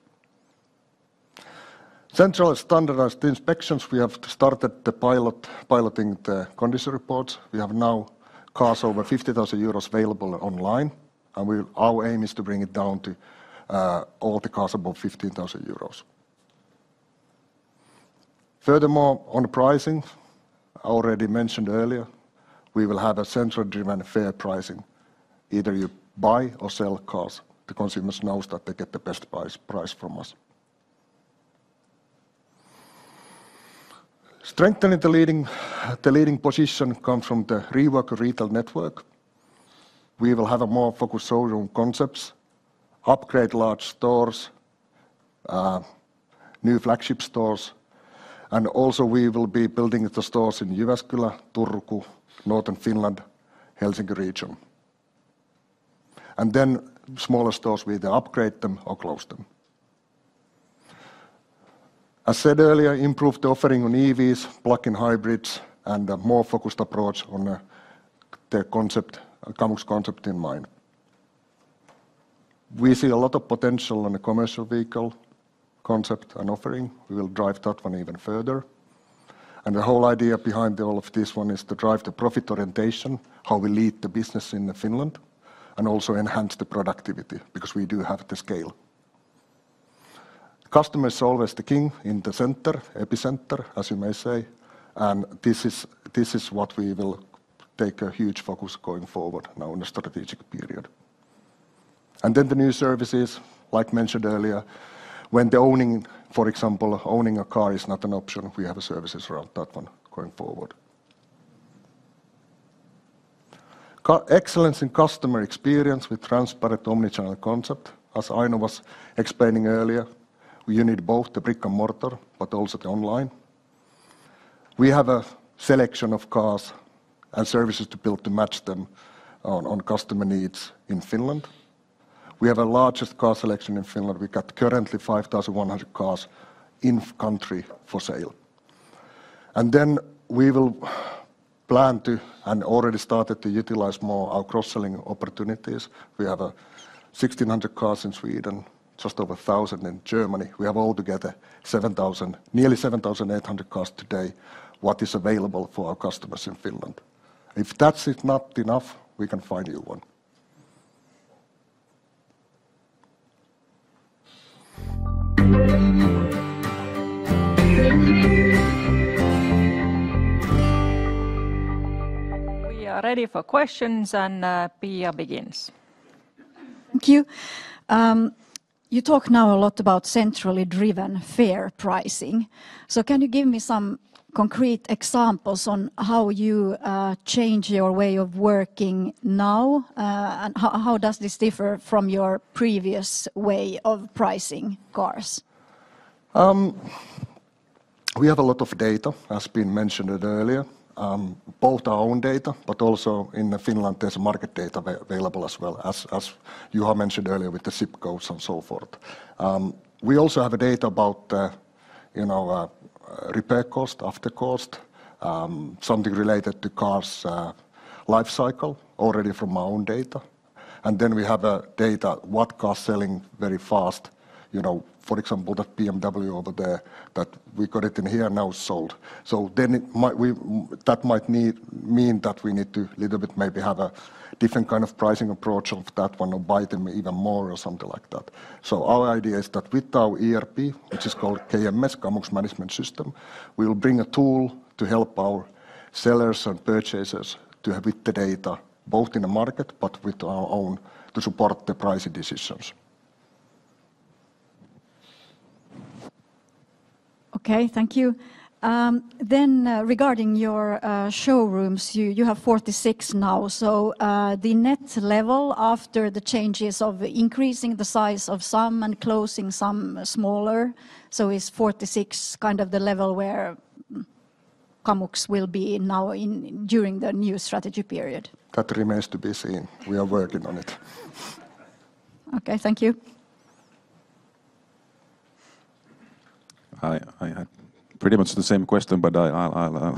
Centralized standardized inspections, we have started piloting the condition reports. We have now cars over 50,000 euros available online. Our aim is to bring it down to all the cars above 15,000 euros. Furthermore, on pricing, I already mentioned earlier, we will have a central-driven fair pricing. Either you buy or sell cars, the consumers know that they get the best price from us. Strengthening the leading position comes from the Rework Retail Network. We will have a more focused showroom concepts, upgrade large stores, new flagship stores. And also we will be building the stores in Jyväskylä, Turku, northern Finland, Helsinki region. Then smaller stores, we either upgrade them or close them. As said earlier, improve the offering on EVs, plug-in hybrids, and a more focused approach on the Kamux concept in mind. We see a lot of potential on the commercial vehicle concept and offering. We will drive that one even further. And the whole idea behind all of this one is to drive the profit orientation, how we lead the business in Finland, and also enhance the productivity because we do have the scale. Customer is always the king in the center, epicenter, as you may say. And this is what we will take a huge focus on going forward now in the strategic period. And then the new services, like mentioned earlier, when the owning, for example, owning a car is not an option, we have services around that one going forward. Excellence in customer experience with transparent omnichannel concept, as Aino was explaining earlier. You need both the brick and mortar, but also the online. We have a selection of cars and services to build to match them on customer needs in Finland. We have the largest car selection in Finland. We got currently 5,100 cars in country for sale. And then we will plan to, and already started to utilize more our cross-selling opportunities. We have 1,600 cars in Sweden, just over 1,000 in Germany. We have altogether 7,000, nearly 7,800 cars today what is available for our customers in Finland. If that is not enough, we can find you one. We are ready for questions. And Pia begins. Thank you. You talk now a lot about centrally-driven fair pricing. So can you give me some concrete examples on how you change your way of working now? How does this differ from your previous way of pricing cars? We have a lot of data, as has been mentioned earlier. Both our own data, but also in Finland there's market data available as well, as Juha mentioned earlier with the ZIP codes and so forth. We also have data about the, you know, repair cost, after cost, something related to cars' lifecycle already from our own data. And then we have data what cars are selling very fast. You know, for example, that BMW over there that we got it in here and now sold. So then it might, that might mean that we need to a little bit maybe have a different kind of pricing approach on that one or buy them even more or something like that. So our idea is that with our ERP, which is called KMS, Kamux Management System, we will bring a tool to help our sellers and purchasers to have the data both in the market, but with our own to support the pricing decisions. Okay. Thank you. Then regarding your showrooms, you have 46 now. So the net level after the changes of increasing the size of some and closing some smaller, so is 46 kind of the level where Kamux will be now during the new strategy period? That remains to be seen. We are working on it. Okay. Thank you. I had pretty much the same question, but I'll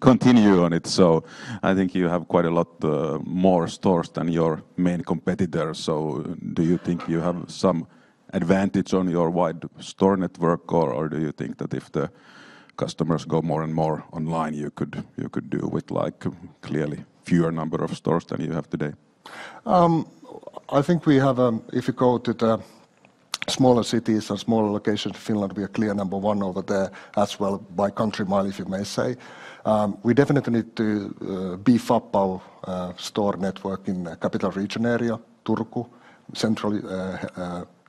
continue on it. So I think you have quite a lot more stores than your main competitors. So do you think you have some advantage on your wide store network? Or do you think that if the customers go more and more online, you could do with like clearly fewer number of stores than you have today? I think we have, if you go to the smaller cities and smaller locations in Finland, we are clear number one over there as well by country mile, if you may say. We definitely need to beef up our store network in the capital region area, Turku, central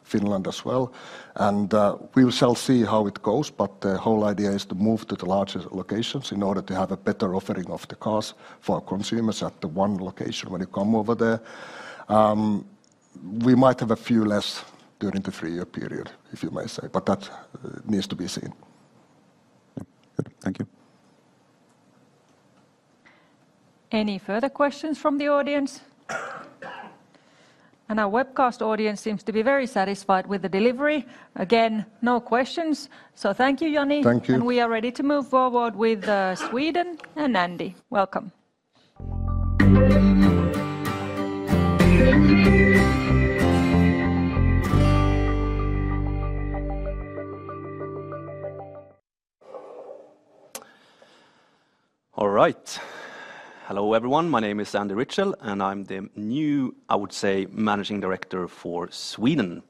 Finland as well. And we shall see how it goes. But the whole idea is to move to the larger locations in order to have a better offering of the cars for our consumers at the one location when you come over there. We might have a few less during the three-year period, if you may say. But that needs to be seen. Good. Thank you. Any further questions from the audience? Our webcast audience seems to be very satisfied with the delivery. Again, no questions. Thank you, Jani. Thank you. We are ready to move forward with Sweden and Andy. Welcome. All right. Hello everyone. My name is Andy Rietschel. I'm the new, I would say, Managing Director for Sweden.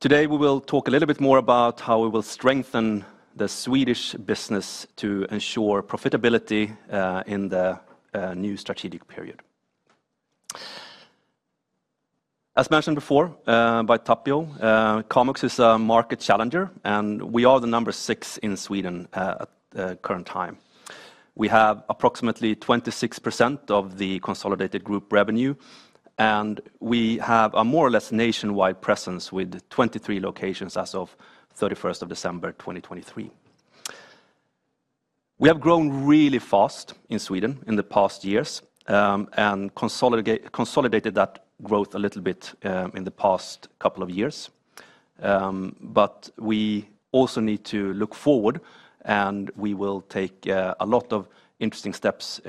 Today we will talk a little bit more about how we will strengthen the Swedish business to ensure profitability in the new strategic period. As mentioned before by Tapio, Kamux is a market challenger. We are the number six in Sweden at the current time. We have approximately 26% of the consolidated group revenue. We have a more or less nationwide presence with 23 locations as of 31st of December 2023. We have grown really fast in Sweden in the past years and consolidated that growth a little bit in the past couple of years. But we also need to look forward. And we will take a lot of interesting steps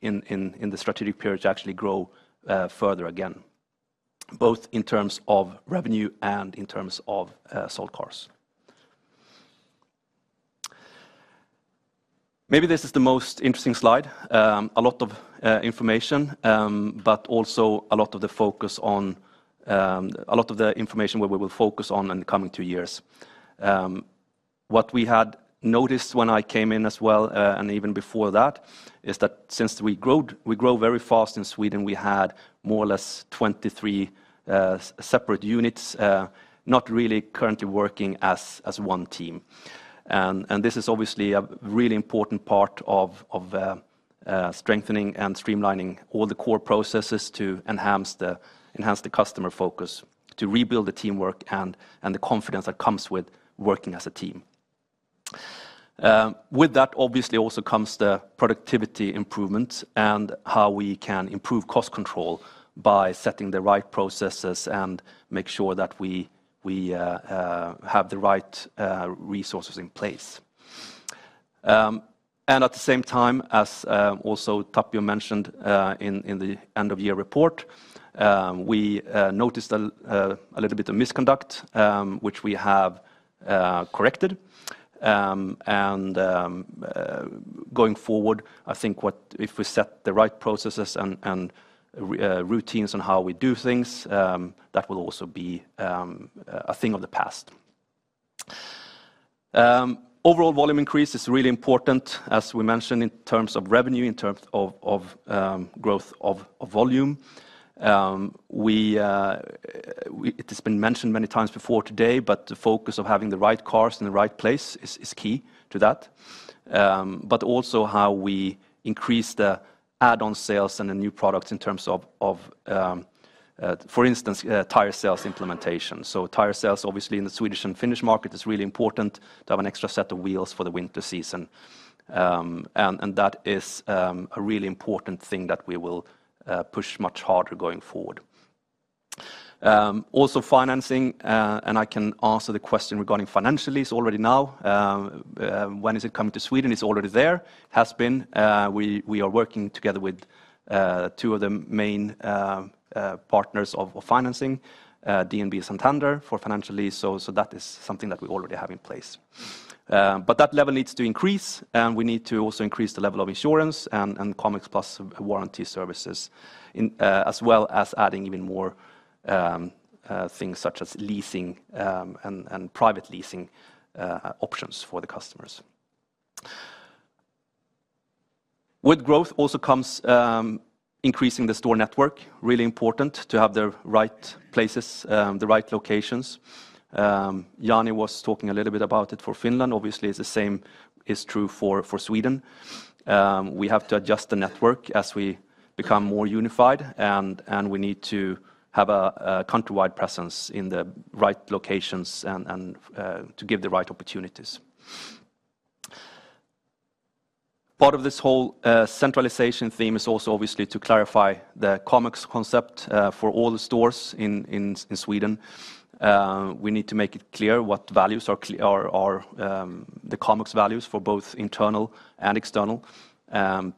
in the strategic period to actually grow further again, both in terms of revenue and in terms of sold cars. Maybe this is the most interesting slide. A lot of information, but also a lot of the focus on a lot of the information where we will focus on in the coming two years. What we had noticed when I came in as well and even before that is that since we grow very fast in Sweden, we had more or less 23 separate units not really currently working as one team. And this is obviously a really important part of strengthening and streamlining all the core processes to enhance the customer focus, to rebuild the teamwork and the confidence that comes with working as a team. With that, obviously, also comes the productivity improvement and how we can improve cost control by setting the right processes and make sure that we have the right resources in place. At the same time, as also Tapio mentioned in the end-of-year report, we noticed a little bit of misconduct, which we have corrected. Going forward, I think if we set the right processes and routines on how we do things, that will also be a thing of the past. Overall volume increase is really important, as we mentioned, in terms of revenue, in terms of growth of volume. It has been mentioned many times before today, but the focus of having the right cars in the right place is key to that. But also how we increase the add-on sales and the new products in terms of, for instance, tire sales implementation. So tire sales, obviously, in the Swedish and Finnish market is really important to have an extra set of wheels for the winter season. That is a really important thing that we will push much harder going forward. Also, financing. I can answer the question regarding financial lease already now. When is it coming to Sweden? It's already there. It has been. We are working together with two of the main partners of financing, DNB and Santander, for financial lease. That is something that we already have in place. But that level needs to increase. We need to also increase the level of insurance and Kamux Plus warranty services as well as adding even more things such as leasing and private leasing options for the customers. With growth also comes increasing the store network. Really important to have the right places, the right locations. Jani was talking a little bit about it for Finland. Obviously, it's the same is true for Sweden. We have to adjust the network as we become more unified. We need to have a countrywide presence in the right locations and to give the right opportunities. Part of this whole centralization theme is also obviously to clarify the Kamux concept for all the stores in Sweden. We need to make it clear what values are the Kamux values for both internal and external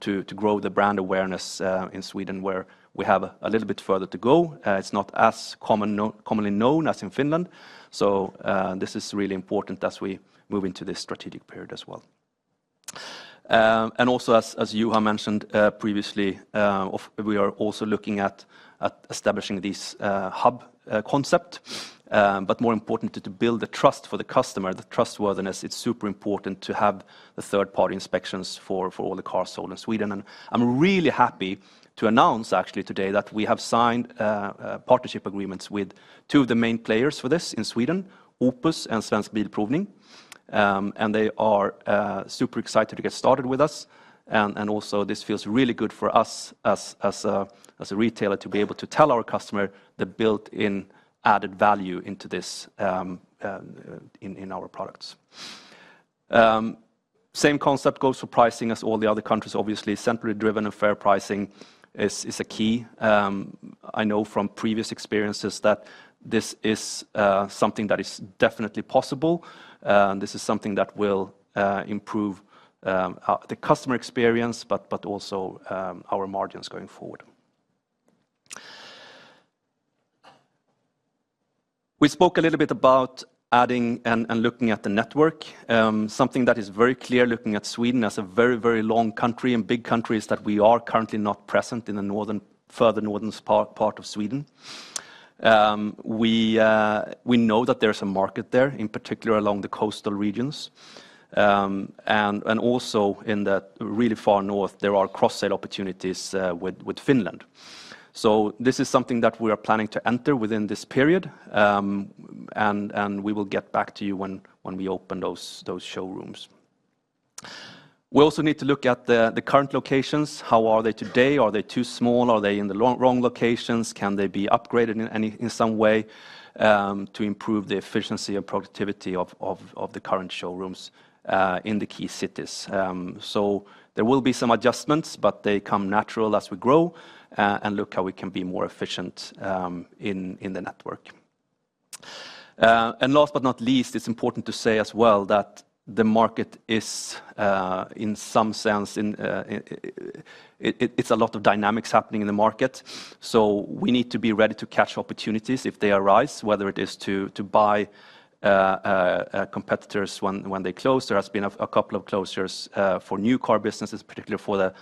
to grow the brand awareness in Sweden where we have a little bit further to go. It's not as commonly known as in Finland. This is really important as we move into this strategic period as well. Also, as Juha mentioned previously, we are also looking at establishing this hub concept. But more importantly, to build the trust for the customer, the trustworthiness. It's super important to have the third-party inspections for all the cars sold in Sweden. I'm really happy to announce, actually, today that we have signed partnership agreements with two of the main players for this in Sweden, Opus and Svensk Bilprovning. They are super excited to get started with us. Also, this feels really good for us as a retailer to be able to tell our customer the built-in added value into this in our products. Same concept goes for pricing as all the other countries, obviously. Centrally-driven and fair pricing is a key. I know from previous experiences that this is something that is definitely possible. This is something that will improve the customer experience, but also our margins going forward. We spoke a little bit about adding and looking at the network. Something that is very clear looking at Sweden as a very, very long country and big country is that we are currently not present in the northern, further northern part of Sweden. We know that there's a market there, in particular along the coastal regions. And also in the really far north, there are cross-sale opportunities with Finland. So this is something that we are planning to enter within this period. And we will get back to you when we open those showrooms. We also need to look at the current locations. How are they today? Are they too small? Are they in the wrong locations? Can they be upgraded in some way to improve the efficiency and productivity of the current showrooms in the key cities? So there will be some adjustments, but they come natural as we grow and look how we can be more efficient in the network. And last but not least, it's important to say as well that the market is, in some sense, it's a lot of dynamics happening in the market. So we need to be ready to catch opportunities if they arise, whether it is to buy competitors when they close. There has been a couple of closures for new car businesses, particularly for the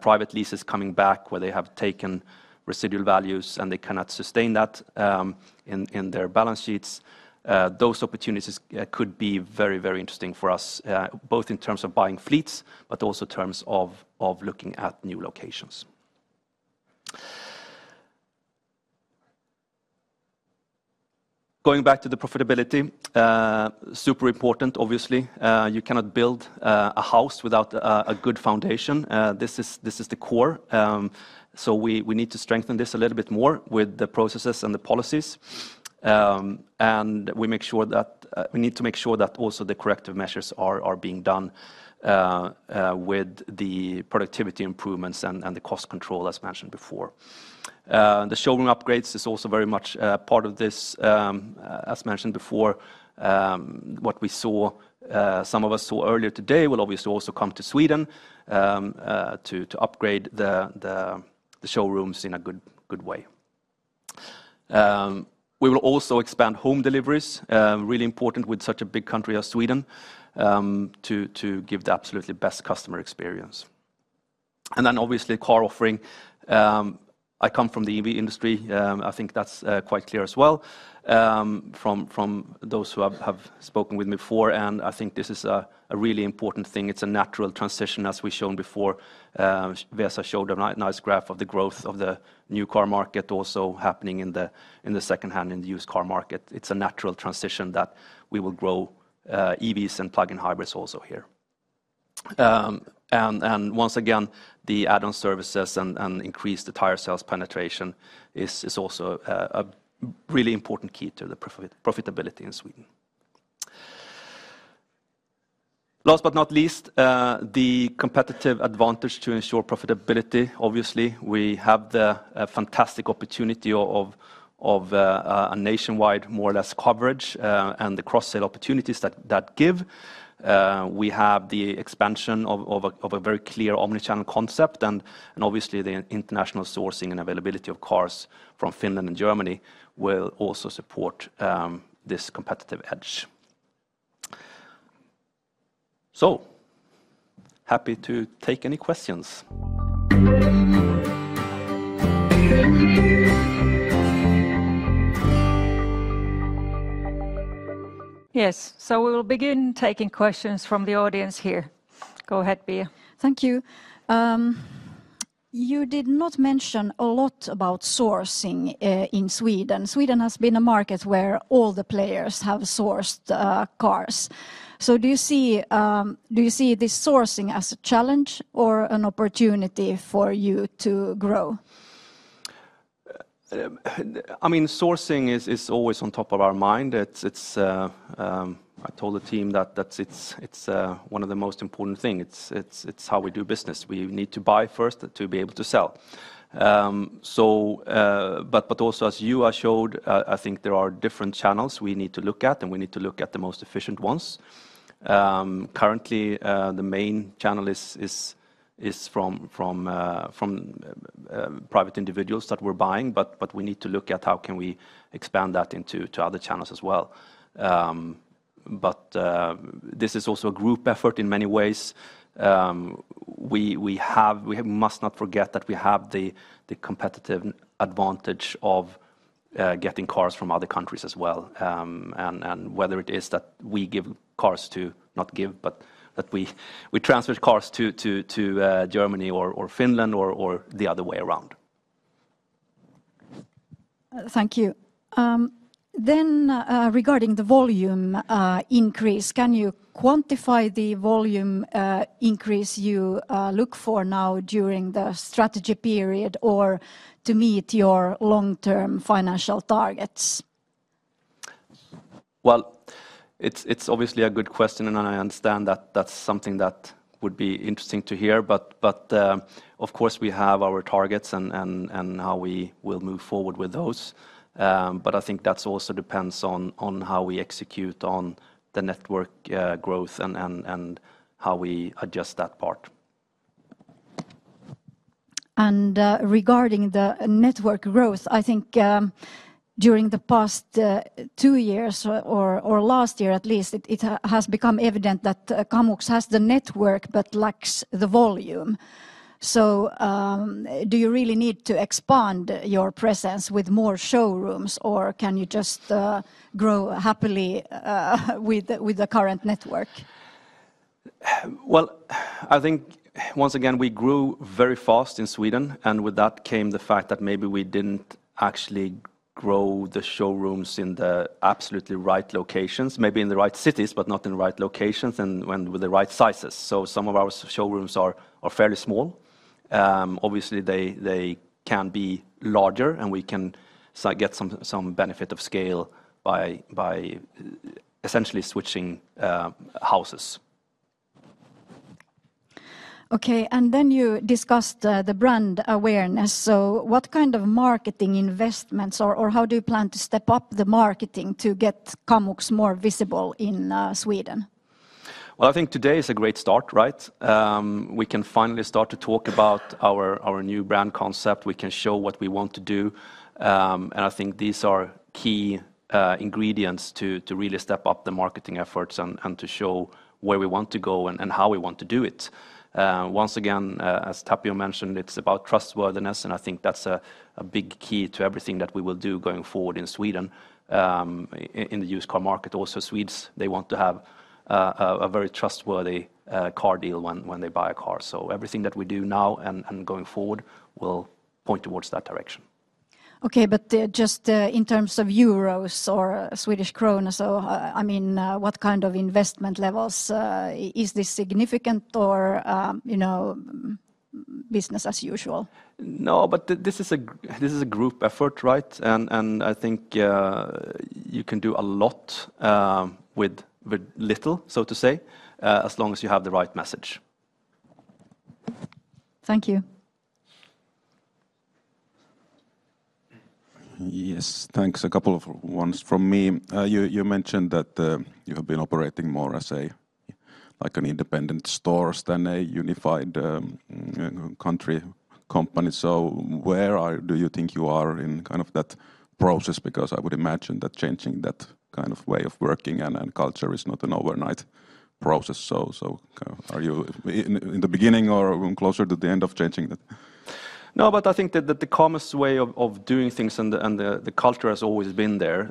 private leases coming back where they have taken residual values and they cannot sustain that in their balance sheets. Those opportunities could be very, very interesting for us, both in terms of buying fleets, but also in terms of looking at new locations. Going back to the profitability, super important, obviously. You cannot build a house without a good foundation. This is the core. So we need to strengthen this a little bit more with the processes and the policies. And we make sure that we need to make sure that also the corrective measures are being done with the productivity improvements and the cost control, as mentioned before. The showroom upgrades is also very much part of this, as mentioned before. What we saw, some of us saw earlier today, will obviously also come to Sweden to upgrade the showrooms in a good way. We will also expand home deliveries, really important with such a big country as Sweden, to give the absolutely best customer experience. And then, obviously, car offering. I come from the EV industry. I think that's quite clear as well from those who have spoken with me before. And I think this is a really important thing. It's a natural transition, as we've shown before. Vesa showed a nice graph of the growth of the new car market also happening in the second-hand and the used car market. It's a natural transition that we will grow EVs and plug-in hybrids also here. And once again, the add-on services and increase the tire sales penetration is also a really important key to the profitability in Sweden. Last but not least, the competitive advantage to ensure profitability, obviously. We have the fantastic opportunity of a nationwide, more or less, coverage and the cross-sale opportunities that give. We have the expansion of a very clear omnichannel concept. And obviously, the international sourcing and availability of cars from Finland and Germany will also support this competitive edge. So happy to take any questions. Yes. So we will begin taking questions from the audience here. Go ahead, Pia. Thank you. You did not mention a lot about sourcing in Sweden. Sweden has been a market where all the players have sourced cars. So do you see this sourcing as a challenge or an opportunity for you to grow? I mean, sourcing is always on top of our mind. I told the team that it's one of the most important things. It's how we do business. We need to buy first to be able to sell. But also, as Juha showed, I think there are different channels we need to look at. And we need to look at the most efficient ones. Currently, the main channel is from private individuals that we're buying. But we need to look at how can we expand that into other channels as well. But this is also a group effort in many ways. We must not forget that we have the competitive advantage of getting cars from other countries as well. And whether it is that we give cars to not give, but that we transfer cars to Germany or Finland or the other way around. Thank you. Then regarding the volume increase, can you quantify the volume increase you look for now during the strategy period or to meet your long-term financial targets? Well, it's obviously a good question. And I understand that that's something that would be interesting to hear. But of course, we have our targets and how we will move forward with those. But I think that also depends on how we execute on the network growth and how we adjust that part. And regarding the network growth, I think during the past two years or last year, at least, it has become evident that Kamux has the network but lacks the volume. So do you really need to expand your presence with more showrooms, or can you just grow happily with the current network? Well, I think once again, we grew very fast in Sweden. And with that came the fact that maybe we didn't actually grow the showrooms in the absolutely right locations, maybe in the right cities, but not in the right locations and with the right sizes. So some of our showrooms are fairly small. Obviously, they can be larger. And we can get some benefit of scale by essentially switching houses. Okay. And then you discussed the brand awareness. So what kind of marketing investments, or how do you plan to step up the marketing to get Kamux more visible in Sweden? Well, I think today is a great start, right? We can finally start to talk about our new brand concept. We can show what we want to do. I think these are key ingredients to really step up the marketing efforts and to show where we want to go and how we want to do it. Once again, as Tapio mentioned, it's about trustworthiness. I think that's a big key to everything that we will do going forward in Sweden, in the used car market. Also, Swedes, they want to have a very trustworthy car deal when they buy a car. Everything that we do now and going forward will point towards that direction. Okay. Just in terms of euros or Swedish krona, so I mean, what kind of investment levels? Is this significant or business as usual? No. This is a group effort, right? I think you can do a lot with little, so to say, as long as you have the right message. Thank you. Yes. Thanks. A couple of ones from me. You mentioned that you have been operating more as an independent store than a unified country company. So where do you think you are in kind of that process? Because I would imagine that changing that kind of way of working and culture is not an overnight process. So are you in the beginning or closer to the end of changing that? No. But I think that the common way of doing things and the culture has always been there.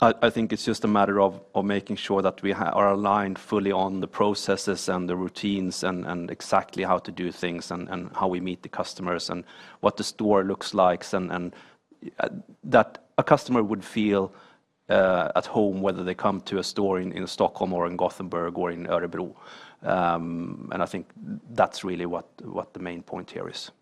I think it's just a matter of making sure that we are aligned fully on the processes and the routines and exactly how to do things and how we meet the customers and what the store looks like and that a customer would feel at home, whether they come to a store in Stockholm or in Gothenburg or in Örebro. I think that's really what the main point here is.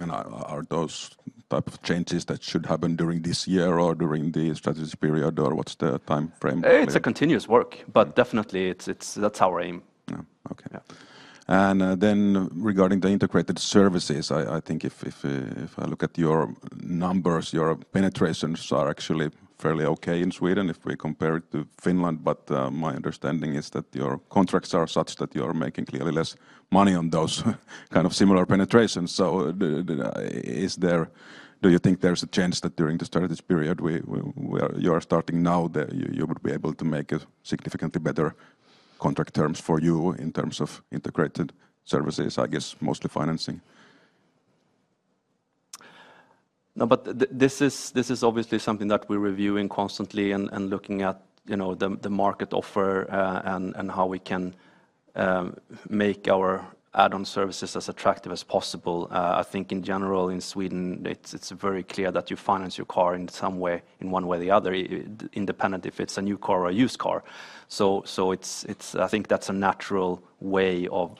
Are those types of changes that should happen during this year or during the strategy period, or what's the time frame? It's a continuous work. But definitely, that's our aim. Yeah. Okay. Then regarding the integrated services, I think if I look at your numbers, your penetrations are actually fairly okay in Sweden if we compare it to Finland. But my understanding is that your contracts are such that you are making clearly less money on those kind of similar penetrations. So do you think there's a chance that during the strategy period, you are starting now, you would be able to make significantly better contract terms for you in terms of integrated services, I guess, mostly financing? No. But this is obviously something that we're reviewing constantly and looking at the market offer and how we can make our add-on services as attractive as possible. I think in general, in Sweden, it's very clear that you finance your car in some way, in one way or the other, independent if it's a new car or a used car. So I think that's a natural way of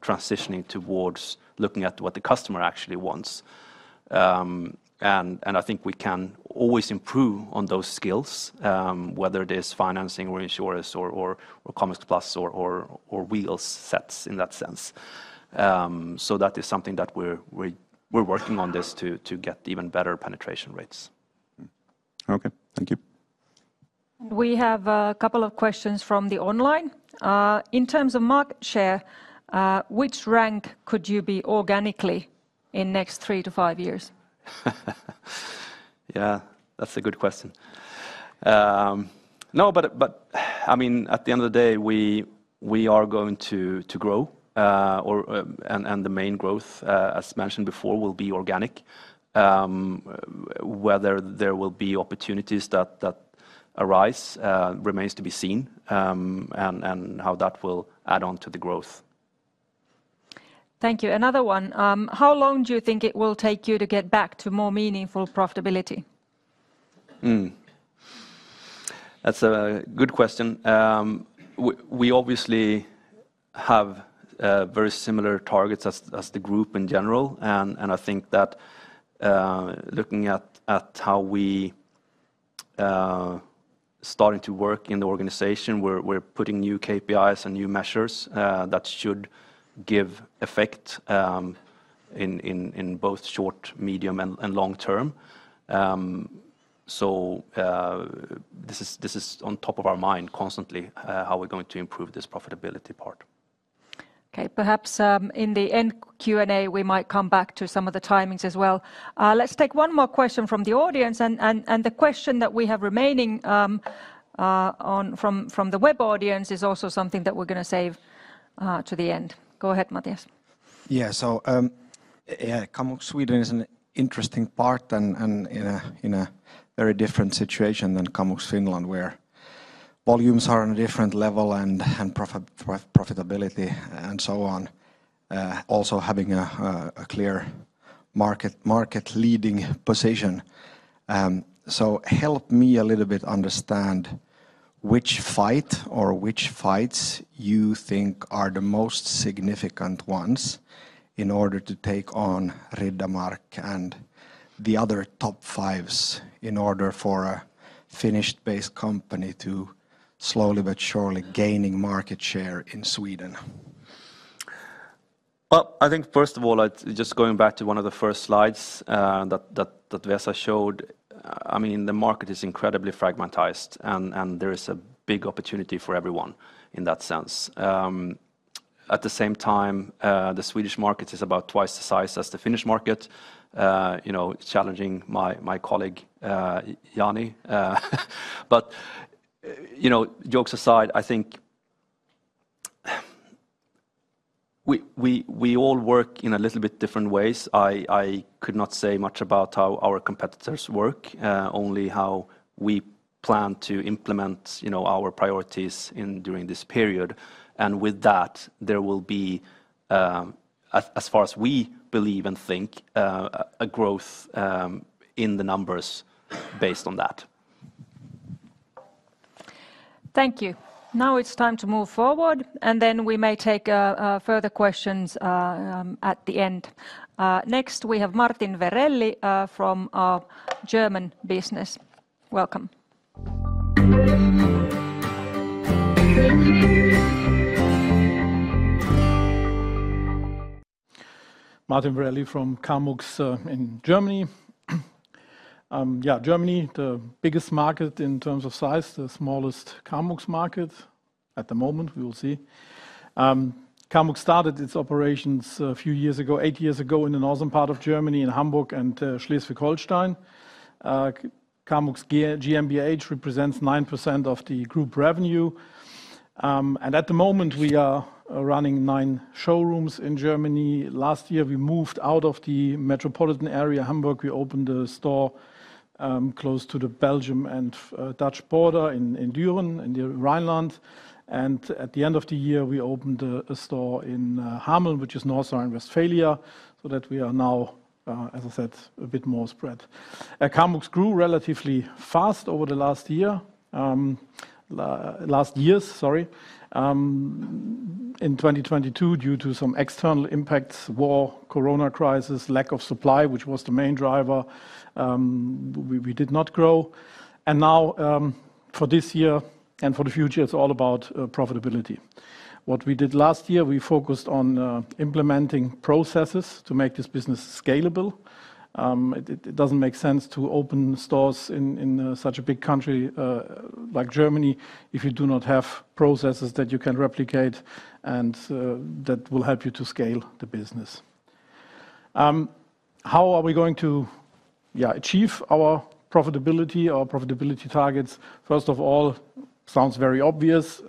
transitioning towards looking at what the customer actually wants. And I think we can always improve on those skills, whether it is financing or insurance or Kamux Plus or wheels sets in that sense. So that is something that we're working on this to get even better penetration rates. Okay. Thank you. And we have a couple of questions from the online. In terms of market share, which rank could you be organically in the next three to five years? Yeah. That's a good question. No. But I mean, at the end of the day, we are going to grow. And the main growth, as mentioned before, will be organic. Whether there will be opportunities that arise remains to be seen and how that will add on to the growth. Thank you. Another one. How long do you think it will take you to get back to more meaningful profitability? That's a good question. We obviously have very similar targets as the group in general. I think that looking at how we're starting to work in the organization, we're putting new KPIs and new measures that should give effect in both short, medium, and long term. This is on top of our mind constantly, how we're going to improve this profitability part. Okay. Perhaps in the end Q&A, we might come back to some of the timings as well. Let's take one more question from the audience. The question that we have remaining from the web audience is also something that we're going to save to the end. Go ahead, Mattias. Yeah. So Kamux Sweden is an interesting part and in a very different situation than Kamux Finland, where volumes are on a different level and profitability and so on, also having a clear market-leading position. So help me a little bit understand which fight or which fights you think are the most significant ones in order to take on Riddermark and the other top fives in order for a Finnish-based company to slowly but surely gain market share in Sweden. Well, I think first of all, just going back to one of the first slides that Vesa showed, I mean, the market is incredibly fragmented. And there is a big opportunity for everyone in that sense. At the same time, the Swedish market is about twice the size as the Finnish market, challenging my colleague Jani. But jokes aside, I think we all work in a little bit different ways. I could not say much about how our competitors work, only how we plan to implement our priorities during this period. With that, there will be, as far as we believe and think, a growth in the numbers based on that. Thank you. Now it's time to move forward. And then we may take further questions at the end. Next, we have Martin Verrelli from German business. Welcome. Martin Verrelli from Kamux in Germany. Yeah. Germany, the biggest market in terms of size, the smallest Kamux market at the moment. We will see. Kamux started its operations a few years ago, eight years ago, in the northern part of Germany in Hamburg and Schleswig-Holstein. Kamux GmbH represents 9% of the group revenue. And at the moment, we are running nine showrooms in Germany. Last year, we moved out of the metropolitan area of Hamburg. We opened a store close to the Belgian and Dutch border in Düren, in the Rhineland. And at the end of the year, we opened a store in Hameln, which is northern Westphalia, so that we are now, as I said, a bit more spread. Kamux grew relatively fast over the last year, last years, sorry, in 2022 due to some external impacts, war, corona crisis, lack of supply, which was the main driver. We did not grow. And now, for this year and for the future, it's all about profitability. What we did last year, we focused on implementing processes to make this business scalable. It doesn't make sense to open stores in such a big country like Germany if you do not have processes that you can replicate and that will help you to scale the business. How are we going to achieve our profitability, our profitability targets? First of all, it sounds very obvious,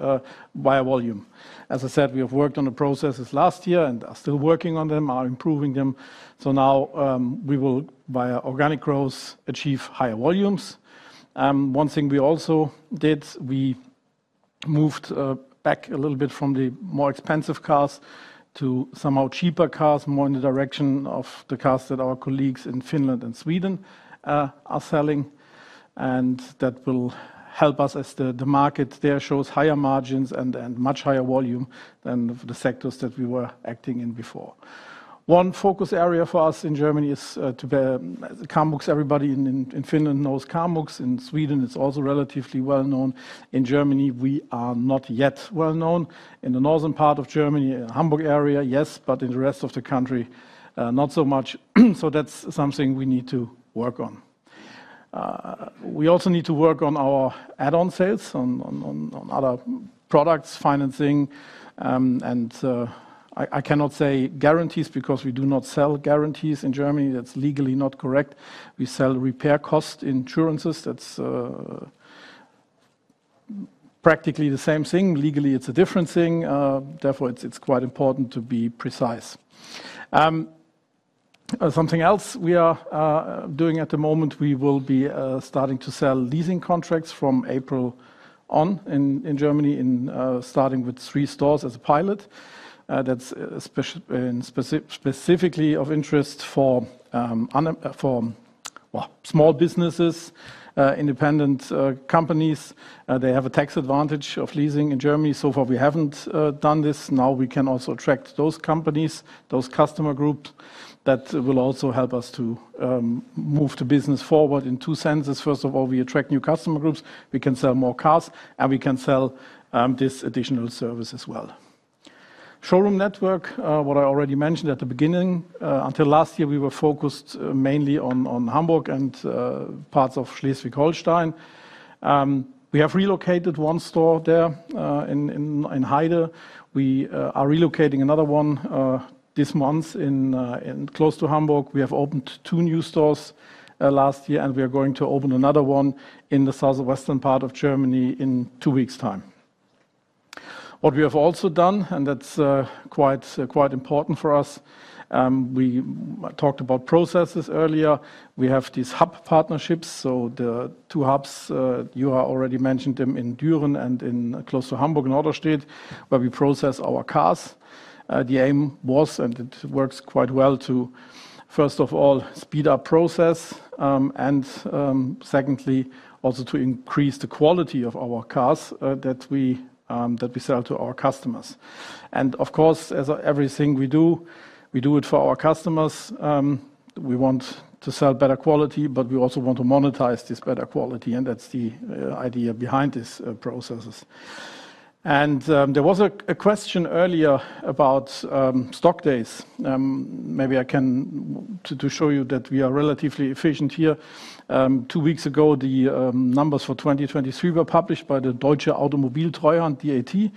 via volume. As I said, we have worked on the processes last year and are still working on them, are improving them. Now we will, via organic growth, achieve higher volumes. One thing we also did, we moved back a little bit from the more expensive cars to somehow cheaper cars, more in the direction of the cars that our colleagues in Finland and Sweden are selling. That will help us as the market there shows higher margins and much higher volume than the sectors that we were acting in before. One focus area for us in Germany is to be Kamux. Everybody in Finland knows Kamux. In Sweden, it's also relatively well known. In Germany, we are not yet well known. In the northern part of Germany, in the Hamburg area, yes, but in the rest of the country, not so much. So that's something we need to work on. We also need to work on our add-on sales, on other products, financing. I cannot say guarantees because we do not sell guarantees in Germany. That's legally not correct. We sell repair cost insurances. That's practically the same thing. Legally, it's a different thing. Therefore, it's quite important to be precise. Something else we are doing at the moment, we will be starting to sell leasing contracts from April on in Germany, starting with three stores as a pilot. That's specifically of interest for small businesses, independent companies. They have a tax advantage of leasing in Germany. So far, we haven't done this. Now we can also attract those companies, those customer groups. That will also help us to move the business forward in two senses. First of all, we attract new customer groups. We can sell more cars, and we can sell this additional service as well. Showroom network, what I already mentioned at the beginning. Until last year, we were focused mainly on Hamburg and parts of Schleswig-Holstein. We have relocated 1 store there in Heide. We are relocating another one this month close to Hamburg. We have opened 2 new stores last year, and we are going to open another one in the southwestern part of Germany in 2 weeks' time. What we have also done, and that's quite important for us, we talked about processes earlier. We have these hub partnerships. So the 2 hubs, Juha already mentioned them in Düren and close to Hamburg in Otterstedt, where we process our cars. The aim was, and it works quite well, to first of all, speed up process and secondly, also to increase the quality of our cars that we sell to our customers. And of course, as everything we do, we do it for our customers. We want to sell better quality, but we also want to monetize this better quality. And that's the idea behind these processes. And there was a question earlier about stock days. Maybe I can show you that we are relatively efficient here. Two weeks ago, the numbers for 2023 were published by the Deutsche Automobil Treuhand, DAT.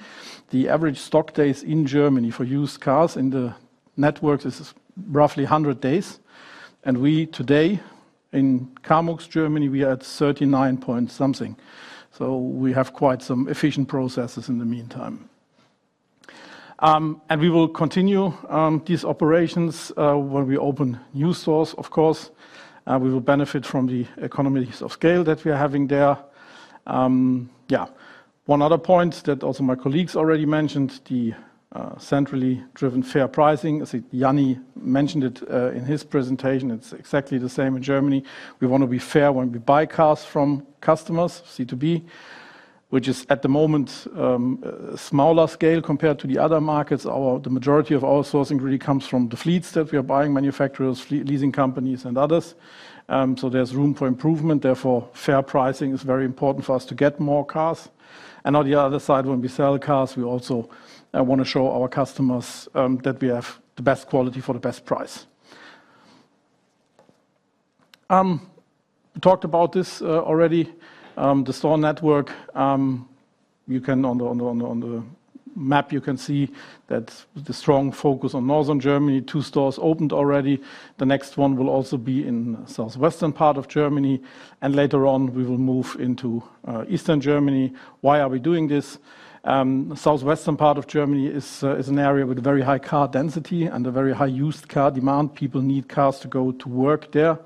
The average stock days in Germany for used cars in the networks is roughly 100 days. And we, today, in Kamux, Germany, we are at 39 point something. So we have quite some efficient processes in the meantime. We will continue these operations when we open new stores, of course. We will benefit from the economies of scale that we are having there. Yeah. One other point that also my colleagues already mentioned, the centrally driven fair pricing. I think Jani mentioned it in his presentation. It's exactly the same in Germany. We want to be fair when we buy cars from customers, C2B, which is at the moment a smaller scale compared to the other markets. The majority of our sourcing really comes from the fleets that we are buying, manufacturers, leasing companies, and others. So there's room for improvement. Therefore, fair pricing is very important for us to get more cars. And on the other side, when we sell cars, we also want to show our customers that we have the best quality for the best price. We talked about this already, the store network. On the map, you can see that the strong focus on northern Germany: 2 stores opened already. The next one will also be in the southwestern part of Germany. Later on, we will move into eastern Germany. Why are we doing this? The southwestern part of Germany is an area with very high car density and a very high used car demand. People need cars to go to work there.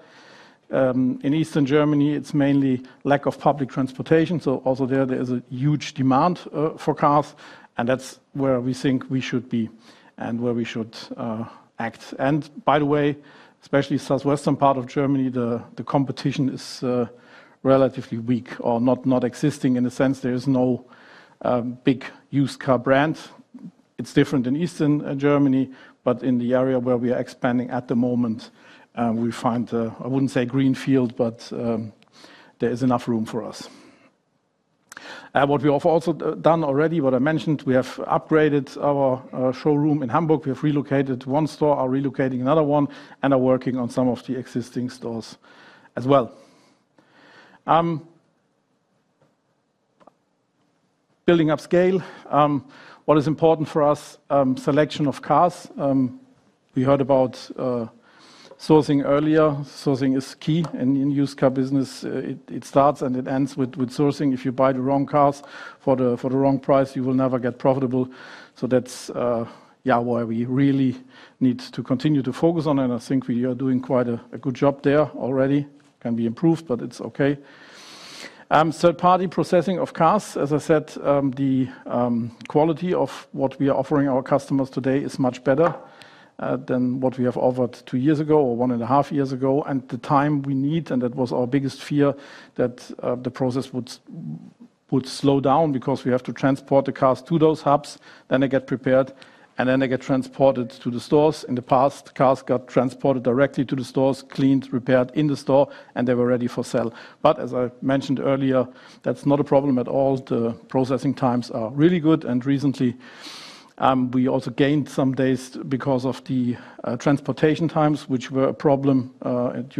In eastern Germany, it's mainly lack of public transportation. So also there, there is a huge demand for cars. And that's where we think we should be and where we should act. By the way, especially southwestern part of Germany, the competition is relatively weak or not existing in the sense. There is no big used car brand. It's different in eastern Germany. But in the area where we are expanding at the moment, we find, I wouldn't say green field, but there is enough room for us. What we have also done already, what I mentioned, we have upgraded our showroom in Hamburg. We have relocated one store. Are relocating another one. And are working on some of the existing stores as well. Building up scale. What is important for us? Selection of cars. We heard about sourcing earlier. Sourcing is key in used car business. It starts and it ends with sourcing. If you buy the wrong cars for the wrong price, you will never get profitable. So that's, yeah, why we really need to continue to focus on. And I think we are doing quite a good job there already. Can be improved, but it's okay. Third-party processing of cars. As I said, the quality of what we are offering our customers today is much better than what we have offered two years ago or one and a half years ago. The time we need, and that was our biggest fear, that the process would slow down because we have to transport the cars to those hubs. They get prepared, and then they get transported to the stores. In the past, cars got transported directly to the stores, cleaned, repaired in the store, and they were ready for sale. But as I mentioned earlier, that's not a problem at all. The processing times are really good. Recently, we also gained some days because of the transportation times, which were a problem at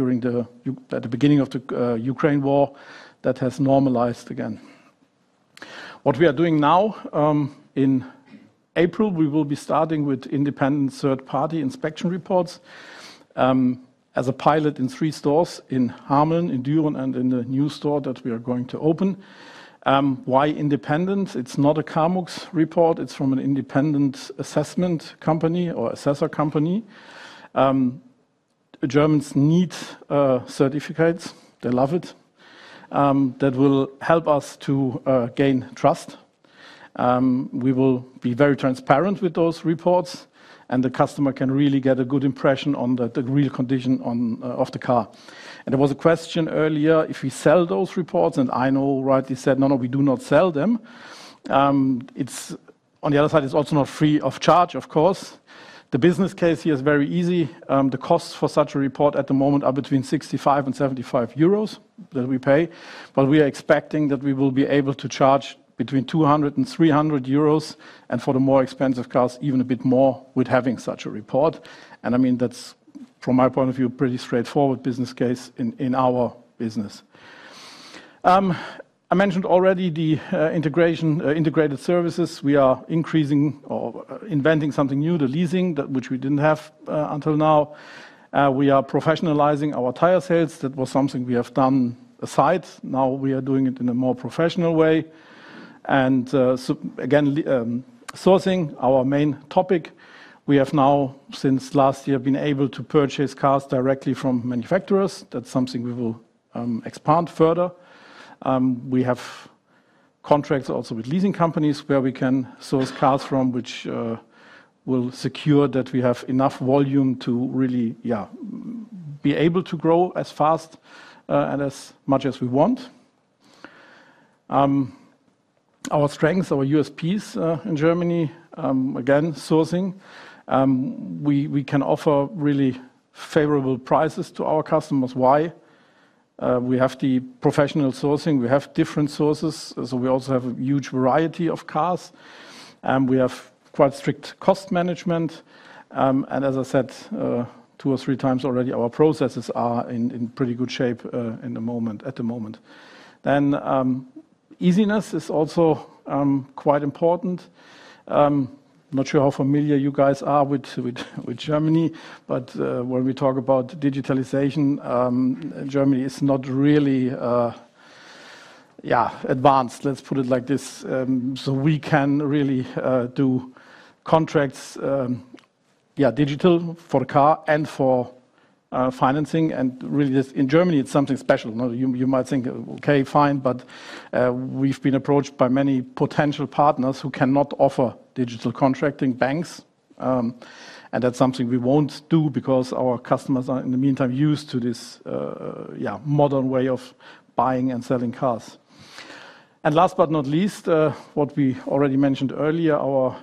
the beginning of the Ukraine war that has normalized again. What we are doing now in April, we will be starting with independent third-party inspection reports as a pilot in three stores in Hameln, in Düren, and in the new store that we are going to open. Why independent? It's not a Kamux report. It's from an independent assessment company or assessor company. Germans need certificates. They love it. That will help us to gain trust. We will be very transparent with those reports. And the customer can really get a good impression on the real condition of the car. And there was a question earlier, if we sell those reports, and I know rightly said, no, no, we do not sell them. On the other side, it's also not free of charge, of course. The business case here is very easy. The costs for such a report at the moment are between 65 and 75 euros that we pay. But we are expecting that we will be able to charge between 200 euros and 300 euros. For the more expensive cars, even a bit more with having such a report. I mean, that's, from my point of view, a pretty straightforward business case in our business. I mentioned already the integrated services. We are increasing or inventing something new, the leasing, which we didn't have until now. We are professionalizing our tire sales. That was something we have done aside. Now we are doing it in a more professional way. Again, sourcing, our main topic. We have now, since last year, been able to purchase cars directly from manufacturers. That's something we will expand further. We have contracts also with leasing companies where we can source cars from, which will secure that we have enough volume to really, yeah, be able to grow as fast and as much as we want. Our strengths, our USPs in Germany, again, sourcing. We can offer really favorable prices to our customers. Why? We have the professional sourcing. We have different sources. So we also have a huge variety of cars. We have quite strict cost management. And as I said two or three times already, our processes are in pretty good shape at the moment. Then easiness is also quite important. I'm not sure how familiar you guys are with Germany. But when we talk about digitalization, Germany is not really, yeah, advanced. Let's put it like this. So we can really do contracts, yeah, digital for the car and for financing. Really, in Germany, it's something special. You might think, okay, fine. But we've been approached by many potential partners who cannot offer digital contracting, banks. That's something we won't do because our customers are, in the meantime, used to this, yeah, modern way of buying and selling cars. Last but not least, what we already mentioned earlier, our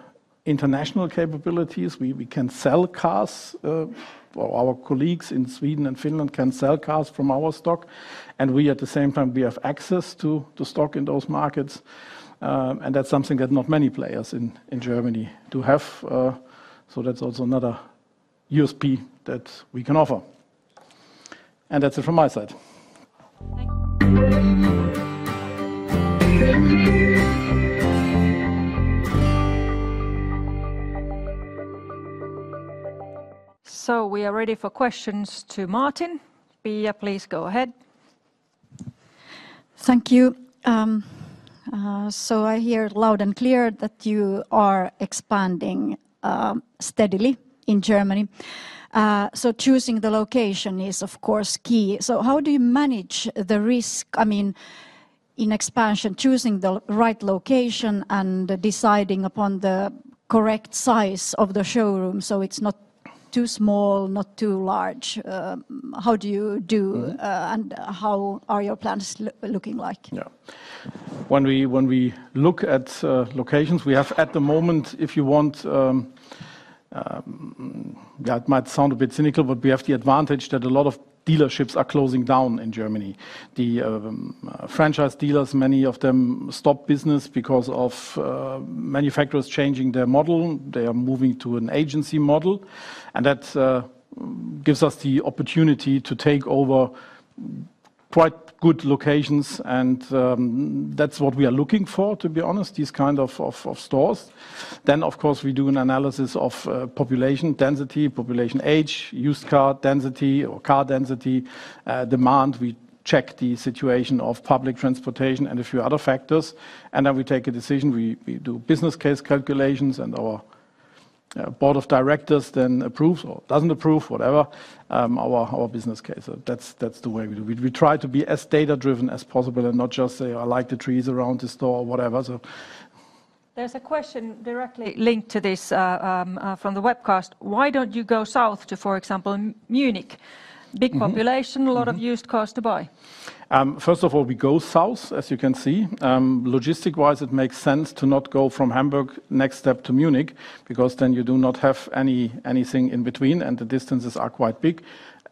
international capabilities. We can sell cars. Our colleagues in Sweden and Finland can sell cars from our stock. And we, at the same time, we have access to stock in those markets. That's something that not many players in Germany do have. So that's also another USP that we can offer. That's it from my side. Thank you. So we are ready for questions to Martin. Pia, please go ahead. Thank you. So I hear loud and clear that you are expanding steadily in Germany. So choosing the location is, of course, key. So how do you manage the risk? I mean, in expansion, choosing the right location and deciding upon the correct size of the showroom so it's not too small, not too large. How do you do, and how are your plans looking like? Yeah. When we look at locations, we have, at the moment, if you want, yeah, it might sound a bit cynical, but we have the advantage that a lot of dealerships are closing down in Germany. The franchise dealers, many of them, stop business because of manufacturers changing their model. They are moving to an agency model. And that gives us the opportunity to take over quite good locations. And that's what we are looking for, to be honest, these kinds of stores. Then, of course, we do an analysis of population density, population age, used car density or car density, demand. We check the situation of public transportation and a few other factors. And then we take a decision. We do business case calculations. And our board of directors then approves or doesn't approve, whatever, our business case. So that's the way we do it. We try to be as data-driven as possible and not just say, "I like the trees around the store," or whatever. So. There's a question directly linked to this from the webcast. Why don't you go south to, for example, Munich? Big population, a lot of used cars to buy. First of all, we go south, as you can see. Logistics-wise, it makes sense to not go from Hamburg next step to Munich because then you do not have anything in between, and the distances are quite big.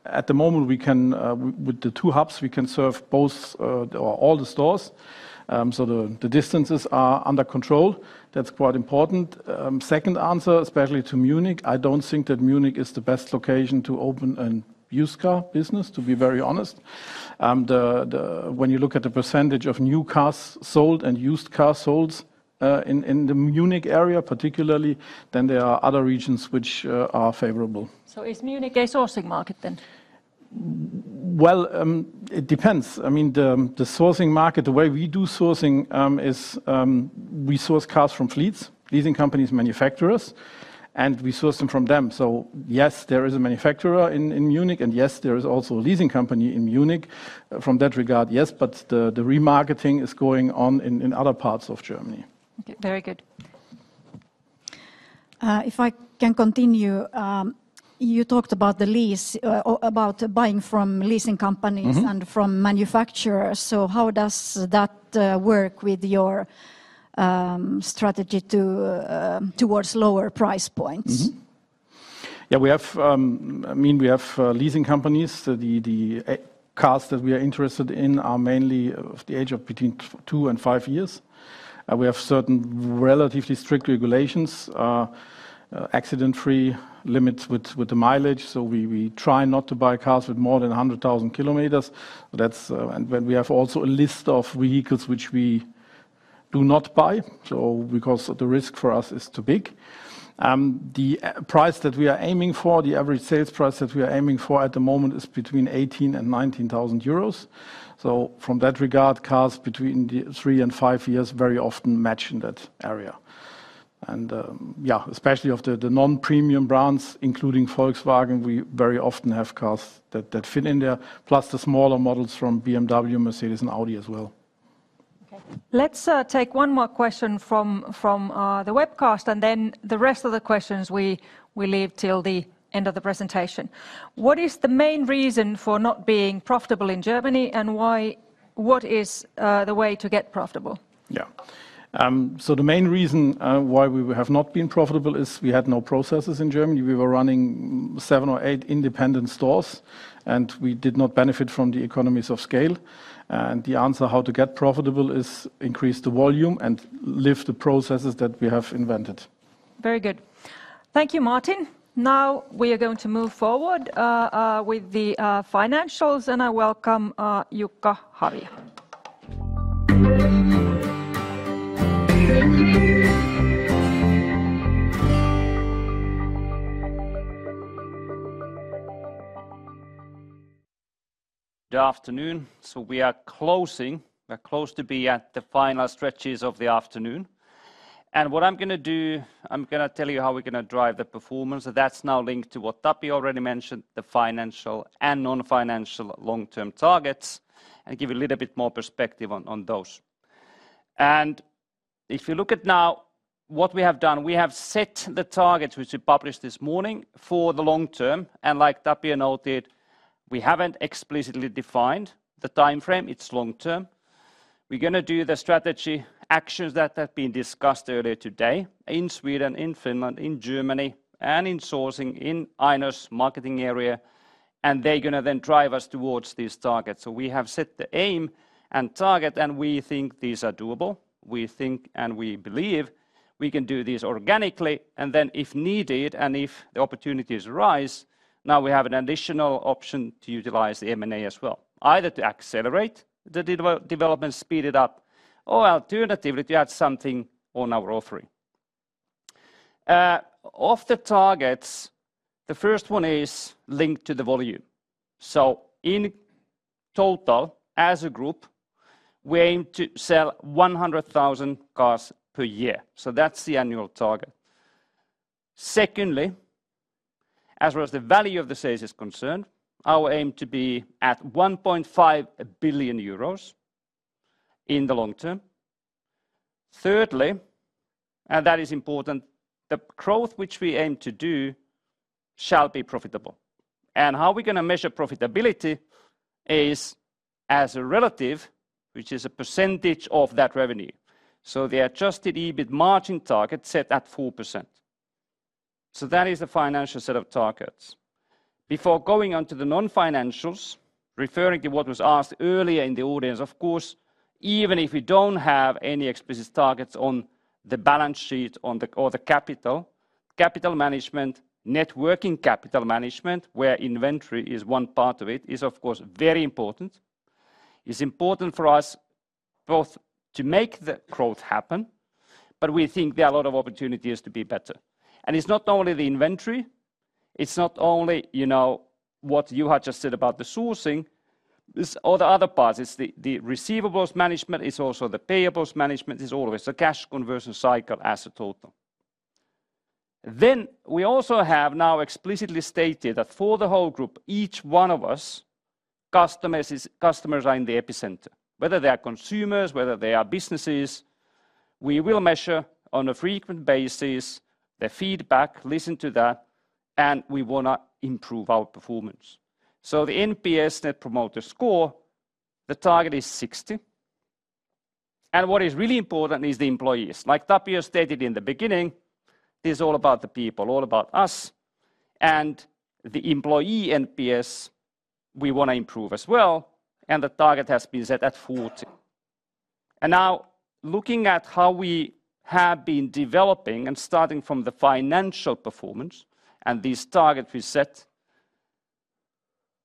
At the moment, with the two hubs, we can serve both or all the stores. So the distances are under control. That's quite important. Second answer, especially to Munich, I don't think that Munich is the best location to open a used car business, to be very honest. When you look at the percentage of new cars sold and used cars sold in the Munich area, particularly, then there are other regions which are favorable. So is Munich a sourcing market then? Well, it depends. I mean, the sourcing market, the way we do sourcing is we source cars from fleets, leasing companies, manufacturers, and we source them from them. So yes, there is a manufacturer in Munich. And yes, there is also a leasing company in Munich. From that regard, yes. But the remarketing is going on in other parts of Germany. Okay. Very good. If I can continue, you talked about the lease, about buying from leasing companies and from manufacturers. So how does that work with your strategy towards lower price points? Yeah. I mean, we have leasing companies. The cars that we are interested in are mainly of the age of between two and five years. We have certain relatively strict regulations, accident-free limits with the mileage. So we try not to buy cars with more than 100,000 km. And we have also a list of vehicles which we do not buy because the risk for us is too big. The price that we are aiming for, the average sales price that we are aiming for at the moment is between 18,000 and 19,000 euros. So from that regard, cars between 3 and 5 years very often match in that area. And yeah, especially of the non-premium brands, including Volkswagen, we very often have cars that fit in there, plus the smaller models from BMW, Mercedes, and Audi as well. Okay. Let's take one more question from the webcast. And then the rest of the questions, we leave till the end of the presentation. What is the main reason for not being profitable in Germany? And what is the way to get profitable? Yeah. So the main reason why we have not been profitable is we had no processes in Germany. We were running 7 or 8 independent stores. And we did not benefit from the economies of scale. The answer how to get profitable is increase the volume and lift the processes that we have invented. Very good. Thank you, Martin. Now we are going to move forward with the financials. I welcome Jukka Havia. Good afternoon. So we are closing. We are close to be at the final stretches of the afternoon. And what I'm going to do, I'm going to tell you how we're going to drive the performance. And that's now linked to what Tapio already mentioned, the financial and non-financial long-term targets, and give you a little bit more perspective on those. And if you look at now what we have done, we have set the targets which we published this morning for the long term. And like Tapio noted, we haven't explicitly defined the time frame. It's long term. We're going to do the strategy actions that have been discussed earlier today in Sweden, in Finland, in Germany, and in sourcing in Aino's marketing area. They're going to then drive us towards these targets. We have set the aim and target. We think these are doable. We think and we believe we can do these organically. Then if needed and if the opportunities arise, now we have an additional option to utilize the M&A as well, either to accelerate the development, speed it up, or alternatively to add something on our offering. Of the targets, the first one is linked to the volume. In total, as a group, we aim to sell 100,000 cars per year. That's the annual target. Secondly, as far as the value of the sales is concerned, our aim to be at 1.5 billion euros in the long term. Thirdly, and that is important, the growth which we aim to do shall be profitable. And how we're going to measure profitability is as a relative, which is a percentage of that revenue. So the adjusted EBIT margin target set at 4%. So that is the financial set of targets. Before going on to the non-financials, referring to what was asked earlier in the audience, of course, even if we don't have any explicit targets on the balance sheet or the capital, capital management, net working capital management, where inventory is one part of it, is, of course, very important. It's important for us both to make the growth happen. But we think there are a lot of opportunities to be better. And it's not only the inventory. It's not only, you know, what Juha just said about the sourcing. It's all the other parts. It's the receivables management. It's also the payables management. It's always the cash conversion cycle as a total. Then we also have now explicitly stated that for the whole group, each one of us, customers are in the epicenter. Whether they are consumers, whether they are businesses, we will measure on a frequent basis their feedback, listen to that. And we want to improve our performance. So the NPS, Net Promoter Score, the target is 60. And what is really important is the employees. Like Tapio stated in the beginning, this is all about the people, all about us. And the employee NPS, we want to improve as well. And the target has been set at 40. And now looking at how we have been developing and starting from the financial performance and these targets we set,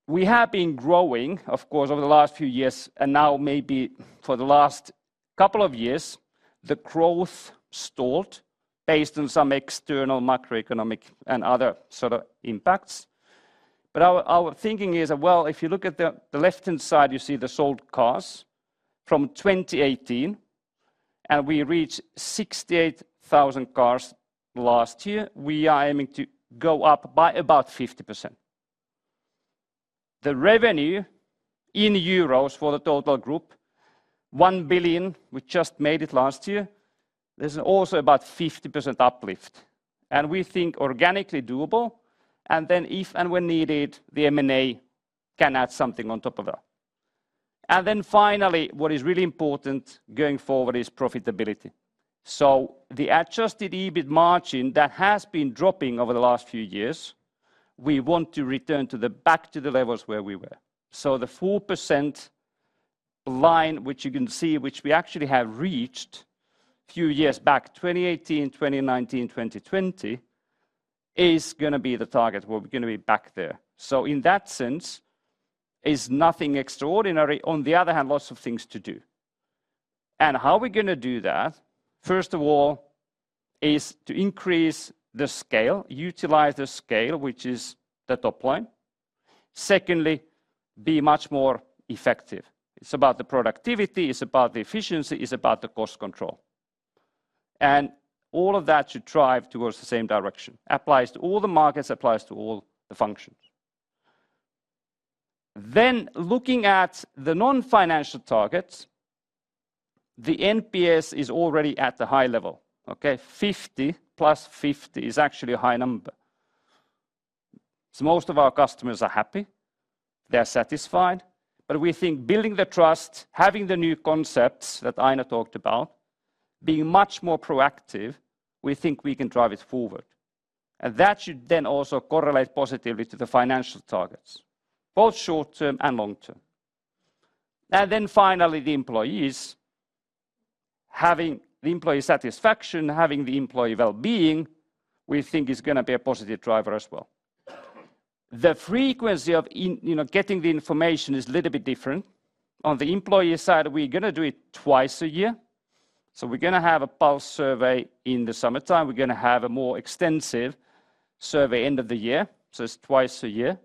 we have been growing, of course, over the last few years. Now maybe for the last couple of years, the growth stalled based on some external macroeconomic and other sort of impacts. But our thinking is, well, if you look at the left-hand side, you see the sold cars from 2018. And we reached 68,000 cars last year. We are aiming to go up by about 50%. The revenue in euros for the total group, 1 billion, we just made it last year. There's also about 50% uplift. And we think organically doable. And then if and when needed, the M&A can add something on top of that. And then finally, what is really important going forward is profitability. So the Adjusted EBIT margin that has been dropping over the last few years, we want to return back to the levels where we were. So the 4% line, which you can see, which we actually have reached a few years back, 2018, 2019, 2020, is going to be the target. We're going to be back there. So in that sense, it's nothing extraordinary. On the other hand, lots of things to do. And how we're going to do that, first of all, is to increase the scale, utilize the scale, which is the top line. Secondly, be much more effective. It's about the productivity. It's about the efficiency. It's about the cost control. And all of that should drive towards the same direction. Applies to all the markets. Applies to all the functions. Then looking at the non-financial targets, the NPS is already at the high level. Okay? 50 + 50 is actually a high number. So most of our customers are happy. They are satisfied. But we think building the trust, having the new concepts that Aino talked about, being much more proactive, we think we can drive it forward. And that should then also correlate positively to the financial targets, both short-term and long-term. And then finally, the employees, having the employee satisfaction, having the employee well-being, we think is going to be a positive driver as well. The frequency of getting the information is a little bit different. On the employee side, we're going to do it twice a year. So we're going to have a pulse survey in the summertime. We're going to have a more extensive survey end of the year. So it's twice a year.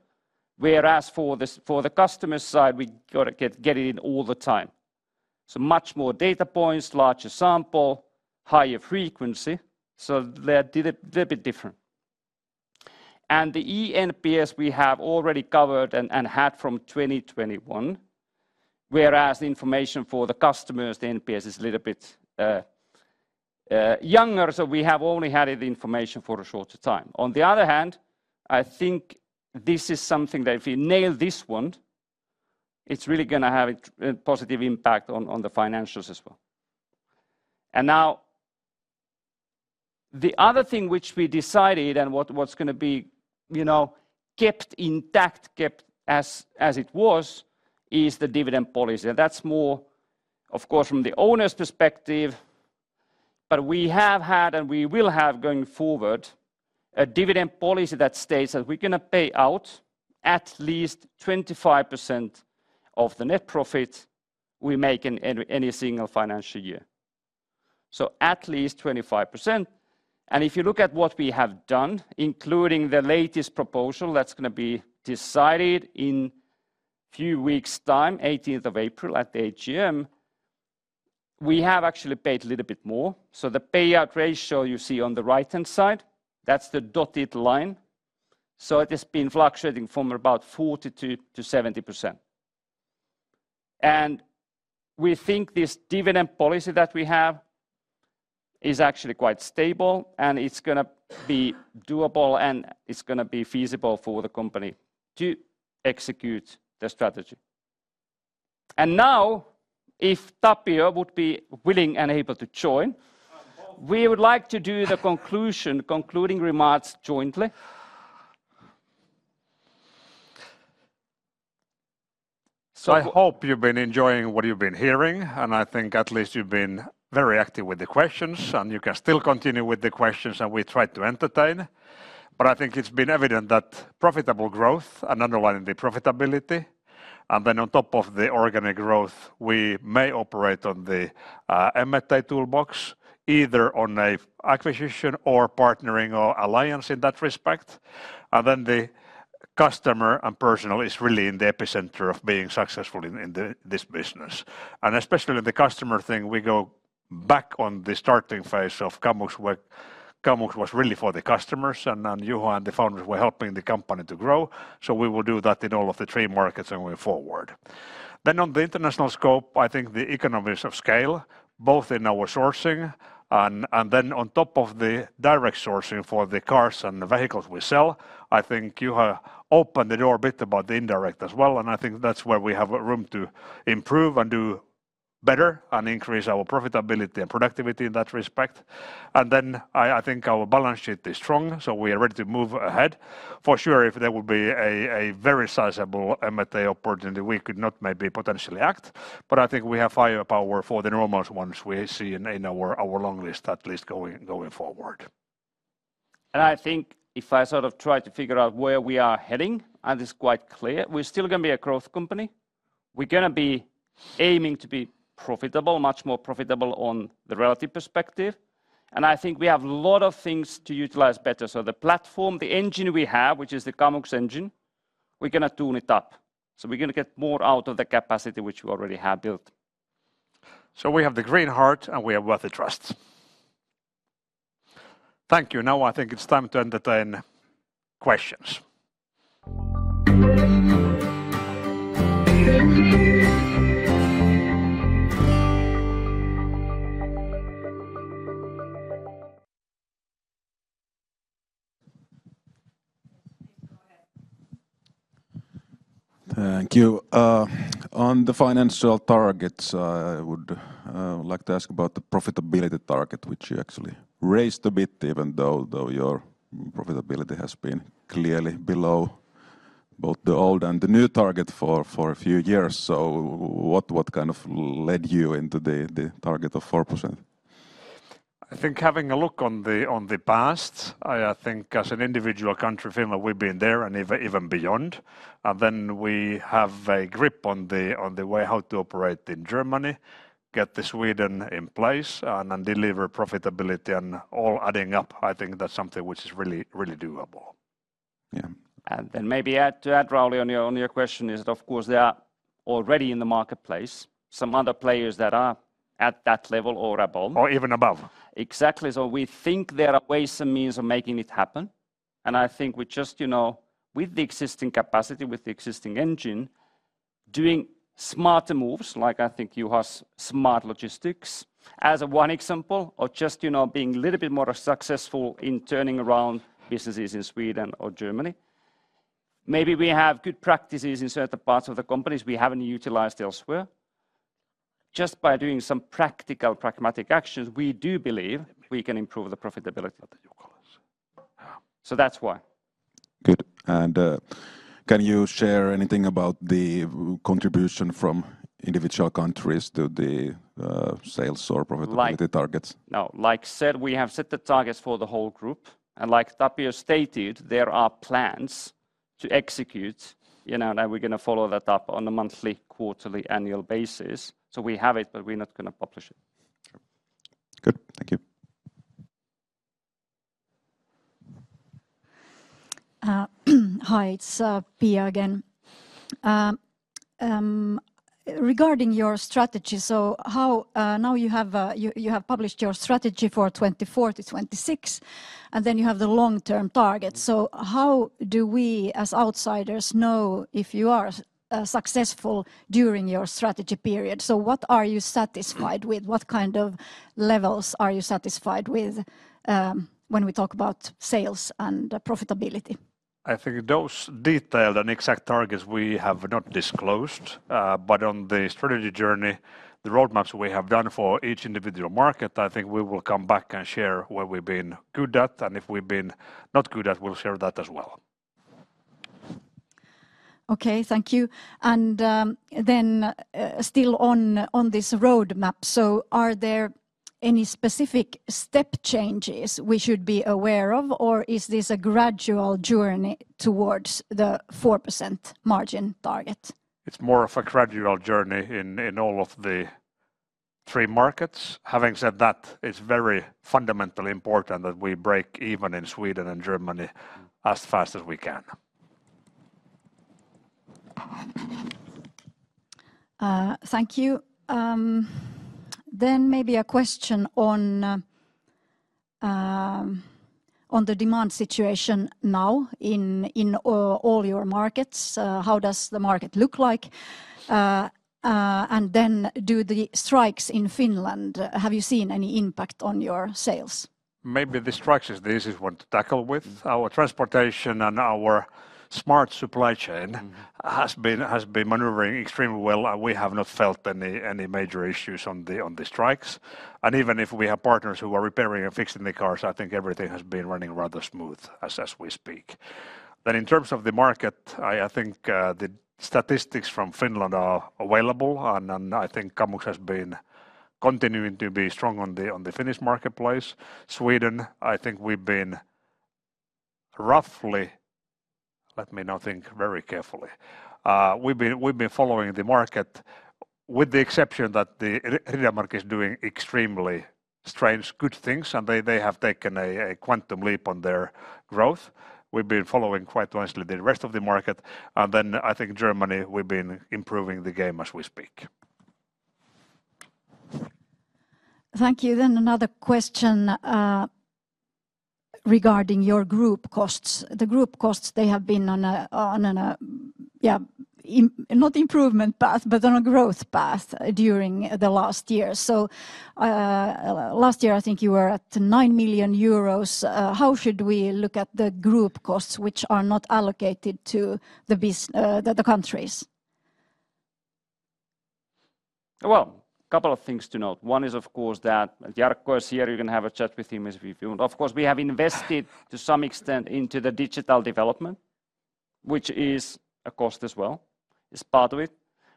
Whereas for the customer side, we got to get it in all the time. So much more data points, larger sample, higher frequency. So they're a little bit different. And the eNPS we have already covered and had from 2021. Whereas the information for the customers, the NPS is a little bit younger. So we have only had the information for a shorter time. On the other hand, I think this is something that if we nail this one, it's really going to have a positive impact on the financials as well. And now the other thing which we decided and what's going to be, you know, kept intact, kept as it was, is the dividend policy. And that's more, of course, from the owner's perspective. But we have had and we will have going forward a dividend policy that states that we're going to pay out at least 25% of the net profit we make in any single financial year. So at least 25%. If you look at what we have done, including the latest proposal that's going to be decided in a few weeks' time, 18th of April at the AGM, we have actually paid a little bit more. The payout ratio you see on the right-hand side, that's the dotted line. It has been fluctuating from about 40%-70%. We think this dividend policy that we have is actually quite stable. It's going to be doable. It's going to be feasible for the company to execute the strategy. Now, if Tapio would be willing and able to join, we would like to do the conclusion, concluding remarks jointly. I hope you've been enjoying what you've been hearing. I think at least you've been very active with the questions. You can still continue with the questions. We try to entertain. But I think it's been evident that profitable growth and underlining the profitability. Then on top of the organic growth, we may operate on the M&A toolbox, either on an acquisition or partnering or alliance in that respect. Then the customer and personnel is really in the epicenter of being successful in this business. And especially in the customer thing, we go back on the starting phase of Kamux. Kamux was really for the customers. And Juha and the founders were helping the company to grow. So we will do that in all of the three markets going forward. Then on the international scope, I think the economies of scale, both in our sourcing. And then on top of the direct sourcing for the cars and the vehicles we sell, I think Juha opened the door a bit about the indirect as well. I think that's where we have room to improve and do better and increase our profitability and productivity in that respect. Then I think our balance sheet is strong. So we are ready to move ahead. For sure, if there would be a very sizable M&A opportunity, we could not maybe potentially act. But I think we have higher power for the normal ones we see in our long list at least going forward. And I think if I sort of try to figure out where we are heading, and it's quite clear, we're still going to be a growth company. We're going to be aiming to be profitable, much more profitable on the relative perspective. And I think we have a lot of things to utilize better. So the platform, the engine we have, which is the Kamux engine, we're going to tune it up. So we're going to get more out of the capacity which we already have built. So we have the Green Heart. And we have worthy trust. Thank you. Now I think it's time to entertain questions. Thank you. On the financial targets, I would like to ask about the profitability target, which you actually raised a bit, even though your profitability has been clearly below both the old and the new target for a few years. So what kind of led you into the target of 4%? I think having a look on the past, I think as an individual country, Finland, we've been there and even beyond. And then we have a grip on the way how to operate in Germany, get Sweden in place, and deliver profitability. And all adding up, I think that's something which is really, really doable. Yeah. And then maybe to add, Rauli, on your question is that, of course, there are already in the marketplace some other players that are at that level or above. Or even above. Exactly. So we think there are ways and means of making it happen. And I think we just, you know, with the existing capacity, with the existing engine, doing smarter moves, like I think Juha's smart logistics as one example, or just, you know, being a little bit more successful in turning around businesses in Sweden or Germany. Maybe we have good practices in certain parts of the companies we haven't utilized elsewhere. Just by doing some practical, pragmatic actions, we do believe we can improve the profitability. So that's why. Good. And can you share anything about the contribution from individual countries to the sales or profitability targets? No. Like I said, we have set the targets for the whole group. Like Tapio stated, there are plans to execute. You know, we're going to follow that up on a monthly, quarterly, annual basis. So we have it, but we're not going to publish it. Good. Thank you. Hi. It's Pia again. Regarding your strategy, so how now you have published your strategy for 2024 to 2026. Then you have the long-term targets. So how do we as outsiders know if you are successful during your strategy period? So what are you satisfied with? What kind of levels are you satisfied with when we talk about sales and profitability? I think those detailed and exact targets we have not disclosed. But on the strategy journey, the roadmaps we have done for each individual market, I think we will come back and share where we've been good at. And if we've been not good at, we'll share that as well. Okay. Thank you. Then still on this roadmap, so are there any specific step changes we should be aware of? Or is this a gradual journey towards the 4% margin target? It's more of a gradual journey in all of the three markets. Having said that, it's very fundamentally important that we break even in Sweden and Germany as fast as we can. Thank you. Then maybe a question on the demand situation now in all your markets. How does the market look like? And then do the strikes in Finland, have you seen any impact on your sales? Maybe the strikes, this is one to tackle with. Our transportation and our smart supply chain has been maneuvering extremely well. And we have not felt any major issues on the strikes. Even if we have partners who are repairing and fixing the cars, I think everything has been running rather smooth as we speak. In terms of the market, I think the statistics from Finland are available. I think Kamux has been continuing to be strong on the Finnish marketplace. Sweden, I think we've been roughly... Let me now think very carefully. We've been following the market with the exception that the Riddermark is doing extremely strange good things. And they have taken a quantum leap on their growth. We've been following quite nicely the rest of the market. Then I think Germany, we've been improving the game as we speak. Thank you. Then another question regarding your group costs. The group costs, they have been on a... Yeah. Not improvement path, but on a growth path during the last year. So last year, I think you were at 9 million euros. How should we look at the group costs, which are not allocated to the business the countries? Well, a couple of things to note. One is, of course, that Jarkko is here. You can have a chat with him if you want. Of course, we have invested to some extent into the digital development, which is a cost as well. It's part of it.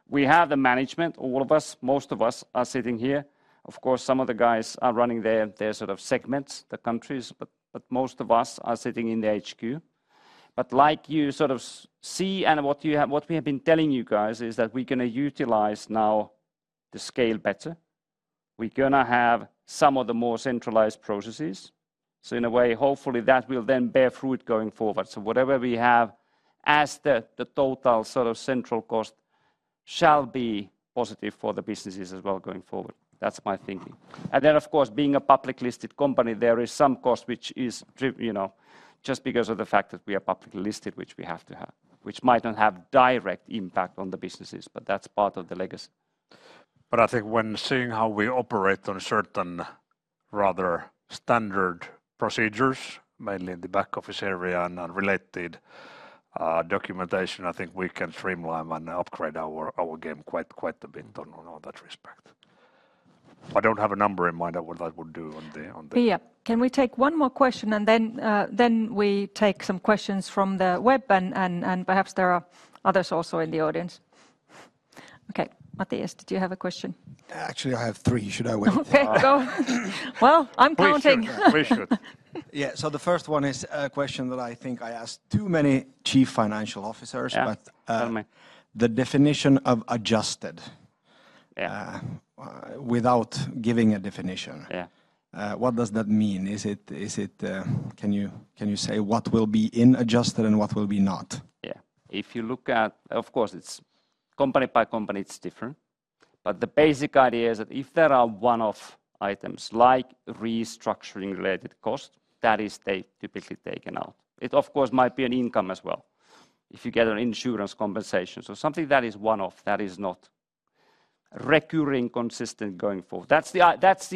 We have the management, all of us, most of us are sitting here. Of course, some of the guys are running their sort of segments, the countries. But most of us are sitting in the HQ. But like you sort of see and what we have been telling you guys is that we're going to utilize now the scale better. We're going to have some of the more centralized processes. So in a way, hopefully that will then bear fruit going forward. So whatever we have as the total sort of central cost shall be positive for the businesses as well going forward. That's my thinking. And then, of course, being a publicly listed company, there is some cost which is, you know, just because of the fact that we are publicly listed, which we have to have, which might not have direct impact on the businesses. But that's part of the legacy. But I think when seeing how we operate on certain rather standard procedures, mainly in the back office area and related documentation, I think we can streamline and upgrade our game quite a bit on all that respect. I don't have a number in mind of what I woul d do on the... Pia, can we take one more question? Then we take some questions from the web. Perhaps there are others also in the audience. Okay. Mattias, did you have a question? Actually, I have three, should I wait? Okay. Go. Well, I'm counting. We should. Yeah. So the first one is a question that I think I asked too many chief financial officers. But the definition of adjusted without giving a definition. Yeah. What does that mean? Is it... Can you say what will be in adjusted and what will be not? Yeah. If you look at... Of course, it's company by company, it's different. But the basic idea is that if there are one-off items like restructuring-related costs, that is typically taken out. It, of course, might be an income as well. If you get an insurance compensation. So something that is one-off, that is not recurring, consistent going forward. That's the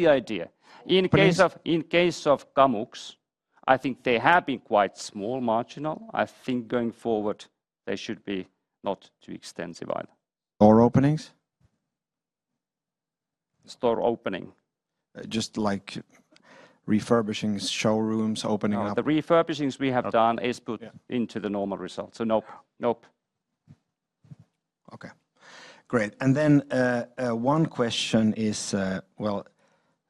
idea. In case of Kamux, I think they have been quite small, marginal. I think going forward, they should be not too extensive either. Store openings? Store opening. Just like refurbishing showrooms, opening up... The refurbishings we have done is put into the normal result. So nope. Nope. Okay. Great. And then one question is... Well,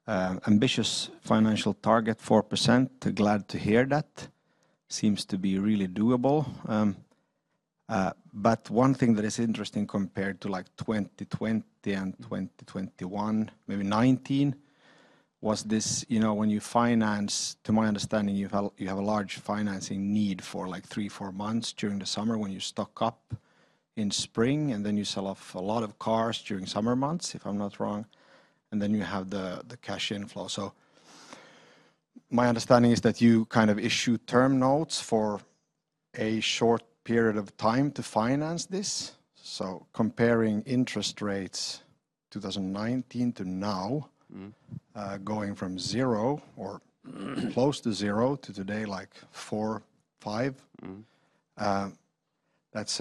ambitious financial target, 4%. Glad to hear that. Seems to be really doable. But one thing that is interesting compared to like 2020 and 2021, maybe 2019, was this, you know, when you finance... To my understanding, you have a large financing need for like 3, 4 months during the summer when you stock up in spring. And then you sell off a lot of cars during summer months, if I'm not wrong. And then you have the cash inflow. So my understanding is that you kind of issue term notes for a short period of time to finance this. So comparing interest rates in 2019 to now—going from zero or close to zero to today, like 4, 5...—that's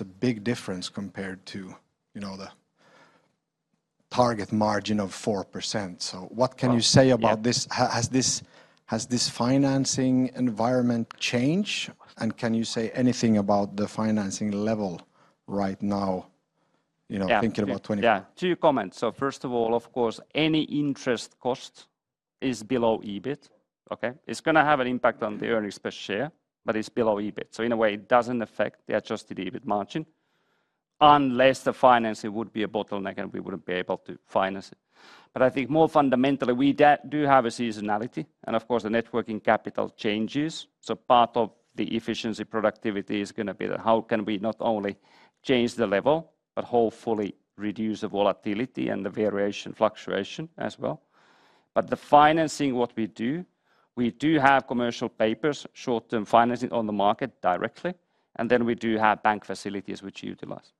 a big difference compared to, you know, the target margin of 4%. So what can you say about this? Has this financing environment changed? And can you say anything about the financing level right now, you know, thinking about... Yeah. Two comments. So first of all, of course, any interest cost is below EBIT. Okay. It's going to have an impact on the earnings per share, but it's below EBIT. So in a way, it doesn't affect the adjusted EBIT margin. Unless the financing would be a bottleneck and we wouldn't be able to finance it. But I think more fundamentally, we do have a seasonality. Of course, the net working capital changes. So part of the efficiency productivity is going to be that how can we not only change the level, but hopefully reduce the volatility and the variation, fluctuation as well. But the financing, what we do, we do have commercial papers, short-term financing on the market directly. And then we do have bank facilities which utilize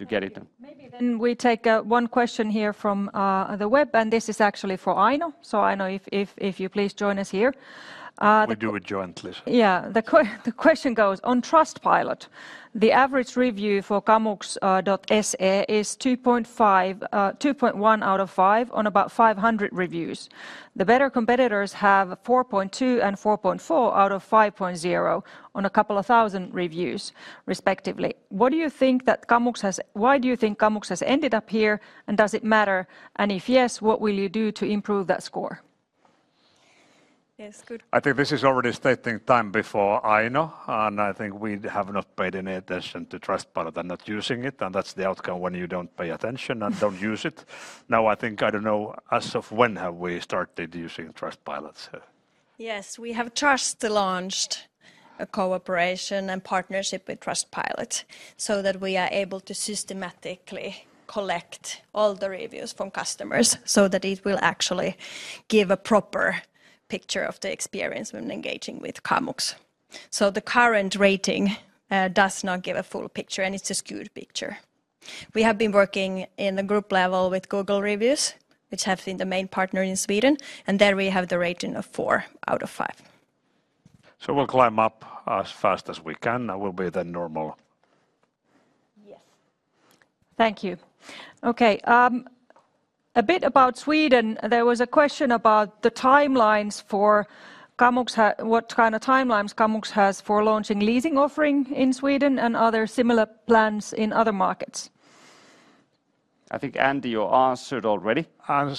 to get it done. Maybe then we take one question here from the web. And this is actually for Aino. So Aino, if you please join us here. We do it jointly. Yeah. The question goes, on Trustpilot, the average review for Kamux.se is 2.1 out of 5 on about 500 reviews. The better competitors have 4.2 and 4.4 out of 5.0 on a couple of thousand reviews, respectively. What do you think that Kamux has... Why do you think Kamux has ended up here? Does it matter? And if yes, what will you do to improve that score? Yes. Good. I think this is already stating time before Aino. I think we have not paid any attention to Trustpilot and not using it. That's the outcome when you don't pay attention and don't use it. Now, I think, I don't know, as of when have we started using Trustpilot? Yes. We have just launched a cooperation and partnership with Trustpilot so that we are able to systematically collect all the reviews from customers. So that it will actually give a proper picture of the experience when engaging with Kamux. The current rating does not give a full picture. It's a skewed picture. We have been working in the group level with Google Reviews, which have been the main partner in Sweden. There we have the rating of 4 out of 5. We'll climb up as fast as we can. That will be the normal. Yes. Thank you. Okay. A bit about Sweden. There was a question about the timelines for Kamux. What kind of timelines Kamux has for launching leasing offering in Sweden and other similar plans in other markets? I think Andy you've answered already. Andy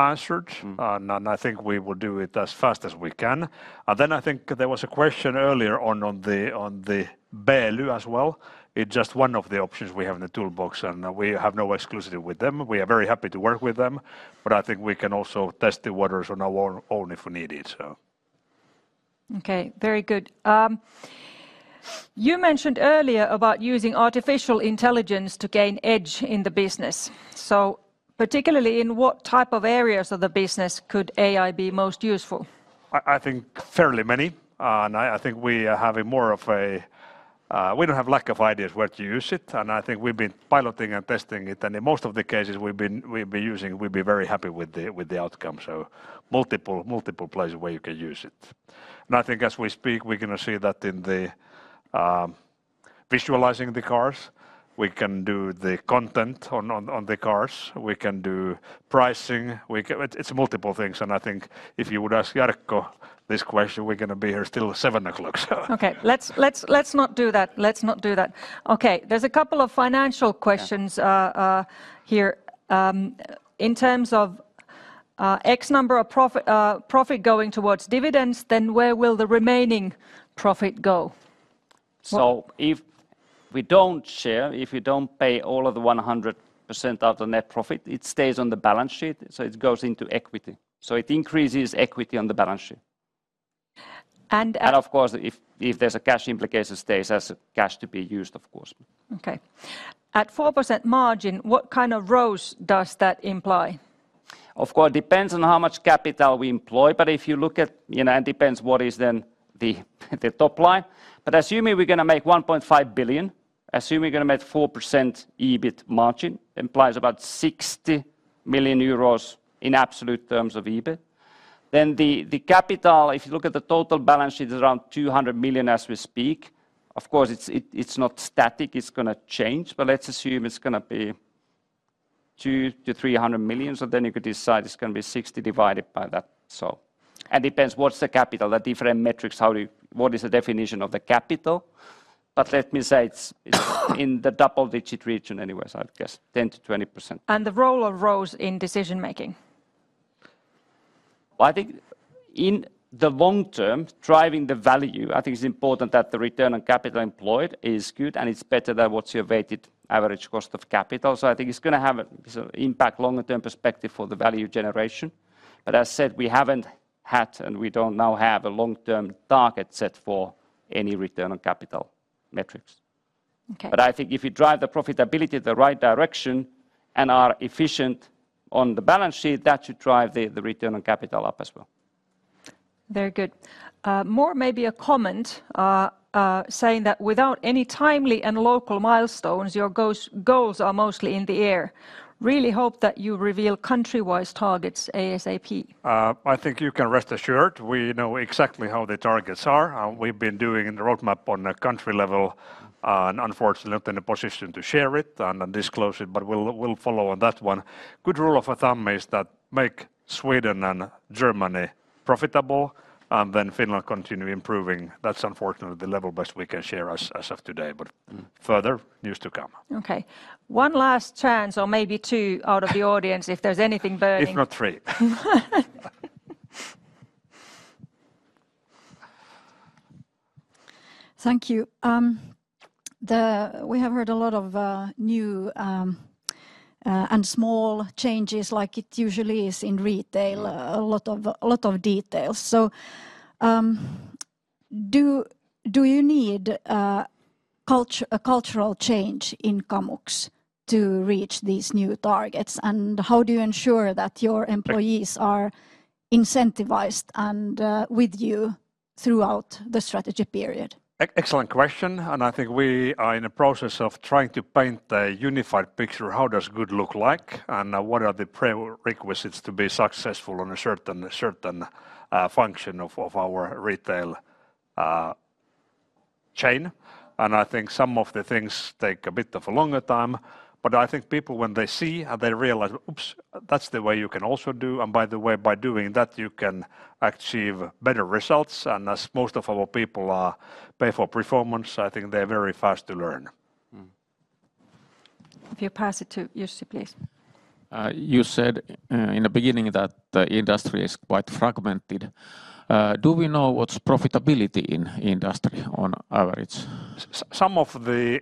answered. I think we will do it as fast as we can. Then I think there was a question earlier on the Beely as well. It's just one of the options we have in the toolbox. We have no exclusivity with them. We are very happy to work with them. But I think we can also test the waters on our own if we need it. Okay. Very good. You mentioned earlier about using artificial intelligence to gain edge in the business. So particularly in what type of areas of the business could AI be most useful? I think fairly many. And I think we have more of a... We don't have lack of ideas where to use it. And I think we've been piloting and testing it. And in most of the cases, we've been using... We'll be very happy with the outcome. So multiple places where you can use it. And I think as we speak, we're going to see that in the visualizing the cars. We can do the content on the cars. We can do pricing. It's multiple things. And I think if you would ask Jarkko this question, we're going to be here still at seven o'clock. Okay. Let's not do that. Let's not do that. Okay. There's a couple of financial questions here. In terms of X number of profit going towards dividends, then where will the remaining profit go? So if we don't share, if we don't pay all of the 100% of the net profit, it stays on the balance sheet. So it goes into equity. So it increases equity on the balance sheet. And of course, if there's a cash implication, it stays as cash to be used, of course. Okay. At 4% margin, what kind of ROCE does that imply? Of course, it depends on how much capital we employ. But if you look at... And it depends what is then the top line. But assuming we're going to make 1.5 billion, assuming we're going to make 4% EBIT margin, implies about 60 million euros in absolute terms of EBIT. Then the capital, if you look at the total balance sheet, it's around 200 million as we speak. Of course, it's not static. It's going to change. But let's assume it's going to be 200 million to 300 million. So then you could decide it's going to be 60 divided by that. So... And it depends what's the capital, the different metrics, how do you... What is the definition of the capital? But let me say it's in the double-digit region anyways, I guess. 10%-20%. And the role of ROCE in decision making? I think in the long term, driving the value, I think it's important that the return on capital employed is good. And it's better than what's your weighted average cost of capital. So I think it's going to have an impact longer-term perspective for the value generation. But as said, we haven't had and we don't now have a long-term target set for any return on capital metrics. Okay. But I think if you drive the profitability in the right direction and are efficient on the balance sheet, that should drive the return on capital up as well. Very good. More maybe a comment saying that without any timely and local milestones, your goals are mostly in the air. Really hope that you reveal countrywise targets ASAP. I think you can rest assured. We know exactly how the targets are. We've been doing the roadmap on a country level. Unfortunately, not in the position to share it and disclose it. But we'll follow on that one. Good rule of thumb is that make Sweden and Germany profitable. Then Finland continue improving. That's unfortunately the level best we can share as of today. But further news to come. Okay. One last chance or maybe two out of the audience if there's anything burning. If not three. Thank you. We have heard a lot of new and small changes like it usually is in retail. A lot of details. So do you need a cultural change in Kamux to reach these new targets? And how do you ensure that your employees are incentivized and with you throughout the strategy period? Excellent question. I think we are in a process of trying to paint a unified picture. How does good look like? What are the prerequisites to be successful on a certain function of our retail chain? Some of the things take a bit of a longer time. People, when they see and they realize, "Oops, that's the way you can also do." By the way, by doing that, you can achieve better results. As most of our people pay for performance, I think they're very fast to learn. If you pass it to Jussi, please. You said in the beginning that the industry is quite fragmented. Do we know what's profitability in industry on average? Some of the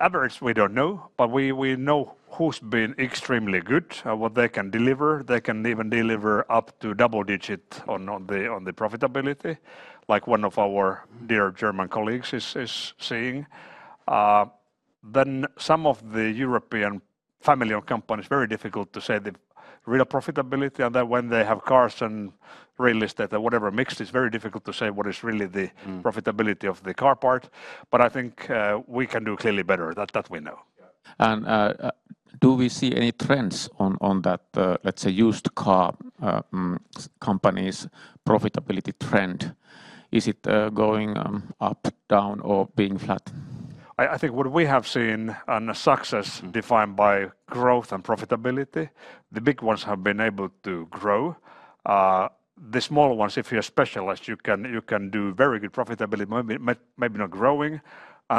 average we don't know. But we know who's been extremely good and what they can deliver. They can even deliver up to double-digit on the profitability. Like one of our dear German colleagues is seeing. Then some of the European family-owned companies, it's very difficult to say the real profitability. And then when they have cars and real estate and whatever mix, it's very difficult to say what is really the profitability of the car part. But I think we can do clearly better. That we know. And do we see any trends on that, let's say, used car companies profitability trend? Is it going up, down, or being flat? I think what we have seen and a success defined by growth and profitability, the big ones have been able to grow. The small ones, if you're specialized, you can do very good profitability, maybe not growing.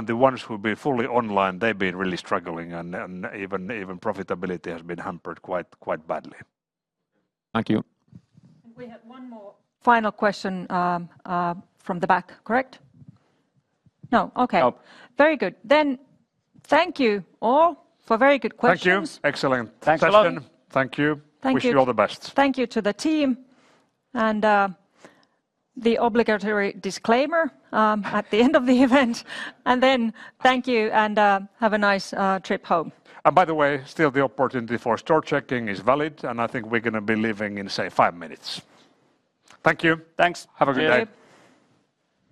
The ones who've been fully online, they've been really struggling. Even profitability has been hampered quite badly. Thank you. We have one more final question from the back, correct? No? Okay. Very good. Then thank you all for very good questions. Thank you. Excellent session. Thank you. Thank you. Wish you all the best. Thank you to the team. The obligatory disclaimer at the end of the event. Then thank you and have a nice trip home. By the way, still the opportunity for store checking is valid. I think we're going to be leaving in, say, five minutes. Thank you. Thanks. Have a good day.